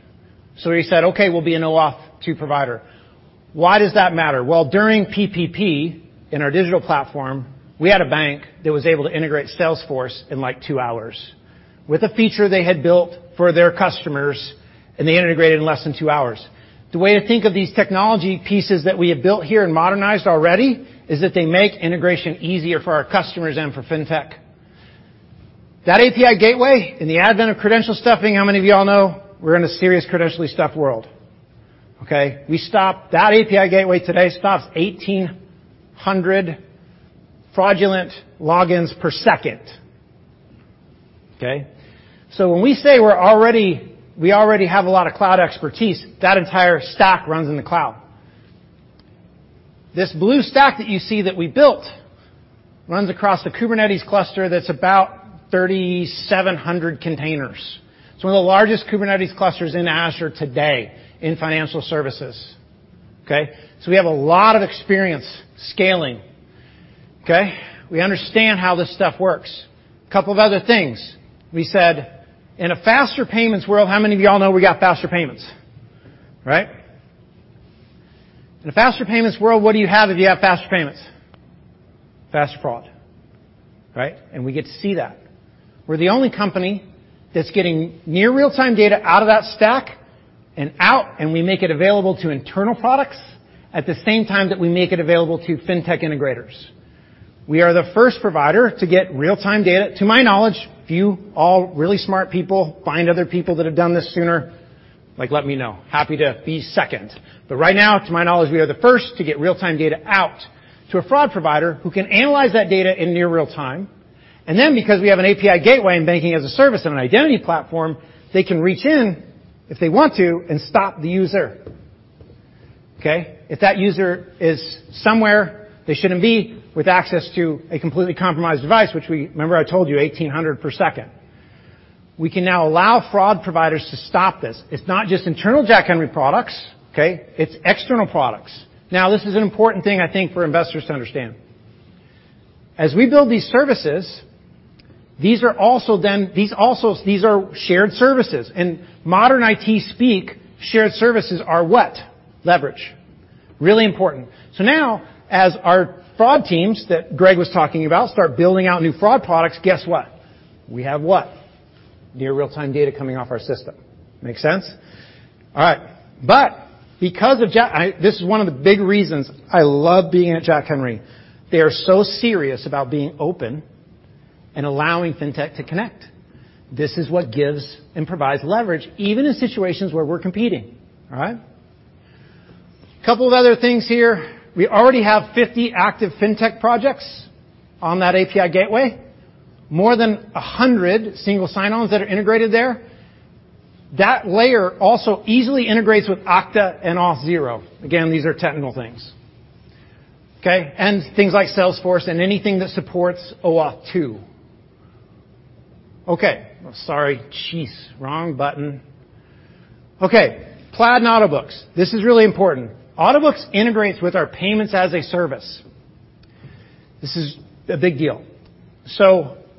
We said, "Okay, we'll be an OAuth 2.0 provider." Why does that matter? Well, during PPP in our digital platform, we had a bank that was able to integrate Salesforce in like two hours with a feature they had built for their customers, and they integrated in less than two hours. The way to think of these technology pieces that we have built here and modernized already is that they make integration easier for our customers and for fintech. That API gateway in the advent of credential stuffing, how many of you all know we're in a serious credential stuffing world? Okay? That API gateway today stops 1,800 fraudulent logins per second, okay? So when we say we already have a lot of cloud expertise, that entire stack runs in the cloud. This blue stack that you see that we built runs across a Kubernetes cluster that's about 3,700 containers. It's one of the largest Kubernetes clusters in Azure today in financial services, okay? So we have a lot of experience scaling, okay? We understand how this stuff works. A couple of other things. We said, in a faster payments world. How many of you all know we got faster payments? Right. In a faster payments world, what do you have if you have faster payments? Faster fraud, right? We get to see that. We're the only company that's getting near real-time data out of that stack and out, and we make it available to internal products at the same time that we make it available to fintech integrators. We are the first provider to get real-time data, to my knowledge. If you all really smart people find other people that have done this sooner, like, let me know. Happy to be second. Right now, to my knowledge, we are the first to get real-time data out to a fraud provider who can analyze that data in near real time. Because we have an API gateway and banking-as-a-service and an identity platform, they can reach in if they want to and stop the user, okay? If that user is somewhere they shouldn't be with access to a completely compromised device. Remember I told you 1,800 per second. We can now allow fraud providers to stop this. It's not just internal Jack Henry products, okay? It's external products. Now, this is an important thing I think for investors to understand. As we build these services, these are shared services. In modern IT speak, shared services are what? Leverage. Really important. So now, as our fraud teams that Greg was talking about start building out new fraud products, guess what? We have what? Near real-time data coming off our system. Make sense? All right. This is one of the big reasons I love being at Jack Henry. They are so serious about being open and allowing fintech to connect. This is what gives and provides leverage even in situations where we're competing. All right? Couple of other things here. We already have 50 active fintech projects on that API gateway, more than 100 single sign-ons that are integrated there. That layer also easily integrates with Okta and Auth0. Again, these are technical things, okay? Things like Salesforce and anything that supports OAuth 2.0. Okay, Plaid and Autobooks. This is really important. Autobooks integrates with our payments-as-a-service. This is a big deal.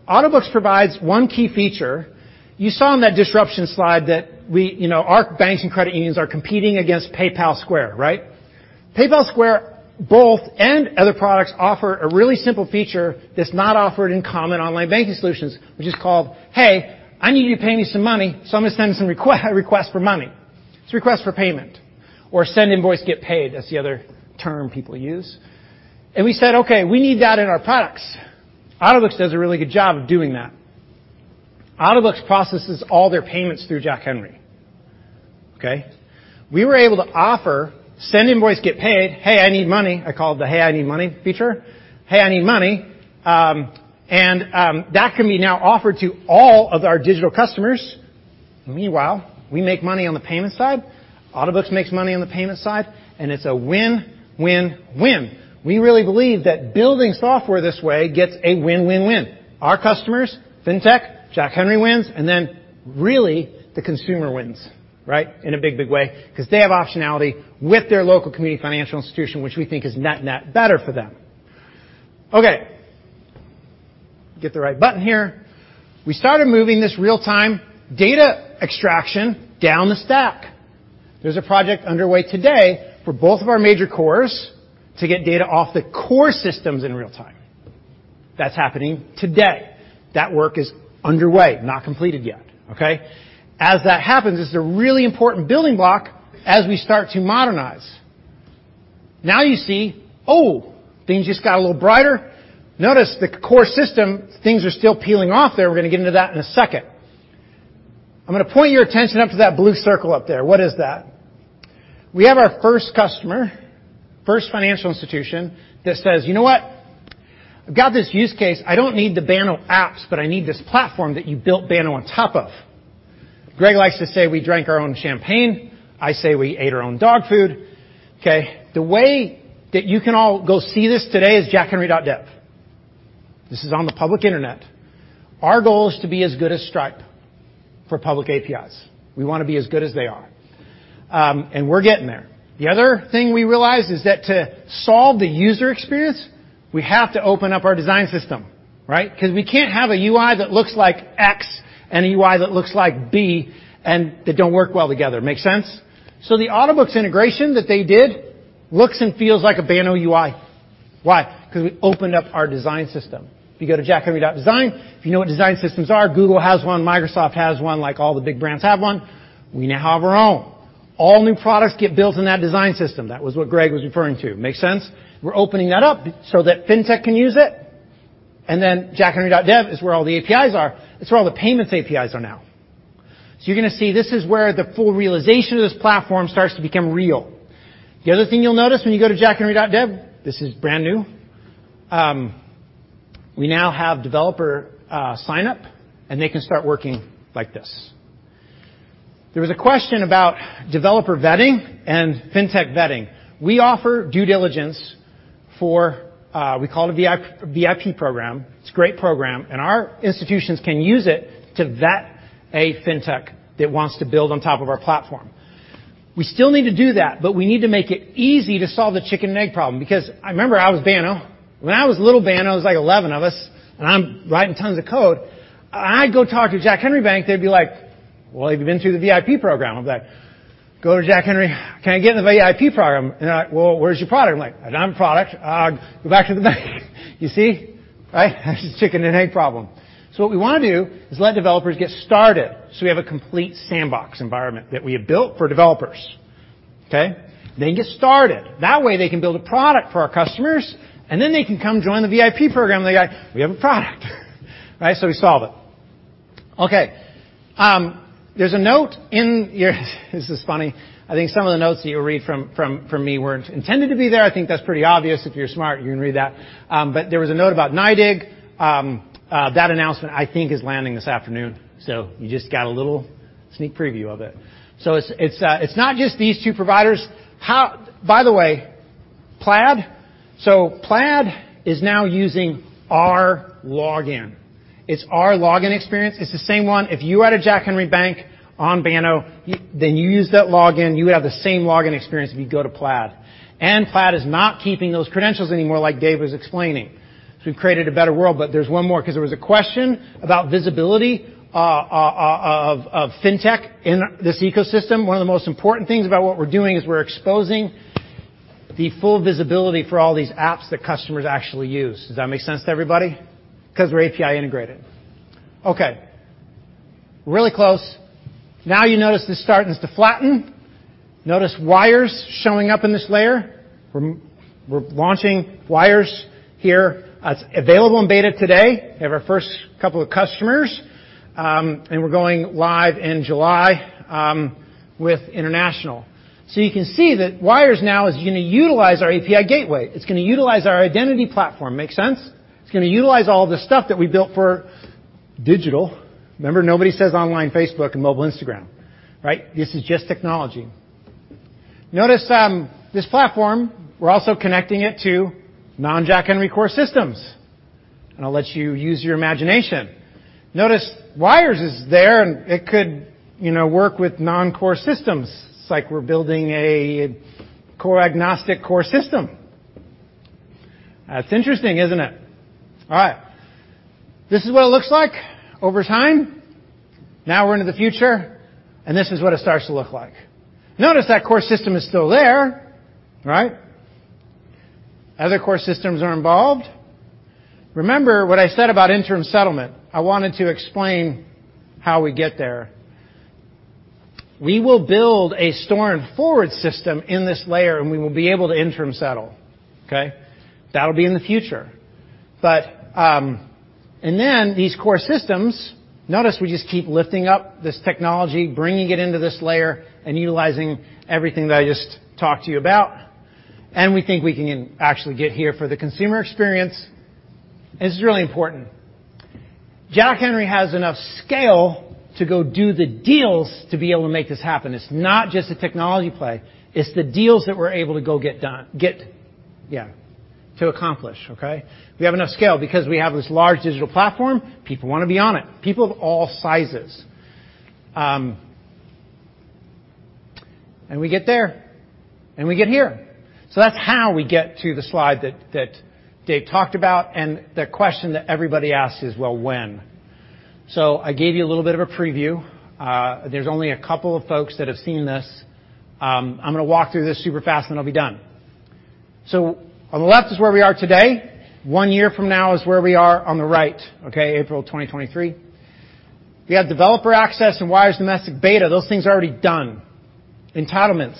Autobooks provides one key feature. You saw on that disruption slide that we, you know, our banks and credit unions are competing against PayPal, Square, right? PayPal Square both and other products offer a really simple feature that's not offered in common online banking solutions, which is called, "Hey, I need you to pay me some money, so I'm gonna send some request for money." It's a request for payment, or send invoice, get paid. That's the other term people use. We said, "Okay, we need that in our products." Autobooks does a really good job of doing that. Autobooks processes all their payments through Jack Henry, okay? We were able to offer send invoice, get paid, "Hey, I need money." I call it the hey, I need money feature. Hey, I need money. That can be now offered to all of our digital customers. Meanwhile, we make money on the payment side, Autobooks makes money on the payment side, and it's a win-win-win. We really believe that building software this way gets a win-win-win. Our customers, fintech, Jack Henry wins, and then really the consumer wins, right? In a big, big way because they have optionality with their local community financial institution, which we think is net net better for them. Okay. Get the right button here. We started moving this real-time data extraction down the stack. There's a project underway today for both of our major cores to get data off the core systems in real time. That's happening today. That work is underway, not completed yet, okay? As that happens, it's a really important building block as we start to modernize. Now you see, oh, things just got a little brighter. Notice the core system, things are still peeling off there. We're gonna get into that in a second. I'm gonna point your attention up to that blue circle up there. What is that? We have our first customer, first financial institution that says, "You know what? I've got this use case. I don't need the Banno apps, but I need this platform that you built Banno on top of." Greg likes to say we drank our own champagne. I say we ate our own dog food. Okay. The way that you can all go see this today is jackhenry.dev. This is on the public internet. Our goal is to be as good as Stripe for public APIs. We wanna be as good as they are. We're getting there. The other thing we realized is that to solve the user experience, we have to open up our design system, right? 'Cause we can't have a UI that looks like X and a UI that looks like B and they don't work well together. Make sense? The Autobooks integration that they did looks and feels like a Banno UI. Why? Because we opened up our design system. If you go to jackhenry.design, if you know what design systems are, Google has one, Microsoft has one, like all the big brands have one. We now have our own. All new products get built in that design system. That was what Greg was referring to. Make sense? We're opening that up so that fintech can use it, and then jackhenry.dev is where all the APIs are. It's where all the payments APIs are now. You're gonna see this is where the full realization of this platform starts to become real. The other thing you'll notice when you go to jackhenry.dev, this is brand new, we now have developer sign up, and they can start working like this. There was a question about developer vetting and fintech vetting. We offer due diligence for, we call it a VIP program. It's a great program, and our institutions can use it to vet a fintech that wants to build on top of our platform. We still need to do that, but we need to make it easy to solve the chicken and egg problem because I remember I was Banno. When I was little Banno, it was like 11 of us, and I'm writing tons of code. I go talk to Jack Henry Banking, they'd be like, "Well, have you been through the VIP program?" I'd be like, "Go to Jack Henry. Can I get in the VIP program?" And they're like, "Well, where's your product?" I'm like, "I don't have a product. Go back to the bank." You see? Right? That's a chicken and egg problem. What we wanna do is let developers get started, so we have a complete sandbox environment that we have built for developers. Okay? They can get started. That way, they can build a product for our customers, and then they can come join the VIP program. They're like, "We have a product." Right? We solve it. Okay, there's a note in your. This is funny. I think some of the notes that you read from me weren't intended to be there. I think that's pretty obvious. If you're smart, you can read that. But there was a note about NYDIG. That announcement I think is landing this afternoon, so you just got a little sneak preview of it. It's not just these two providers. By the way, Plaid. Plaid is now using our login. It's our login experience. It's the same one. If you were at a Jack Henry bank on Banno, then you use that login, you would have the same login experience if you go to Plaid. Plaid is not keeping those credentials anymore like Dave was explaining. We've created a better world. There's one more because there was a question about visibility of fintech in this ecosystem. One of the most important things about what we're doing is we're exposing the full visibility for all these apps that customers actually use. Does that make sense to everybody? 'Cause we're API integrated. Okay. Really close. Now you notice this starts to flatten. Notice wires showing up in this layer. We're launching wires here. It's available in beta today. We have our first couple of customers, and we're going live in July with international. You can see that wires now is gonna utilize our API gateway. It's gonna utilize our identity platform. Make sense? It's gonna utilize all the stuff that we built for digital. Remember, nobody says online Facebook and mobile Instagram, right? This is just technology. Notice, this platform, we're also connecting it to non-Jack Henry core systems, and I'll let you use your imagination. Notice wires is there and it could, you know, work with non-core systems. It's like we're building a core agnostic core system. That's interesting, isn't it? All right. This is what it looks like over time. Now we're into the future, and this is what it starts to look like. Notice that core system is still there, right? Other core systems are involved. Remember what I said about interim settlement. I wanted to explain how we get there. We will build a store and forward system in this layer, and we will be able to interim settle. Okay? That'll be in the future. These core systems, notice we just keep lifting up this technology, bringing it into this layer and utilizing everything that I just talked to you about. We think we can actually get here for the consumer experience. This is really important. Jack Henry has enough scale to go do the deals to be able to make this happen. It's not just a technology play, it's the deals that we're able to go get done, to accomplish. Okay? We have enough scale because we have this large digital platform. People wanna be on it, people of all sizes. We get there, and we get here. That's how we get to the slide that Dave talked about and the question that everybody asks is, well, when? I gave you a little bit of a preview. There's only a couple of folks that have seen this. I'm gonna walk through this super fast, and I'll be done. On the left is where we are today. One year from now is where we are on the right, okay? April 2023. We have developer access and wires domestic beta. Those things are already done. Entitlements.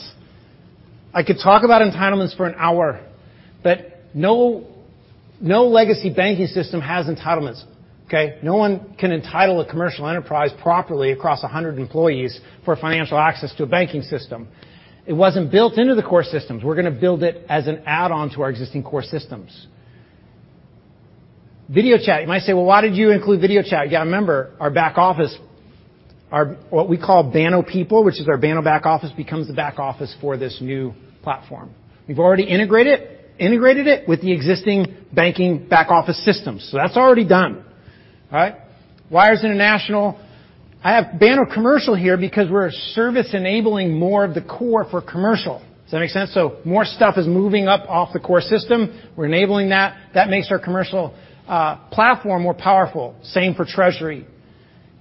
I could talk about entitlements for an hour, but no legacy banking system has entitlements. Okay? No one can entitle a commercial enterprise properly across 100 employees for financial access to a banking system. It wasn't built into the core systems. We're gonna build it as an add-on to our existing core systems. Video chat. You might say, "Well, why did you include video chat?" You gotta remember our back office, our what we call Banno People, which is our Banno back office, becomes the back office for this new platform. We've already integrated it with the existing banking back office systems. That's already done. All right? Wires international. I have Banno Business here because we're a service enabling more of the core for commercial. Does that make sense? More stuff is moving up off the core system. We're enabling that. That makes our commercial platform more powerful. Same for treasury.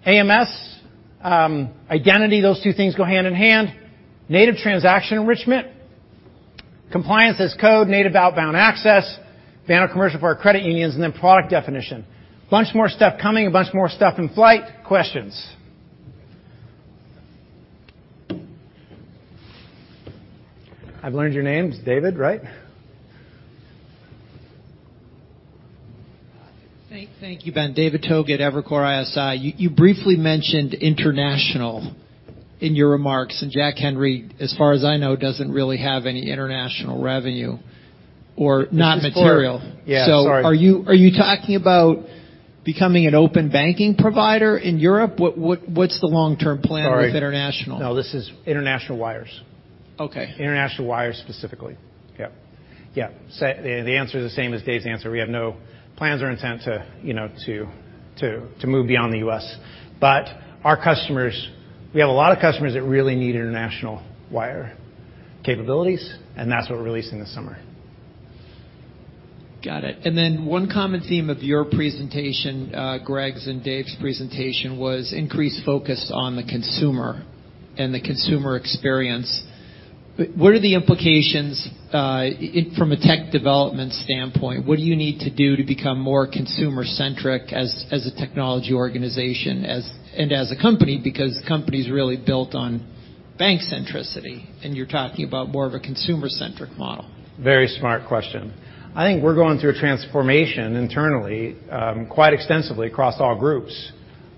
AMS, identity, those two things go hand in hand. Native transaction enrichment, compliance as code, native outbound access, Banno Business for our credit unions, and then product definition. Bunch more stuff coming, a bunch more stuff in flight. Questions. I've learned your name is David, right? Thank you, Ben. David Togut at Evercore ISI. You briefly mentioned international in your remarks, and Jack Henry, as far as I know, doesn't really have any international revenue or not material. This is for So- Yeah, sorry. Are you talking about becoming an open banking provider in Europe? What’s the long-term plan? Sorry. With international? No, this is international wires. Okay. International wires specifically. Yep. The answer is the same as Dave's answer. We have no plans or intent to, you know, move beyond the U.S. Our customers, we have a lot of customers that really need international wire capabilities, and that's what we're releasing this summer. Got it. Then one common theme of your presentation, Greg's and Dave's presentation was increased focus on the consumer and the consumer experience. What are the implications from a tech development standpoint, what do you need to do to become more consumer-centric as a technology organization and as a company because the company's really built on bank centricity, and you're talking about more of a consumer-centric model? Very smart question. I think we're going through a transformation internally, quite extensively across all groups,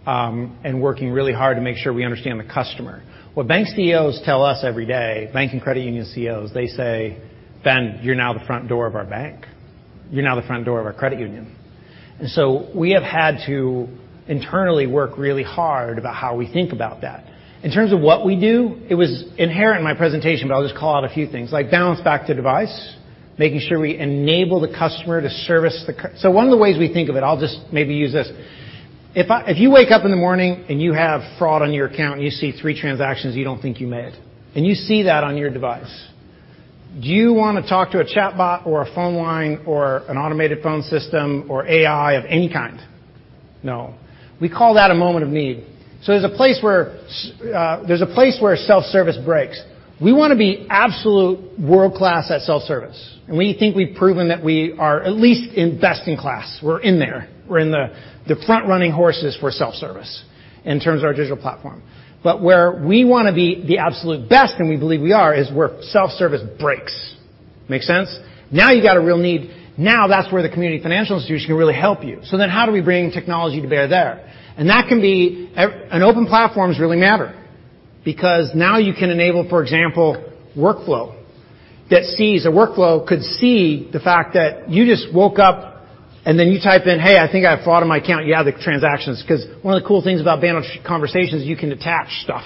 and working really hard to make sure we understand the customer. What bank CEOs tell us every day, bank and credit union CEOs, they say, "Ben, you're now the front door of our bank. You're now the front door of our credit union." We have had to internally work really hard about how we think about that. In terms of what we do, it was inherent in my presentation, but I'll just call out a few things, like Banno, back to device. One of the ways we think of it, I'll just maybe use this. If you wake up in the morning and you have fraud on your account and you see three transactions you don't think you made, and you see that on your device, do you wanna talk to a chatbot or a phone line or an automated phone system or AI of any kind? No. We call that a moment of need. There's a place where self-service breaks. We wanna be absolute world-class at self-service, and we think we've proven that we are at least in best in class. We're in there. We're in the front-running horses for self-service in terms of our digital platform. Where we wanna be the absolute best, and we believe we are, is where self-service breaks. Make sense? Now you've got a real need. Now that's where the community financial institution can really help you. How do we bring technology to bear there? Open platforms really matter because now you can enable, for example, workflow that sees a workflow could see the fact that you just woke up, and then you type in, "Hey, I think I have fraud on my account. You have the transactions." 'Cause one of the cool things about Banno Conversations, you can attach stuff.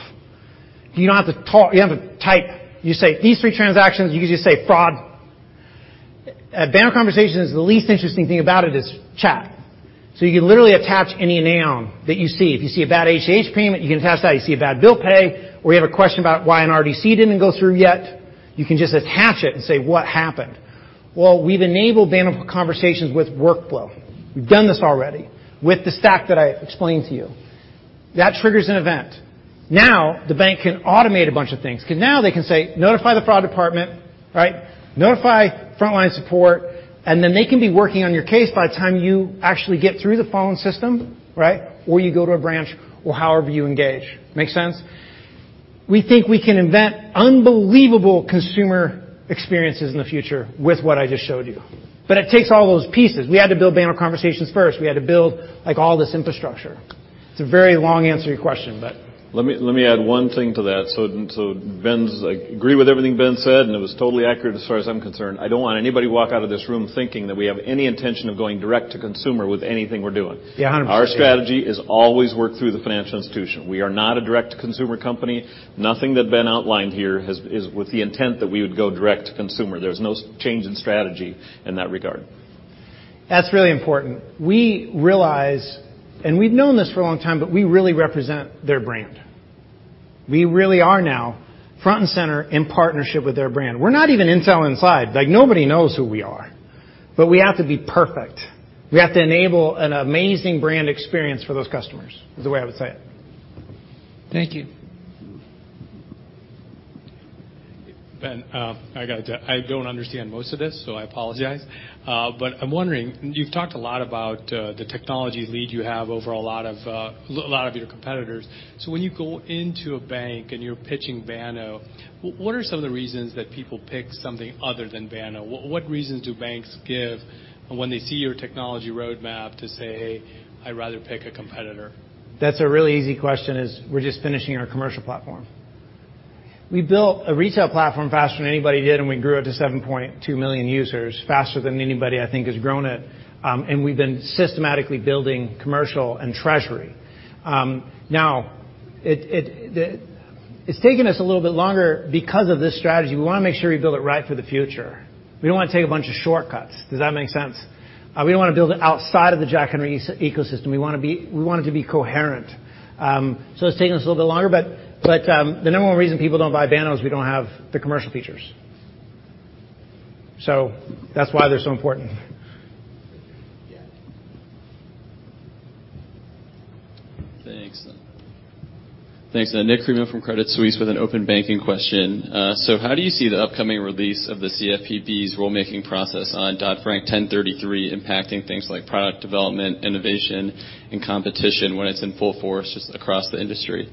You don't have to talk. You don't have to type. You say, "These three transactions," you can just say, "Fraud." Banno Conversations, the least interesting thing about it is chat. You can literally attach any noun that you see. If you see a bad ACH payment, you can attach that. You see a bad bill pay, or you have a question about why an RDC didn't go through yet, you can just attach it and say, "What happened?" Well, we've enabled Banno Conversations with workflow. We've done this already with the stack that I explained to you. That triggers an event. Now the bank can automate a bunch of things. 'Cause now they can say, "Notify the fraud department." Right? "Notify frontline support," and then they can be working on your case by the time you actually get through the phone system, right, or you go to a branch or however you engage. Make sense? We think we can invent unbelievable consumer experiences in the future with what I just showed you, but it takes all those pieces. We had to build Banno Conversations first. We had to build, like, all this infrastructure. It's a very long answer to your question, but. Let me add one thing to that. I agree with everything Ben said, and it was totally accurate as far as I'm concerned. I don't want anybody to walk out of this room thinking that we have any intention of going direct to consumer with anything we're doing. Yeah, 100%. Our strategy is always to work through the financial institution. We are not a direct-to-consumer company. Nothing that Ben outlined here is with the intent that we would go direct to consumer. There's no change in strategy in that regard. That's really important. We realize, and we've known this for a long time, but we really represent their brand. We really are now front and center in partnership with their brand. We're not even Intel Inside. Like, nobody knows who we are. But we have to be perfect. We have to enable an amazing brand experience for those customers, is the way I would say it. Thank you. Ben, I don't understand most of this, so I apologize. But I'm wondering, you've talked a lot about the technology lead you have over a lot of your competitors. When you go into a bank and you're pitching Banno, what are some of the reasons that people pick something other than Banno? What reasons do banks give when they see your technology roadmap to say, "Hey, I'd rather pick a competitor"? That's a really easy question. We're just finishing our commercial platform. We built a retail platform faster than anybody did, and we grew it to 7.2 million users faster than anybody, I think, has grown it. We've been systematically building commercial and treasury. It's taken us a little bit longer because of this strategy. We wanna make sure we build it right for the future. We don't wanna take a bunch of shortcuts. Does that make sense? We don't wanna build it outside of the Jack Henry ecosystem. We want it to be coherent. It's taken us a little bit longer, but the number one reason people don't buy Banno is we don't have the commercial features. That's why they're so important. Yeah. Thanks. Tim Chiodo from Credit Suisse with an open banking question. How do you see the upcoming release of the CFPB's rulemaking process on Dodd-Frank 1033 impacting things like product development, innovation, and competition when it's in full force just across the industry?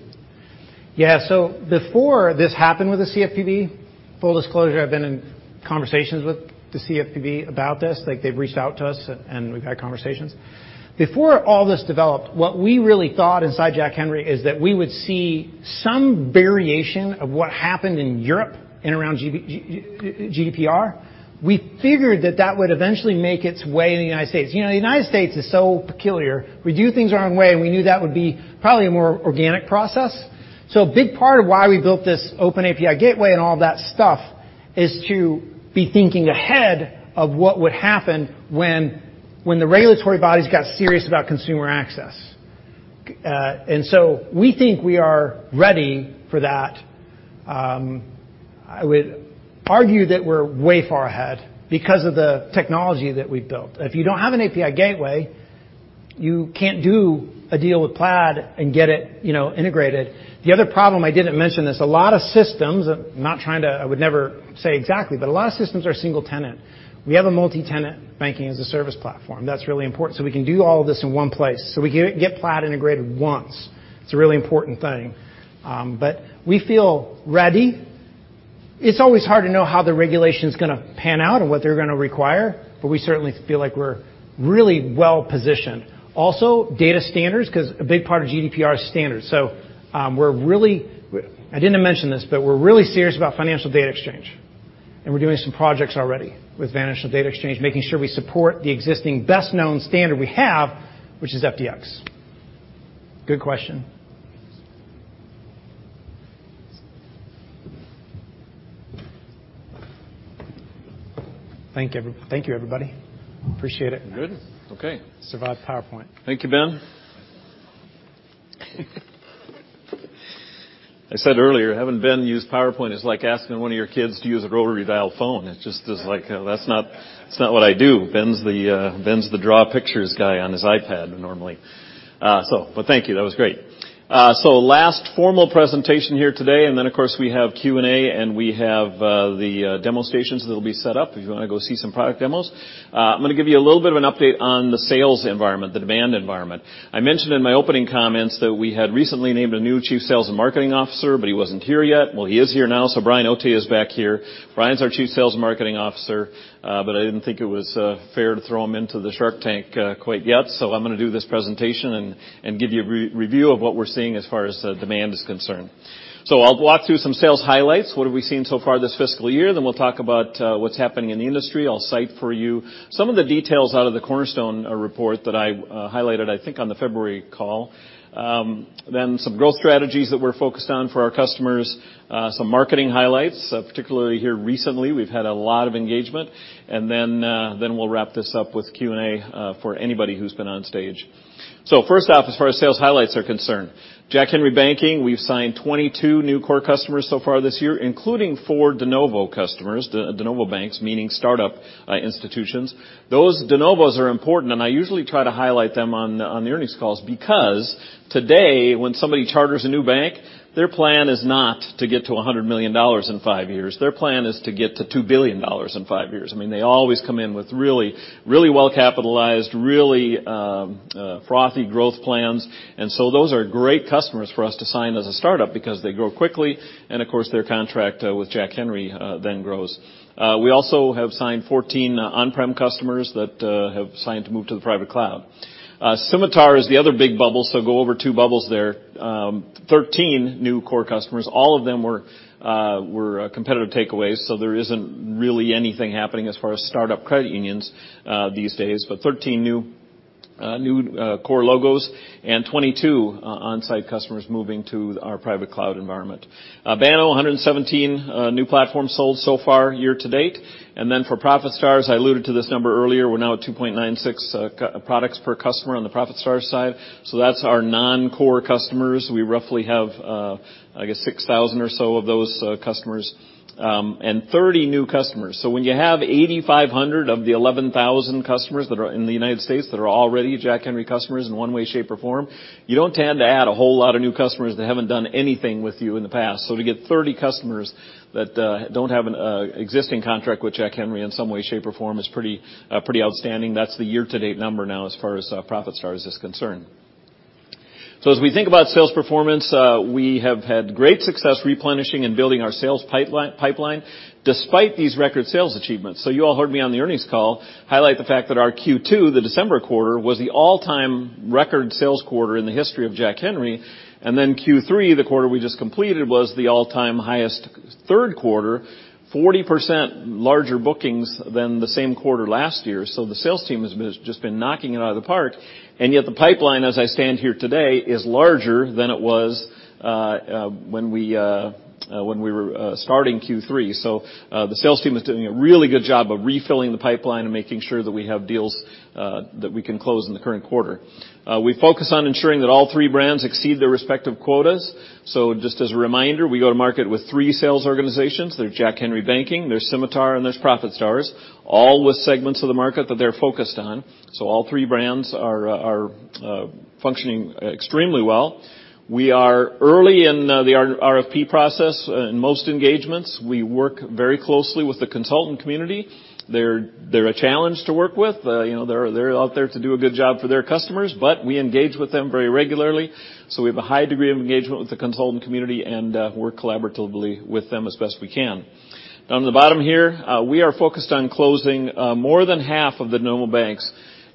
Before this happened with the CFPB, full disclosure, I've been in conversations with the CFPB about this. Like, they've reached out to us and we've had conversations. Before all this developed, what we really thought inside Jack Henry is that we would see some variation of what happened in Europe and around GDPR. We figured that would eventually make its way to the United States. You know, the United States is so peculiar. We do things our own way, and we knew that would be probably a more organic process. A big part of why we built this OpenAPI gateway and all that stuff is to be thinking ahead of what would happen when the regulatory bodies got serious about consumer access. We think we are ready for that. I would argue that we're way far ahead because of the technology that we've built. If you don't have an API gateway, you can't do a deal with Plaid and get it, you know, integrated. The other problem I didn't mention is a lot of systems. I would never say exactly, but a lot of systems are single tenant. We have a multi-tenant banking-as-a-service platform. That's really important, so we can do all this in one place. We get Plaid integrated once. It's a really important thing. We feel ready. It's always hard to know how the regulation's gonna pan out and what they're gonna require, but we certainly feel like we're really well-positioned. Also, data standards, 'cause a big part of GDPR is standards. We're really. I didn't mention this, but we're really serious about Financial Data Exchange, and we're doing some projects already with Financial Data Exchange, making sure we support the existing best-known standard we have, which is FDX. Good question. Thank you, everybody. Appreciate it. Good. Okay. Survived the PowerPoint. Thank you, Ben. I said earlier, having Ben use PowerPoint is like asking one of your kids to use a rotary dial phone. It's just, it's like, that's not what I do. Ben's the draw pictures guy on his iPad normally. Thank you. That was great. Last formal presentation here today, and then, of course, we have Q&A, and we have the demo stations that'll be set up if you wanna go see some product demos. I'm gonna give you a little bit of an update on the sales environment, the demand environment. I mentioned in my opening comments that we had recently named a new chief sales and marketing officer, but he wasn't here yet. Well, he is here now, so Brian Otte is back here. Brian Otte's our Chief Sales and Marketing Officer, but I didn't think it was fair to throw him into the shark tank quite yet. I'm gonna do this presentation and give you a review of what we're seeing as far as demand is concerned. I'll walk through some sales highlights, what have we seen so far this fiscal year, then we'll talk about what's happening in the industry. I'll cite for you some of the details out of the Cornerstone report that I highlighted, I think, on the February call. Then some growth strategies that we're focused on for our customers, some marketing highlights, particularly here recently, we've had a lot of engagement. We'll wrap this up with Q&A for anybody who's been on stage. First off, as far as sales highlights are concerned, Jack Henry Banking, we've signed 22 new core customers so far this year, including four de novo customers, de novo banks, meaning startup institutions. Those de novos are important, and I usually try to highlight them on the earnings calls because today, when somebody charters a new bank, their plan is not to get to $100 million in five years. Their plan is to get to $2 billion in five years. I mean, they always come in with really well-capitalized, really frothy growth plans. Those are great customers for us to sign as a startup because they grow quickly, and of course, their contract with Jack Henry then grows. We also have signed 14 on-prem customers that have signed to move to the private cloud. Symitar is the other big bubble, so go over two bubbles there. 13 new core customers, all of them were competitive takeaways, so there isn't really anything happening as far as startup credit unions these days. 13 new core logos and 22 on-site customers moving to our private cloud environment. Banno, 117 new platforms sold so far year to date. For ProfitStars, I alluded to this number earlier, we're now at 2.96 products per customer on the ProfitStars side. That's our non-core customers. We roughly have, I guess, 6,000 or so of those customers, and 30 new customers. When you have 8,500 of the 11,000 customers that are in the United States that are already Jack Henry customers in one way, shape, or form, you don't tend to add a whole lot of new customers that haven't done anything with you in the past. To get 30 customers that don't have an existing contract with Jack Henry in some way, shape, or form is pretty outstanding. That's the year-to-date number now as far as ProfitStars is concerned. As we think about sales performance, we have had great success replenishing and building our sales pipeline despite these record sales achievements. You all heard me on the earnings call highlight the fact that our Q2, the December quarter, was the all-time record sales quarter in the history of Jack Henry. Q3, the quarter we just completed, was the all-time highest third quarter, 40% larger bookings than the same quarter last year. The sales team has been just knocking it out of the park. Yet the pipeline, as I stand here today, is larger than it was when we were starting Q3. The sales team is doing a really good job of refilling the pipeline and making sure that we have deals that we can close in the current quarter. We focus on ensuring that all three brands exceed their respective quotas. Just as a reminder, we go to market with three sales organizations. There's Jack Henry Banking, there's Symitar, and there's ProfitStars, all with segments of the market that they're focused on. All three brands are functioning extremely well. We are early in the RFP process. In most engagements, we work very closely with the consultant community. They're a challenge to work with. You know, they're out there to do a good job for their customers, but we engage with them very regularly. We have a high degree of engagement with the consultant community, and work collaboratively with them as best we can. Down at the bottom here, we are focused on closing more than half of the de novo banks.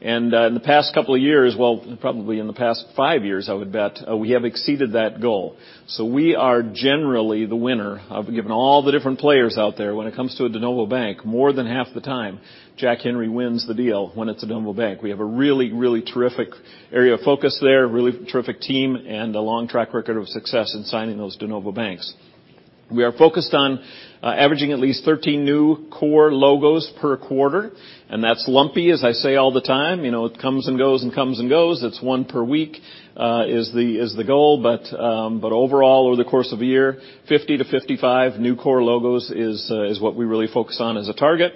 In the past couple of years, well, probably in the past five years, I would bet, we have exceeded that goal. We are generally the winner over all the different players out there when it comes to a de novo bank. More than half the time, Jack Henry wins the deal when it's a de novo bank. We have a really, really terrific area of focus there, a really terrific team, and a long track record of success in signing those de novo banks. We are focused on averaging at least 13 new core logos per quarter, and that's lumpy, as I say all the time. You know, it comes and goes and comes and goes. It's one per week is the goal. But overall, over the course of a year, 50-55 new core logos is what we really focus on as a target.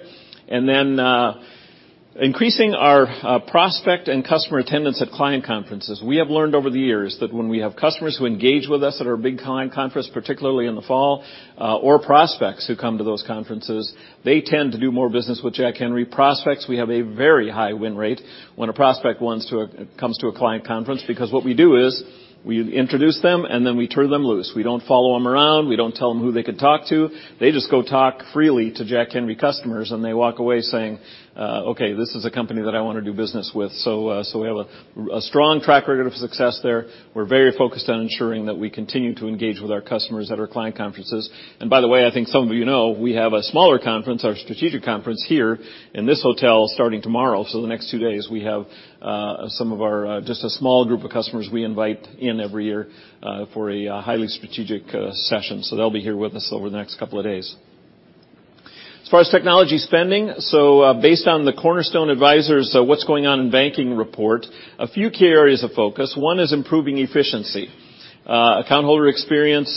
Increasing our prospect and customer attendance at client conferences. We have learned over the years that when we have customers who engage with us at our big client conference, particularly in the fall, or prospects who come to those conferences, they tend to do more business with Jack Henry. Prospects, we have a very high win rate when a prospect wants to come to a client conference because what we do is we introduce them and then we turn them loose. We don't follow them around. We don't tell them who they could talk to. They just go talk freely to Jack Henry customers, and they walk away saying, "Okay, this is a company that I wanna do business with." We have a strong track record of success there. We're very focused on ensuring that we continue to engage with our customers at our client conferences. By the way, I think some of you know we have a smaller conference, our strategic conference here in this hotel starting tomorrow. The next two days, we have some of our just a small group of customers we invite in every year for a highly strategic session. They'll be here with us over the next couple of days. As far as technology spending, based on the Cornerstone Advisors' What's Going On In Banking Report, a few key areas of focus. One is improving efficiency. Account holder experience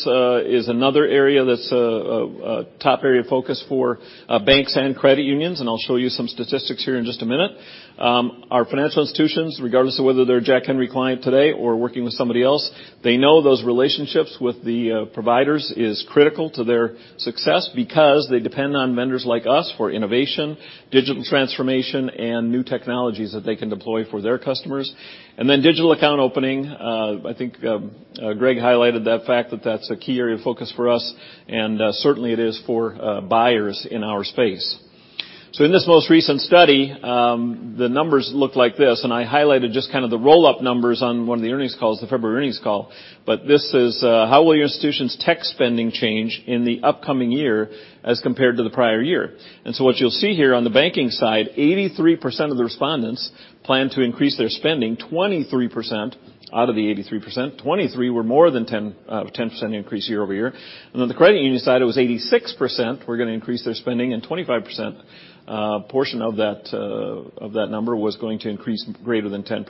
is another area that's a top area of focus for banks and credit unions, and I'll show you some statistics here in just a minute. Our financial institutions, regardless of whether they're a Jack Henry client today or working with somebody else, they know those relationships with the providers is critical to their success because they depend on vendors like us for innovation, digital transformation, and new technologies that they can deploy for their customers. Digital account opening, I think, Greg highlighted that fact that that's a key area of focus for us, and certainly it is for buyers in our space. In this most recent study, the numbers look like this, and I highlighted just kind of the roll-up numbers on one of the earnings calls, the February earnings call. This is how will your institution's tech spending change in the upcoming year as compared to the prior year? What you'll see here on the banking side, 83% of the respondents plan to increase their spending. 23% out of the 83% were more than 10% increase year-over-year. On the credit union side, it was 86% were gonna increase their spending, and 25% portion of that number was going to increase greater than 10%.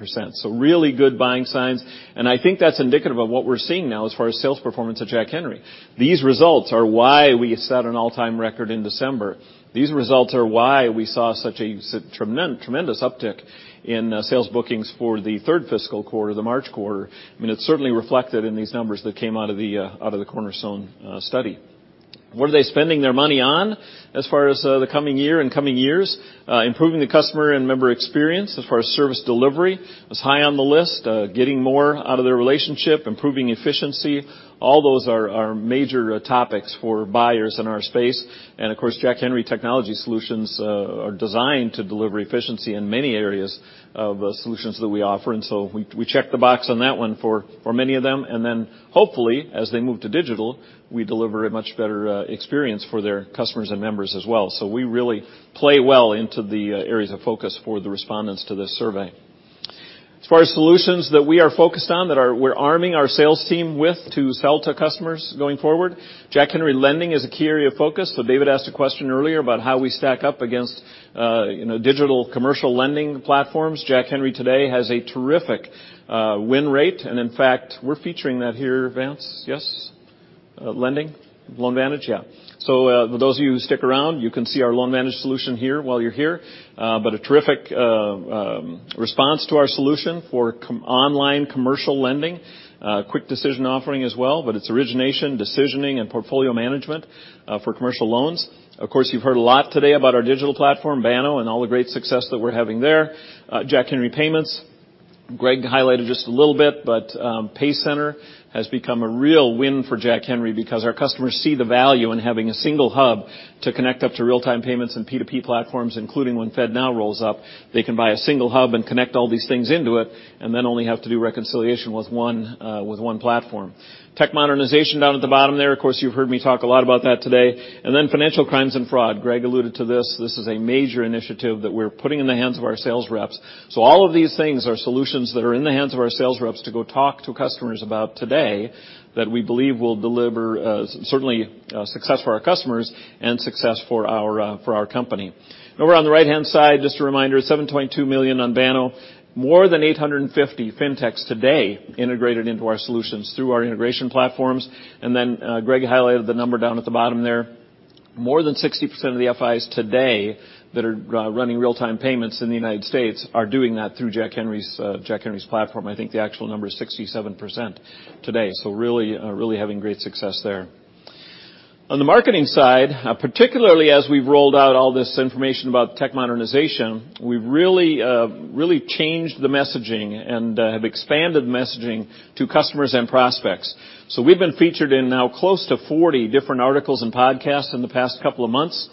Really good buying signs. I think that's indicative of what we're seeing now as far as sales performance at Jack Henry. These results are why we set an all-time record in December. These results are why we saw such a tremendous uptick in sales bookings for the third fiscal quarter, the March quarter. I mean, it's certainly reflected in these numbers that came out of the Cornerstone study. What are they spending their money on as far as the coming year and coming years? Improving the customer and member experience as far as service delivery is high on the list. Getting more out of their relationship, improving efficiency, all those are major topics for buyers in our space. Of course, Jack Henry technology solutions are designed to deliver efficiency in many areas of the solutions that we offer. We check the box on that one for many of them. Hopefully, as they move to digital, we deliver a much better experience for their customers and members as well. We really play well into the areas of focus for the respondents to this survey. As far as solutions that we are focused on, we're arming our sales team with to sell to customers going forward, Jack Henry Lending is a key area of focus. David asked a question earlier about how we stack up against, you know, digital commercial lending platforms. Jack Henry today has a terrific win rate. In fact, we're featuring that here, Vance. Yes? Lending? LoanVantage? Yeah. For those of you who stick around, you can see our LoanVantage solution here while you're here. But a terrific response to our solution for online commercial lending. Quick decision offering as well, but it's origination, decisioning, and portfolio management for commercial loans. Of course, you've heard a lot today about our digital platform, Banno, and all the great success that we're having there. Jack Henry Payments, Greg highlighted just a little bit, but PayCenter has become a real win for Jack Henry because our customers see the value in having a single hub to connect up to real-time payments and P2P platforms, including when FedNow rolls out. They can buy a single hub and connect all these things into it and then only have to do reconciliation with one platform. Tech modernization down at the bottom there, of course, you've heard me talk a lot about that today. Financial crimes and fraud. Greg alluded to this. This is a major initiative that we're putting in the hands of our sales reps. All of these things are solutions that are in the hands of our sales reps to go talk to customers about today that we believe will deliver certainly success for our customers and success for our company. Over on the right-hand side, just a reminder, 7.2 million on Banno. More than 850 fintechs today integrated into our solutions through our integration platforms. Greg highlighted the number down at the bottom there. More than 60% of the FIs today that are running real-time payments in the United States are doing that through Jack Henry's platform. I think the actual number is 67% today, really having great success there. On the marketing side, particularly as we've rolled out all this information about tech modernization, we really changed the messaging and have expanded the messaging to customers and prospects. We've been featured in now close to 40 different articles and podcasts in the past couple of months,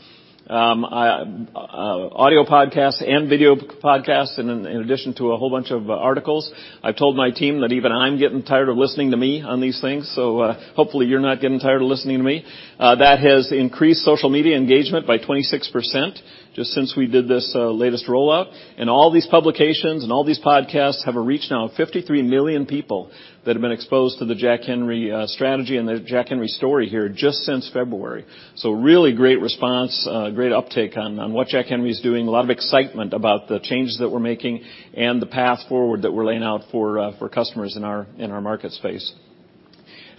audio podcasts and video podcasts in addition to a whole bunch of articles. I've told my team that even I'm getting tired of listening to me on these things, so hopefully you're not getting tired of listening to me. That has increased social media engagement by 26% just since we did this latest rollout. All these publications and all these podcasts have a reach now of 53 million people that have been exposed to the Jack Henry strategy and the Jack Henry story here just since February. Really great response, great uptake on what Jack Henry is doing. A lot of excitement about the changes that we're making and the path forward that we're laying out for customers in our market space.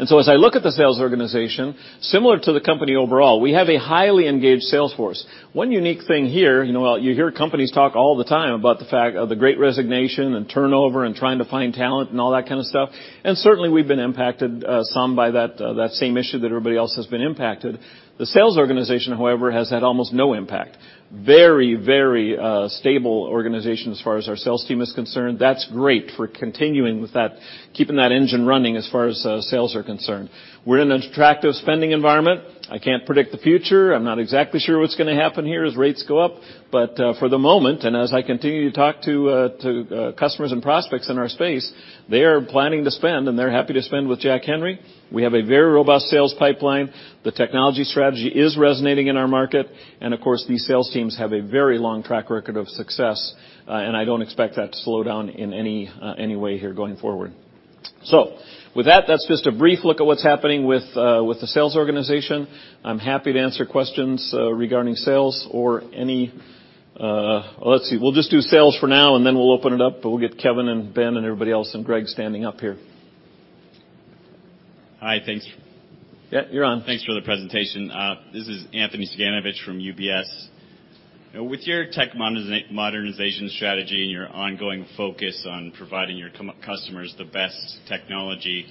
As I look at the sales organization, similar to the company overall, we have a highly engaged sales force. One unique thing here, you know, you hear companies talk all the time about the fact of the great resignation and turnover and trying to find talent and all that kind of stuff. Certainly, we've been impacted some by that same issue that everybody else has been impacted. The sales organization, however, has had almost no impact. Very stable organization as far as our sales team is concerned. That's great for continuing with that, keeping that engine running as far as sales are concerned. We're in an attractive spending environment. I can't predict the future. I'm not exactly sure what's gonna happen here as rates go up. For the moment, and as I continue to talk to customers and prospects in our space, they are planning to spend, and they're happy to spend with Jack Henry. We have a very robust sales pipeline. The technology strategy is resonating in our market. Of course, these sales teams have a very long track record of success. I don't expect that to slow down in any way here going forward. With that's just a brief look at what's happening with the sales organization. I'm happy to answer questions regarding sales or any. Let's see. We'll just do sales for now, and then we'll open it up, but we'll get Kevin and Ben and everybody else and Greg standing up here. Hi. Thanks. Yeah, you're on. Thanks for the presentation. This is Anthony Cyganovich from UBS. With your tech modernization strategy and your ongoing focus on providing your customers the best technology,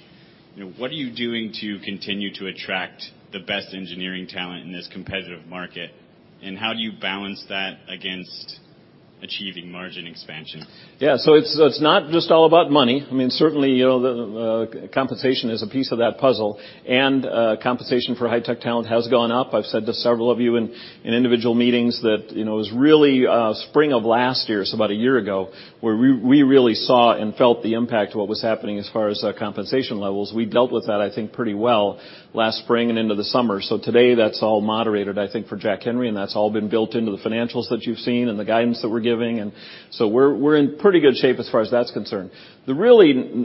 you know, what are you doing to continue to attract the best engineering talent in this competitive market? And how do you balance that against achieving margin expansion? Yeah. It's not just all about money. I mean, certainly, you know, the compensation is a piece of that puzzle. Compensation for high-tech talent has gone up. I've said to several of you in individual meetings that, you know, it was really spring of last year, about a year ago, where we really saw and felt the impact of what was happening as far as compensation levels. We dealt with that, I think, pretty well last spring and into the summer. Today, that's all moderated, I think, for Jack Henry, and that's all been built into the financials that you've seen and the guidance that we're giving. We're in pretty good shape as far as that's concerned. You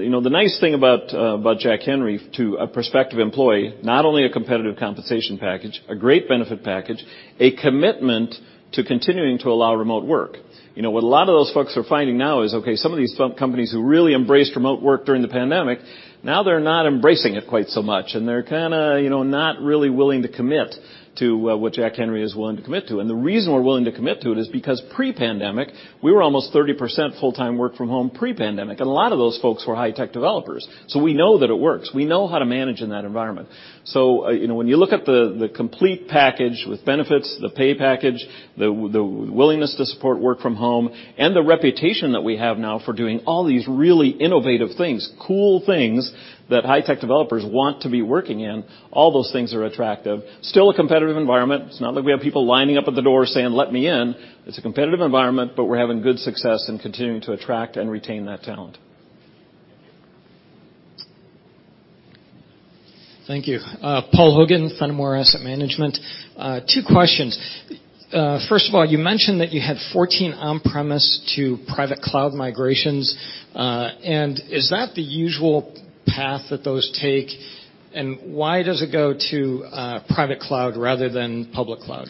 know, the nice thing about Jack Henry to a prospective employee, not only a competitive compensation package, a great benefit package, a commitment to continuing to allow remote work. You know, what a lot of those folks are finding now is, okay, some of these companies who really embraced remote work during the pandemic, now they're not embracing it quite so much, and they're kinda, you know, not really willing to commit to what Jack Henry is willing to commit to. The reason we're willing to commit to it is because pre-pandemic, we were almost 30% full-time work from home pre-pandemic, and a lot of those folks were high-tech developers. We know that it works. We know how to manage in that environment. You know, when you look at the complete package with benefits, the pay package, the willingness to support work from home, and the reputation that we have now for doing all these really innovative things, cool things that high-tech developers want to be working in, all those things are attractive. Still a competitive environment. It's not like we have people lining up at the door saying, "Let me in." It's a competitive environment, but we're having good success in continuing to attract and retain that talent. Thank you. Paul Hogan, Fenimore Asset Management. Two questions. First of all, you mentioned that you had 14 on-premise to private cloud migrations. Is that the usual path that those take? Why does it go to a private cloud rather than public cloud?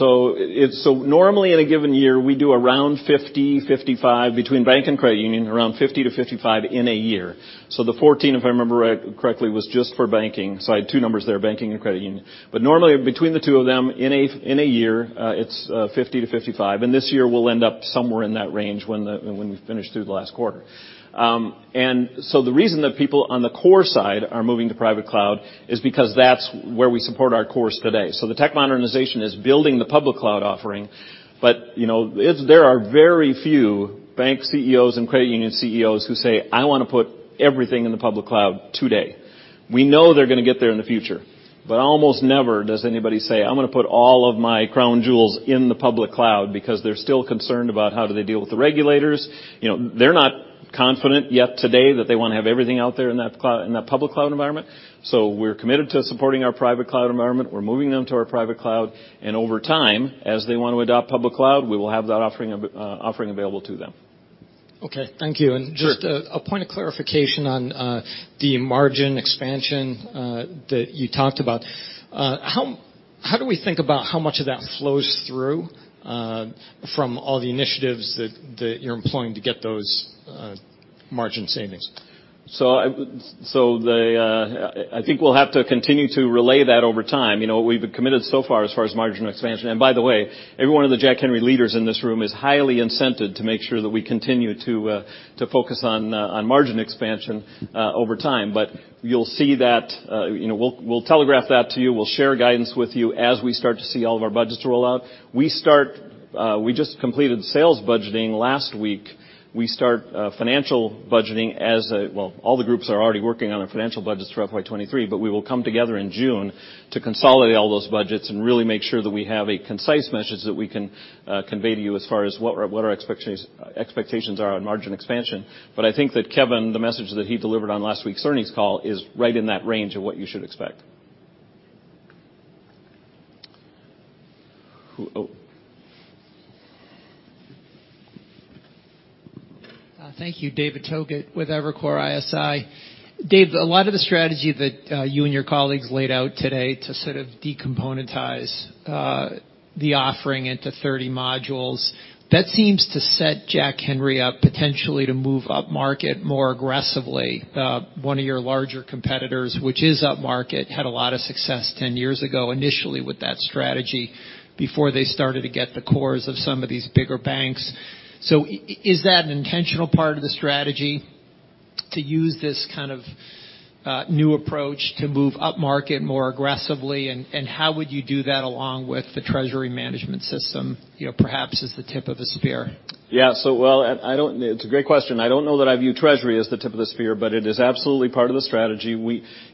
Normally, in a given year, we do around 50%-55% between banking and credit union, around 50%-55% in a year. The 14, if I remember correctly, was just for banking. I had two numbers there, banking and credit union. Normally, between the two of them in a year, it's 50%-55%. This year, we'll end up somewhere in that range when we finish through the last quarter. The reason that people on the core side are moving to private cloud is because that's where we support our cores today. The tech modernization is building the public cloud offering. You know, there are very few bank CEOs and credit union CEOs who say, "I wanna put everything in the public cloud today." We know they're gonna get there in the future. Almost never does anybody say, "I'm gonna put all of my crown jewels in the public cloud," because they're still concerned about how do they deal with the regulators. You know, they're not confident yet today that they wanna have everything out there in that cloud in that public cloud environment. We're committed to supporting our private cloud environment. We're moving them to our private cloud. Over time, as they want to adopt public cloud, we will have that offering available to them. Okay, thank you. Sure. Just a point of clarification on the margin expansion that you talked about. How do we think about how much of that flows through from all the initiatives that you're employing to get those margin savings? I think we'll have to continue to relay that over time, you know, what we've been committed so far as far as margin expansion. By the way, every one of the Jack Henry leaders in this room is highly incented to make sure that we continue to focus on margin expansion over time. You'll see that, you know, we'll telegraph that to you. We'll share guidance with you as we start to see all of our budgets roll out. We just completed sales budgeting last week. We start financial budgeting as well, all the groups are already working on our financial budgets for FY 2023, but we will come together in June to consolidate all those budgets and really make sure that we have a concise message that we can convey to you as far as what our expectations are on margin expansion. I think that Kevin, the message that he delivered on last week's earnings call is right in that range of what you should expect. Who? Oh. Thank you. David Togut with Evercore ISI. Dave, a lot of the strategy that you and your colleagues laid out today to sort of decomponentize the offering into 30 modules, that seems to set Jack Henry up potentially to move upmarket more aggressively. One of your larger competitors, which is upmarket, had a lot of success 10 years ago, initially with that strategy before they started to get the cores of some of these bigger banks. Is that an intentional part of the strategy to use this kind of new approach to move upmarket more aggressively? And how would you do that along with the treasury management system, you know, perhaps as the tip of the spear? Yeah. Well, I don't know. It's a great question. I don't know that I view treasury as the tip of the spear, but it is absolutely part of the strategy.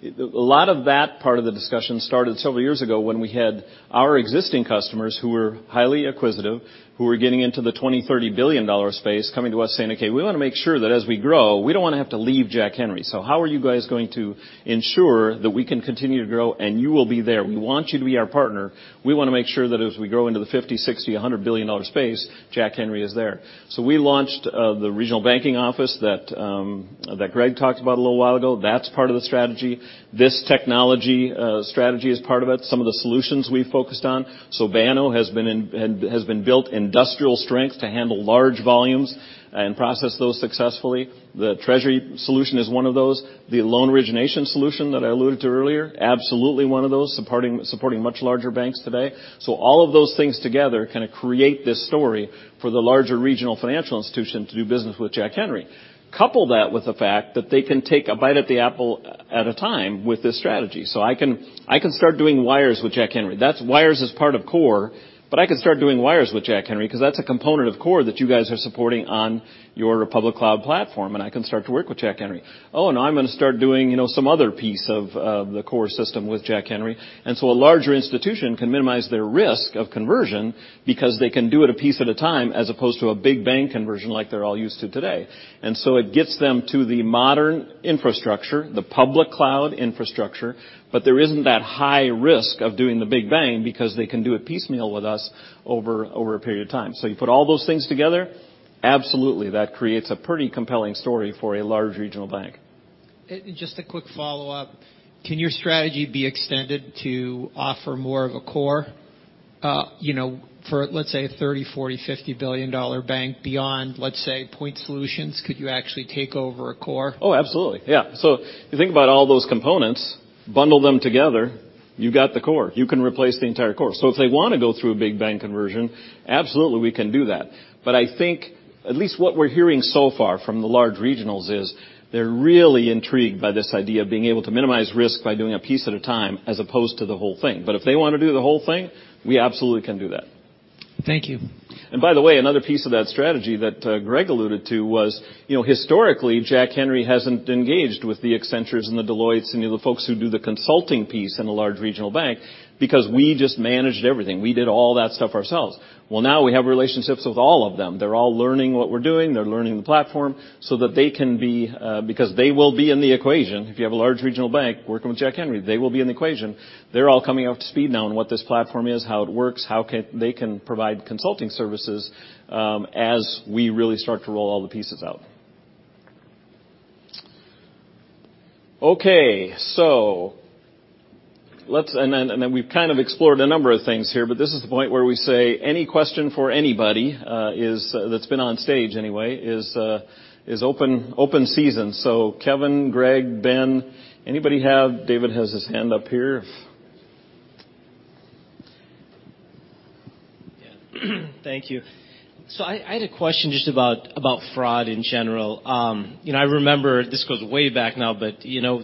A lot of that part of the discussion started several years ago when we had our existing customers who were highly acquisitive, who were getting into the $20 billion-$30 billion space, coming to us saying, "Okay, we wanna make sure that as we grow, we don't wanna have to leave Jack Henry. So how are you guys going to ensure that we can continue to grow and you will be there? We want you to be our partner. We wanna make sure that as we grow into the $50 billion, $60 billion, $100 billion space, Jack Henry is there. We launched the regional banking office that Greg talked about a little while ago. That's part of the strategy. This technology strategy is part of it. Some of the solutions we've focused on. Banno has been built industrial strength to handle large volumes and process those successfully. The treasury solution is one of those. The loan origination solution that I alluded to earlier, absolutely one of those, supporting much larger banks today. All of those things together kinda create this story for the larger regional financial institution to do business with Jack Henry. Couple that with the fact that they can take a bite at the apple at a time with this strategy. I can start doing wires with Jack Henry. That's wires as part of core, but I can start doing wires with Jack Henry 'cause that's a component of core that you guys are supporting on your public cloud platform, and I can start to work with Jack Henry. Oh, now I'm gonna start doing, you know, some other piece of the core system with Jack Henry. A larger institution can minimize their risk of conversion because they can do it a piece at a time as opposed to a big bank conversion like they're all used to today. It gets them to the modern infrastructure, the public cloud infrastructure, but there isn't that high risk of doing the big bang because they can do it piecemeal with us over a period of time. You put all those things together, absolutely that creates a pretty compelling story for a large regional bank. Just a quick follow-up. Can your strategy be extended to offer more of a core, for let's say a $30 billion, $40 billion, $50 billion bank beyond, let's say, point solutions? Could you actually take over a core? Oh, absolutely. Yeah. If you think about all those components, bundle them together, you've got the core. You can replace the entire core. If they wanna go through a big bank conversion, absolutely we can do that. I think at least what we're hearing so far from the large regionals is they're really intrigued by this idea of being able to minimize risk by doing a piece at a time as opposed to the whole thing. If they wanna do the whole thing, we absolutely can do that. Thank you. By the way, another piece of that strategy that Greg alluded to was, you know, historically, Jack Henry hasn't engaged with the Accenture and the Deloitte and the other folks who do the consulting piece in a large regional bank because we just managed everything. We did all that stuff ourselves. Well, now we have relationships with all of them. They're all learning what we're doing, they're learning the platform, so that they can be, because they will be in the equation. If you have a large regional bank working with Jack Henry, they will be in the equation. They're all coming up to speed now on what this platform is, how it works, how they can provide consulting services, as we really start to roll all the pieces out. Okay. Let's Then we've kind of explored a number of things here, but this is the point where we say any question for anybody that's been on stage anyway is open season. Kevin, Greg, Ben, anybody have. David has his hand up here if. Yeah. Thank you. I had a question just about fraud in general. You know, I remember, this goes way back now but, you know,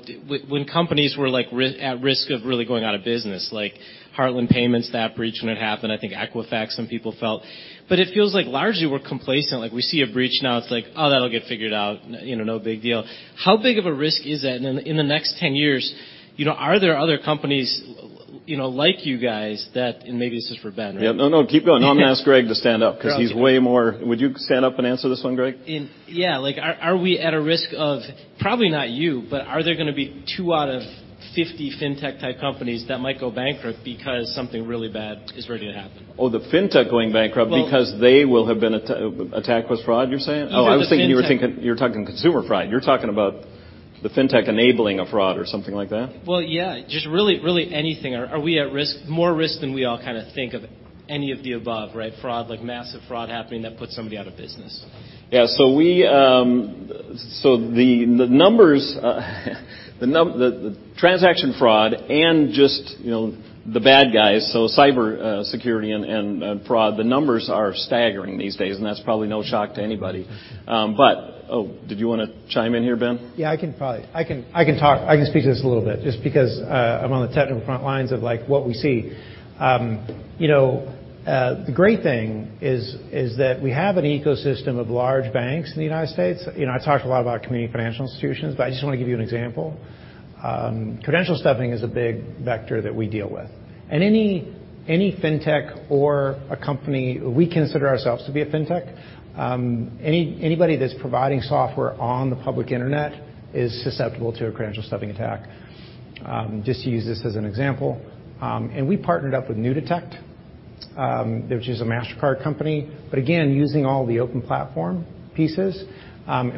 when companies were like at risk of really going out of business like Heartland Payment Systems, that breach when it happened, I think Equifax, some people felt. It feels like largely we're complacent. Like we see a breach now, it's like, "Oh, that'll get figured out. You know, no big deal." How big of a risk is that in the next 10 years? You know, are there other companies like you guys that... Maybe this is for Ben, right? Yeah. No, no, keep going. I'm gonna ask Greg to stand up- Okay. Would you stand up and answer this one, Greg? Yeah. Like, are we at a risk of probably not you, but are there gonna be two out of 50 fintech-type companies that might go bankrupt because something really bad is ready to happen? Oh, the fintech going bankrupt. Well- Because they will have been attacked with fraud, you're saying? Is it the fintech? Oh, I was thinking you were talking consumer fraud. You're talking about the fintech enabling a fraud or something like that? Well, yeah. Just really, really anything. Are we at risk, more risk than we all kinda think of any of the above, right? Fraud, like massive fraud happening that puts somebody out of business. Yeah. The transaction fraud and just, you know, the bad guys, so cyber security and fraud, the numbers are staggering these days, and that's probably no shock to anybody. Oh, did you wanna chime in here, Ben? I can speak to this a little bit just because I'm on the technical front lines of like what we see. You know, the great thing is that we have an ecosystem of large banks in the United States. You know, I talked a lot about community financial institutions, but I just wanna give you an example. Credential stuffing is a big vector that we deal with. Any fintech or a company, we consider ourselves to be a fintech. Anybody that's providing software on the public internet is susceptible to a credential stuffing attack, just to use this as an example. We partnered up with NuDetect, which is a Mastercard company but again using all the open platform pieces.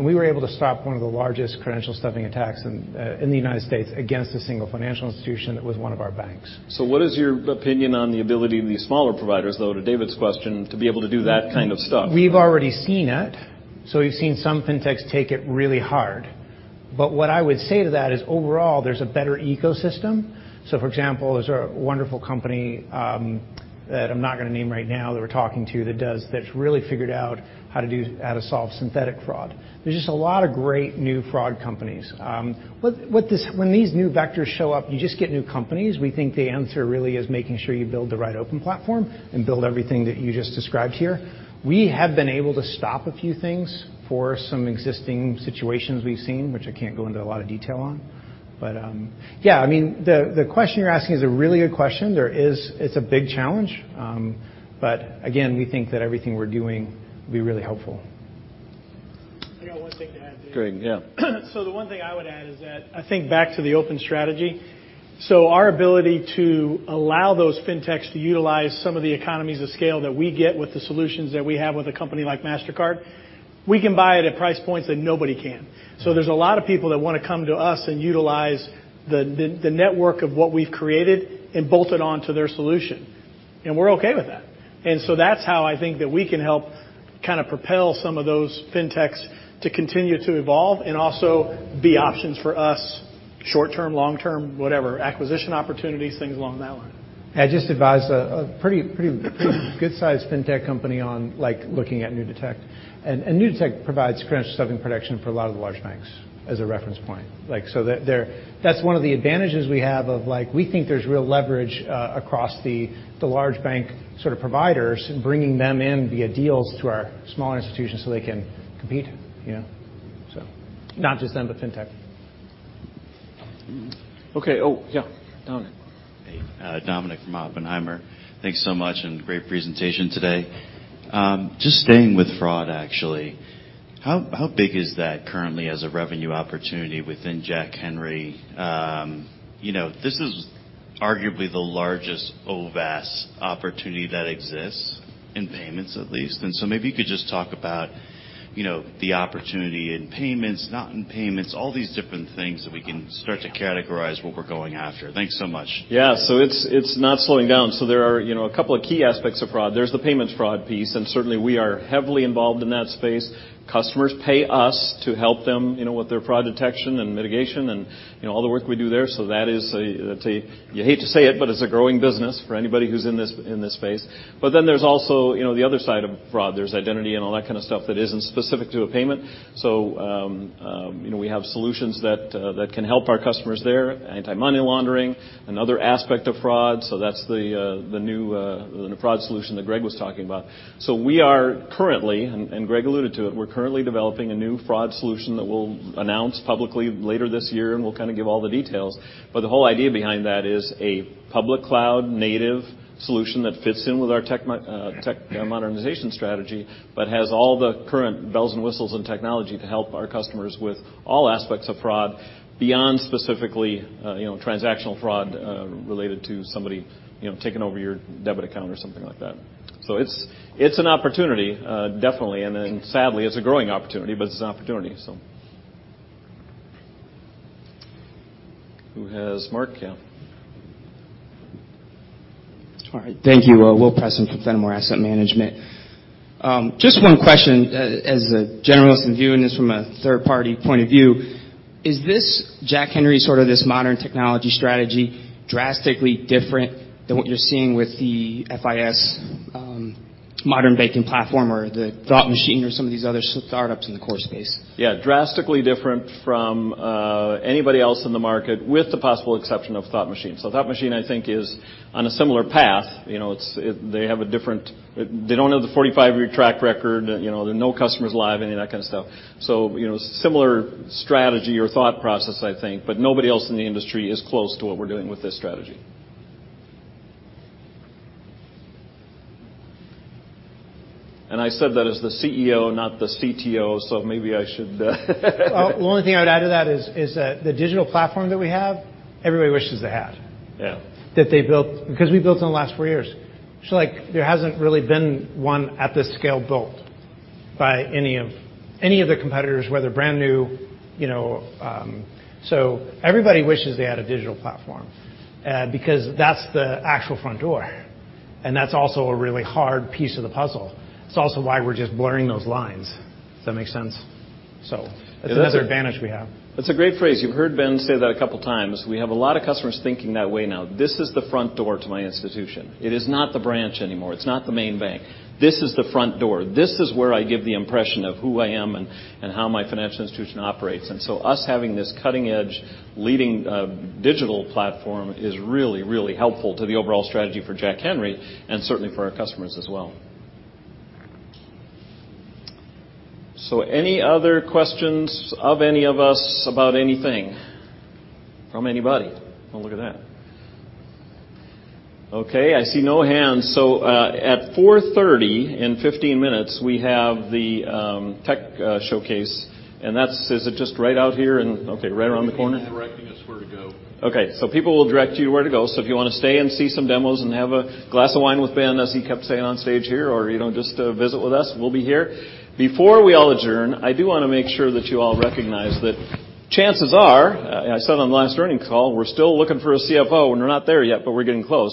We were able to stop one of the largest credential stuffing attacks in the United States against a single financial institution that was one of our banks. What is your opinion on the ability of these smaller providers, though, to David's question, to be able to do that kind of stuff? We've already seen it, so we've seen some fintechs take it really hard. What I would say to that is overall, there's a better ecosystem. For example, there's a wonderful company that I'm not gonna name right now that we're talking to that's really figured out how to solve synthetic fraud. There's just a lot of great new fraud companies. When these new vectors show up, you just get new companies. We think the answer really is making sure you build the right open platform and build everything that you just described here. We have been able to stop a few things for some existing situations we've seen, which I can't go into a lot of detail on. I mean, the question you're asking is a really good question. There is. It's a big challenge. Again, we think that everything we're doing will be really helpful. I got one thing to add there. Greg, yeah. The one thing I would add is that I think back to the open strategy. Our ability to allow those fintechs to utilize some of the economies of scale that we get with the solutions that we have with a company like Mastercard, we can buy it at price points that nobody can. There's a lot of people that wanna come to us and utilize the network of what we've created and bolt it on to their solution, and we're okay with that. That's how I think that we can help kind of propel some of those fintechs to continue to evolve and also be options for us short-term, long-term, whatever. Acquisition opportunities, things along that line. I just advise a pretty good-sized fintech company on, like, looking at NuDetect. NuDetect provides credential stuffing protection for a lot of the large banks as a reference point. Like, so they're that's one of the advantages we have of, like, we think there's real leverage across the large bank sort of providers bringing them in via deals to our smaller institutions so they can compete, you know. Not just them, but fintech. Okay. Oh, yeah. Dominick. Hey. Dominick from Oppenheimer. Thanks so much and great presentation today. Just staying with fraud actually, how big is that currently as a revenue opportunity within Jack Henry? You know, this is arguably the largest OVAS opportunity that exists in payments at least. Maybe you could just talk about, you know, the opportunity in payments, not in payments, all these different things that we can start to categorize what we're going after. Thanks so much. Yeah, it's not slowing down. There are, you know, a couple of key aspects of fraud. There's the payments fraud piece, and certainly we are heavily involved in that space. Customers pay us to help them, you know, with their fraud detection and mitigation and, you know, all the work we do there. That is a growing business for anybody who's in this space. You hate to say it, but it's a growing business for anybody who's in this space. There's also, you know, the other side of fraud. There's identity and all that kind of stuff that isn't specific to a payment. You know, we have solutions that can help our customers there. Anti-money laundering, another aspect of fraud. That's the new fraud solution that Greg was talking about. We are currently, and Greg alluded to it, we're currently developing a new fraud solution that we'll announce publicly later this year, and we'll kinda give all the details. But the whole idea behind that is a public cloud native solution that fits in with our tech modernization strategy, but has all the current bells and whistles and technology to help our customers with all aspects of fraud beyond specifically, you know, transactional fraud related to somebody, you know, taking over your debit account or something like that. It's an opportunity, definitely, and then sadly, it's a growing opportunity, but it's an opportunity. Who has Mark, yeah. All right. Thank you. Will Preston from Fenimore Asset Management. Just one question. As a generalist and viewing this from a third-party point of view, is this Jack Henry sort of this modern technology strategy drastically different than what you're seeing with the FIS Modern Banking Platform or the Thought Machine or some of these other startups in the core space? Yeah. Drastically different from anybody else in the market with the possible exception of Thought Machine. Thought Machine I think is on a similar path. You know, they have a different. They don't have the 45-year track record. You know, there are no customers live, any of that kind of stuff. You know, similar strategy or thought process I think, but nobody else in the industry is close to what we're doing with this strategy. I said that as the CEO, not the CTO, so maybe I should The only thing I would add to that is that the digital platform that we have, everybody wishes they had. Yeah That they built because we built in the last four years. Like, there hasn't really been one at this scale built by any of the competitors, whether brand-new, you know. Everybody wishes they had a digital platform, because that's the actual front door, and that's also a really hard piece of the puzzle. It's also why we're just blurring those lines. Does that make sense? That's another advantage we have. That's a great phrase. You've heard Ben say that a couple times. We have a lot of customers thinking that way now. This is the front door to my institution. It is not the branch anymore. It's not the main bank. This is the front door. This is where I give the impression of who I am and how my financial institution operates. Us having this cutting-edge leading digital platform is really, really helpful to the overall strategy for Jack Henry and certainly for our customers as well. Any other questions of any of us about anything from anybody? Well, look at that. Okay, I see no hands. At 4:30, in 15 minutes, we have the tech showcase, and that's just right out here. Okay, right around the corner. We have people directing us where to go. Okay. People will direct you where to go. If you wanna stay and see some demos and have a glass of wine with Ben, as he kept saying on stage here, or, you know, just to visit with us, we'll be here. Before we all adjourn, I do wanna make sure that you all recognize that chances are, I said on the last earnings call, we're still looking for a CFO, and we're not there yet, but we're getting close.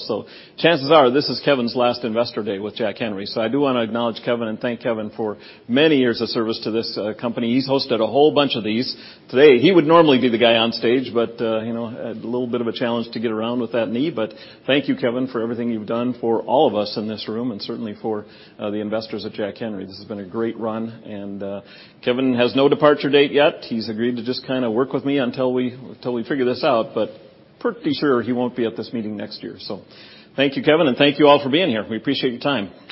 Chances are this is Kevin's last Investor Day with Jack Henry. I do wanna acknowledge Kevin and thank Kevin for many years of service to this company. He's hosted a whole bunch of these. Today, he would normally be the guy on stage, but, you know, had a little bit of a challenge to get around with that knee. Thank you, Kevin, for everything you've done for all of us in this room and certainly for the investors at Jack Henry. This has been a great run, and Kevin has no departure date yet. He's agreed to just kinda work with me until we figure this out, but pretty sure he won't be at this meeting next year. Thank you, Kevin, and thank you all for being here. We appreciate your time.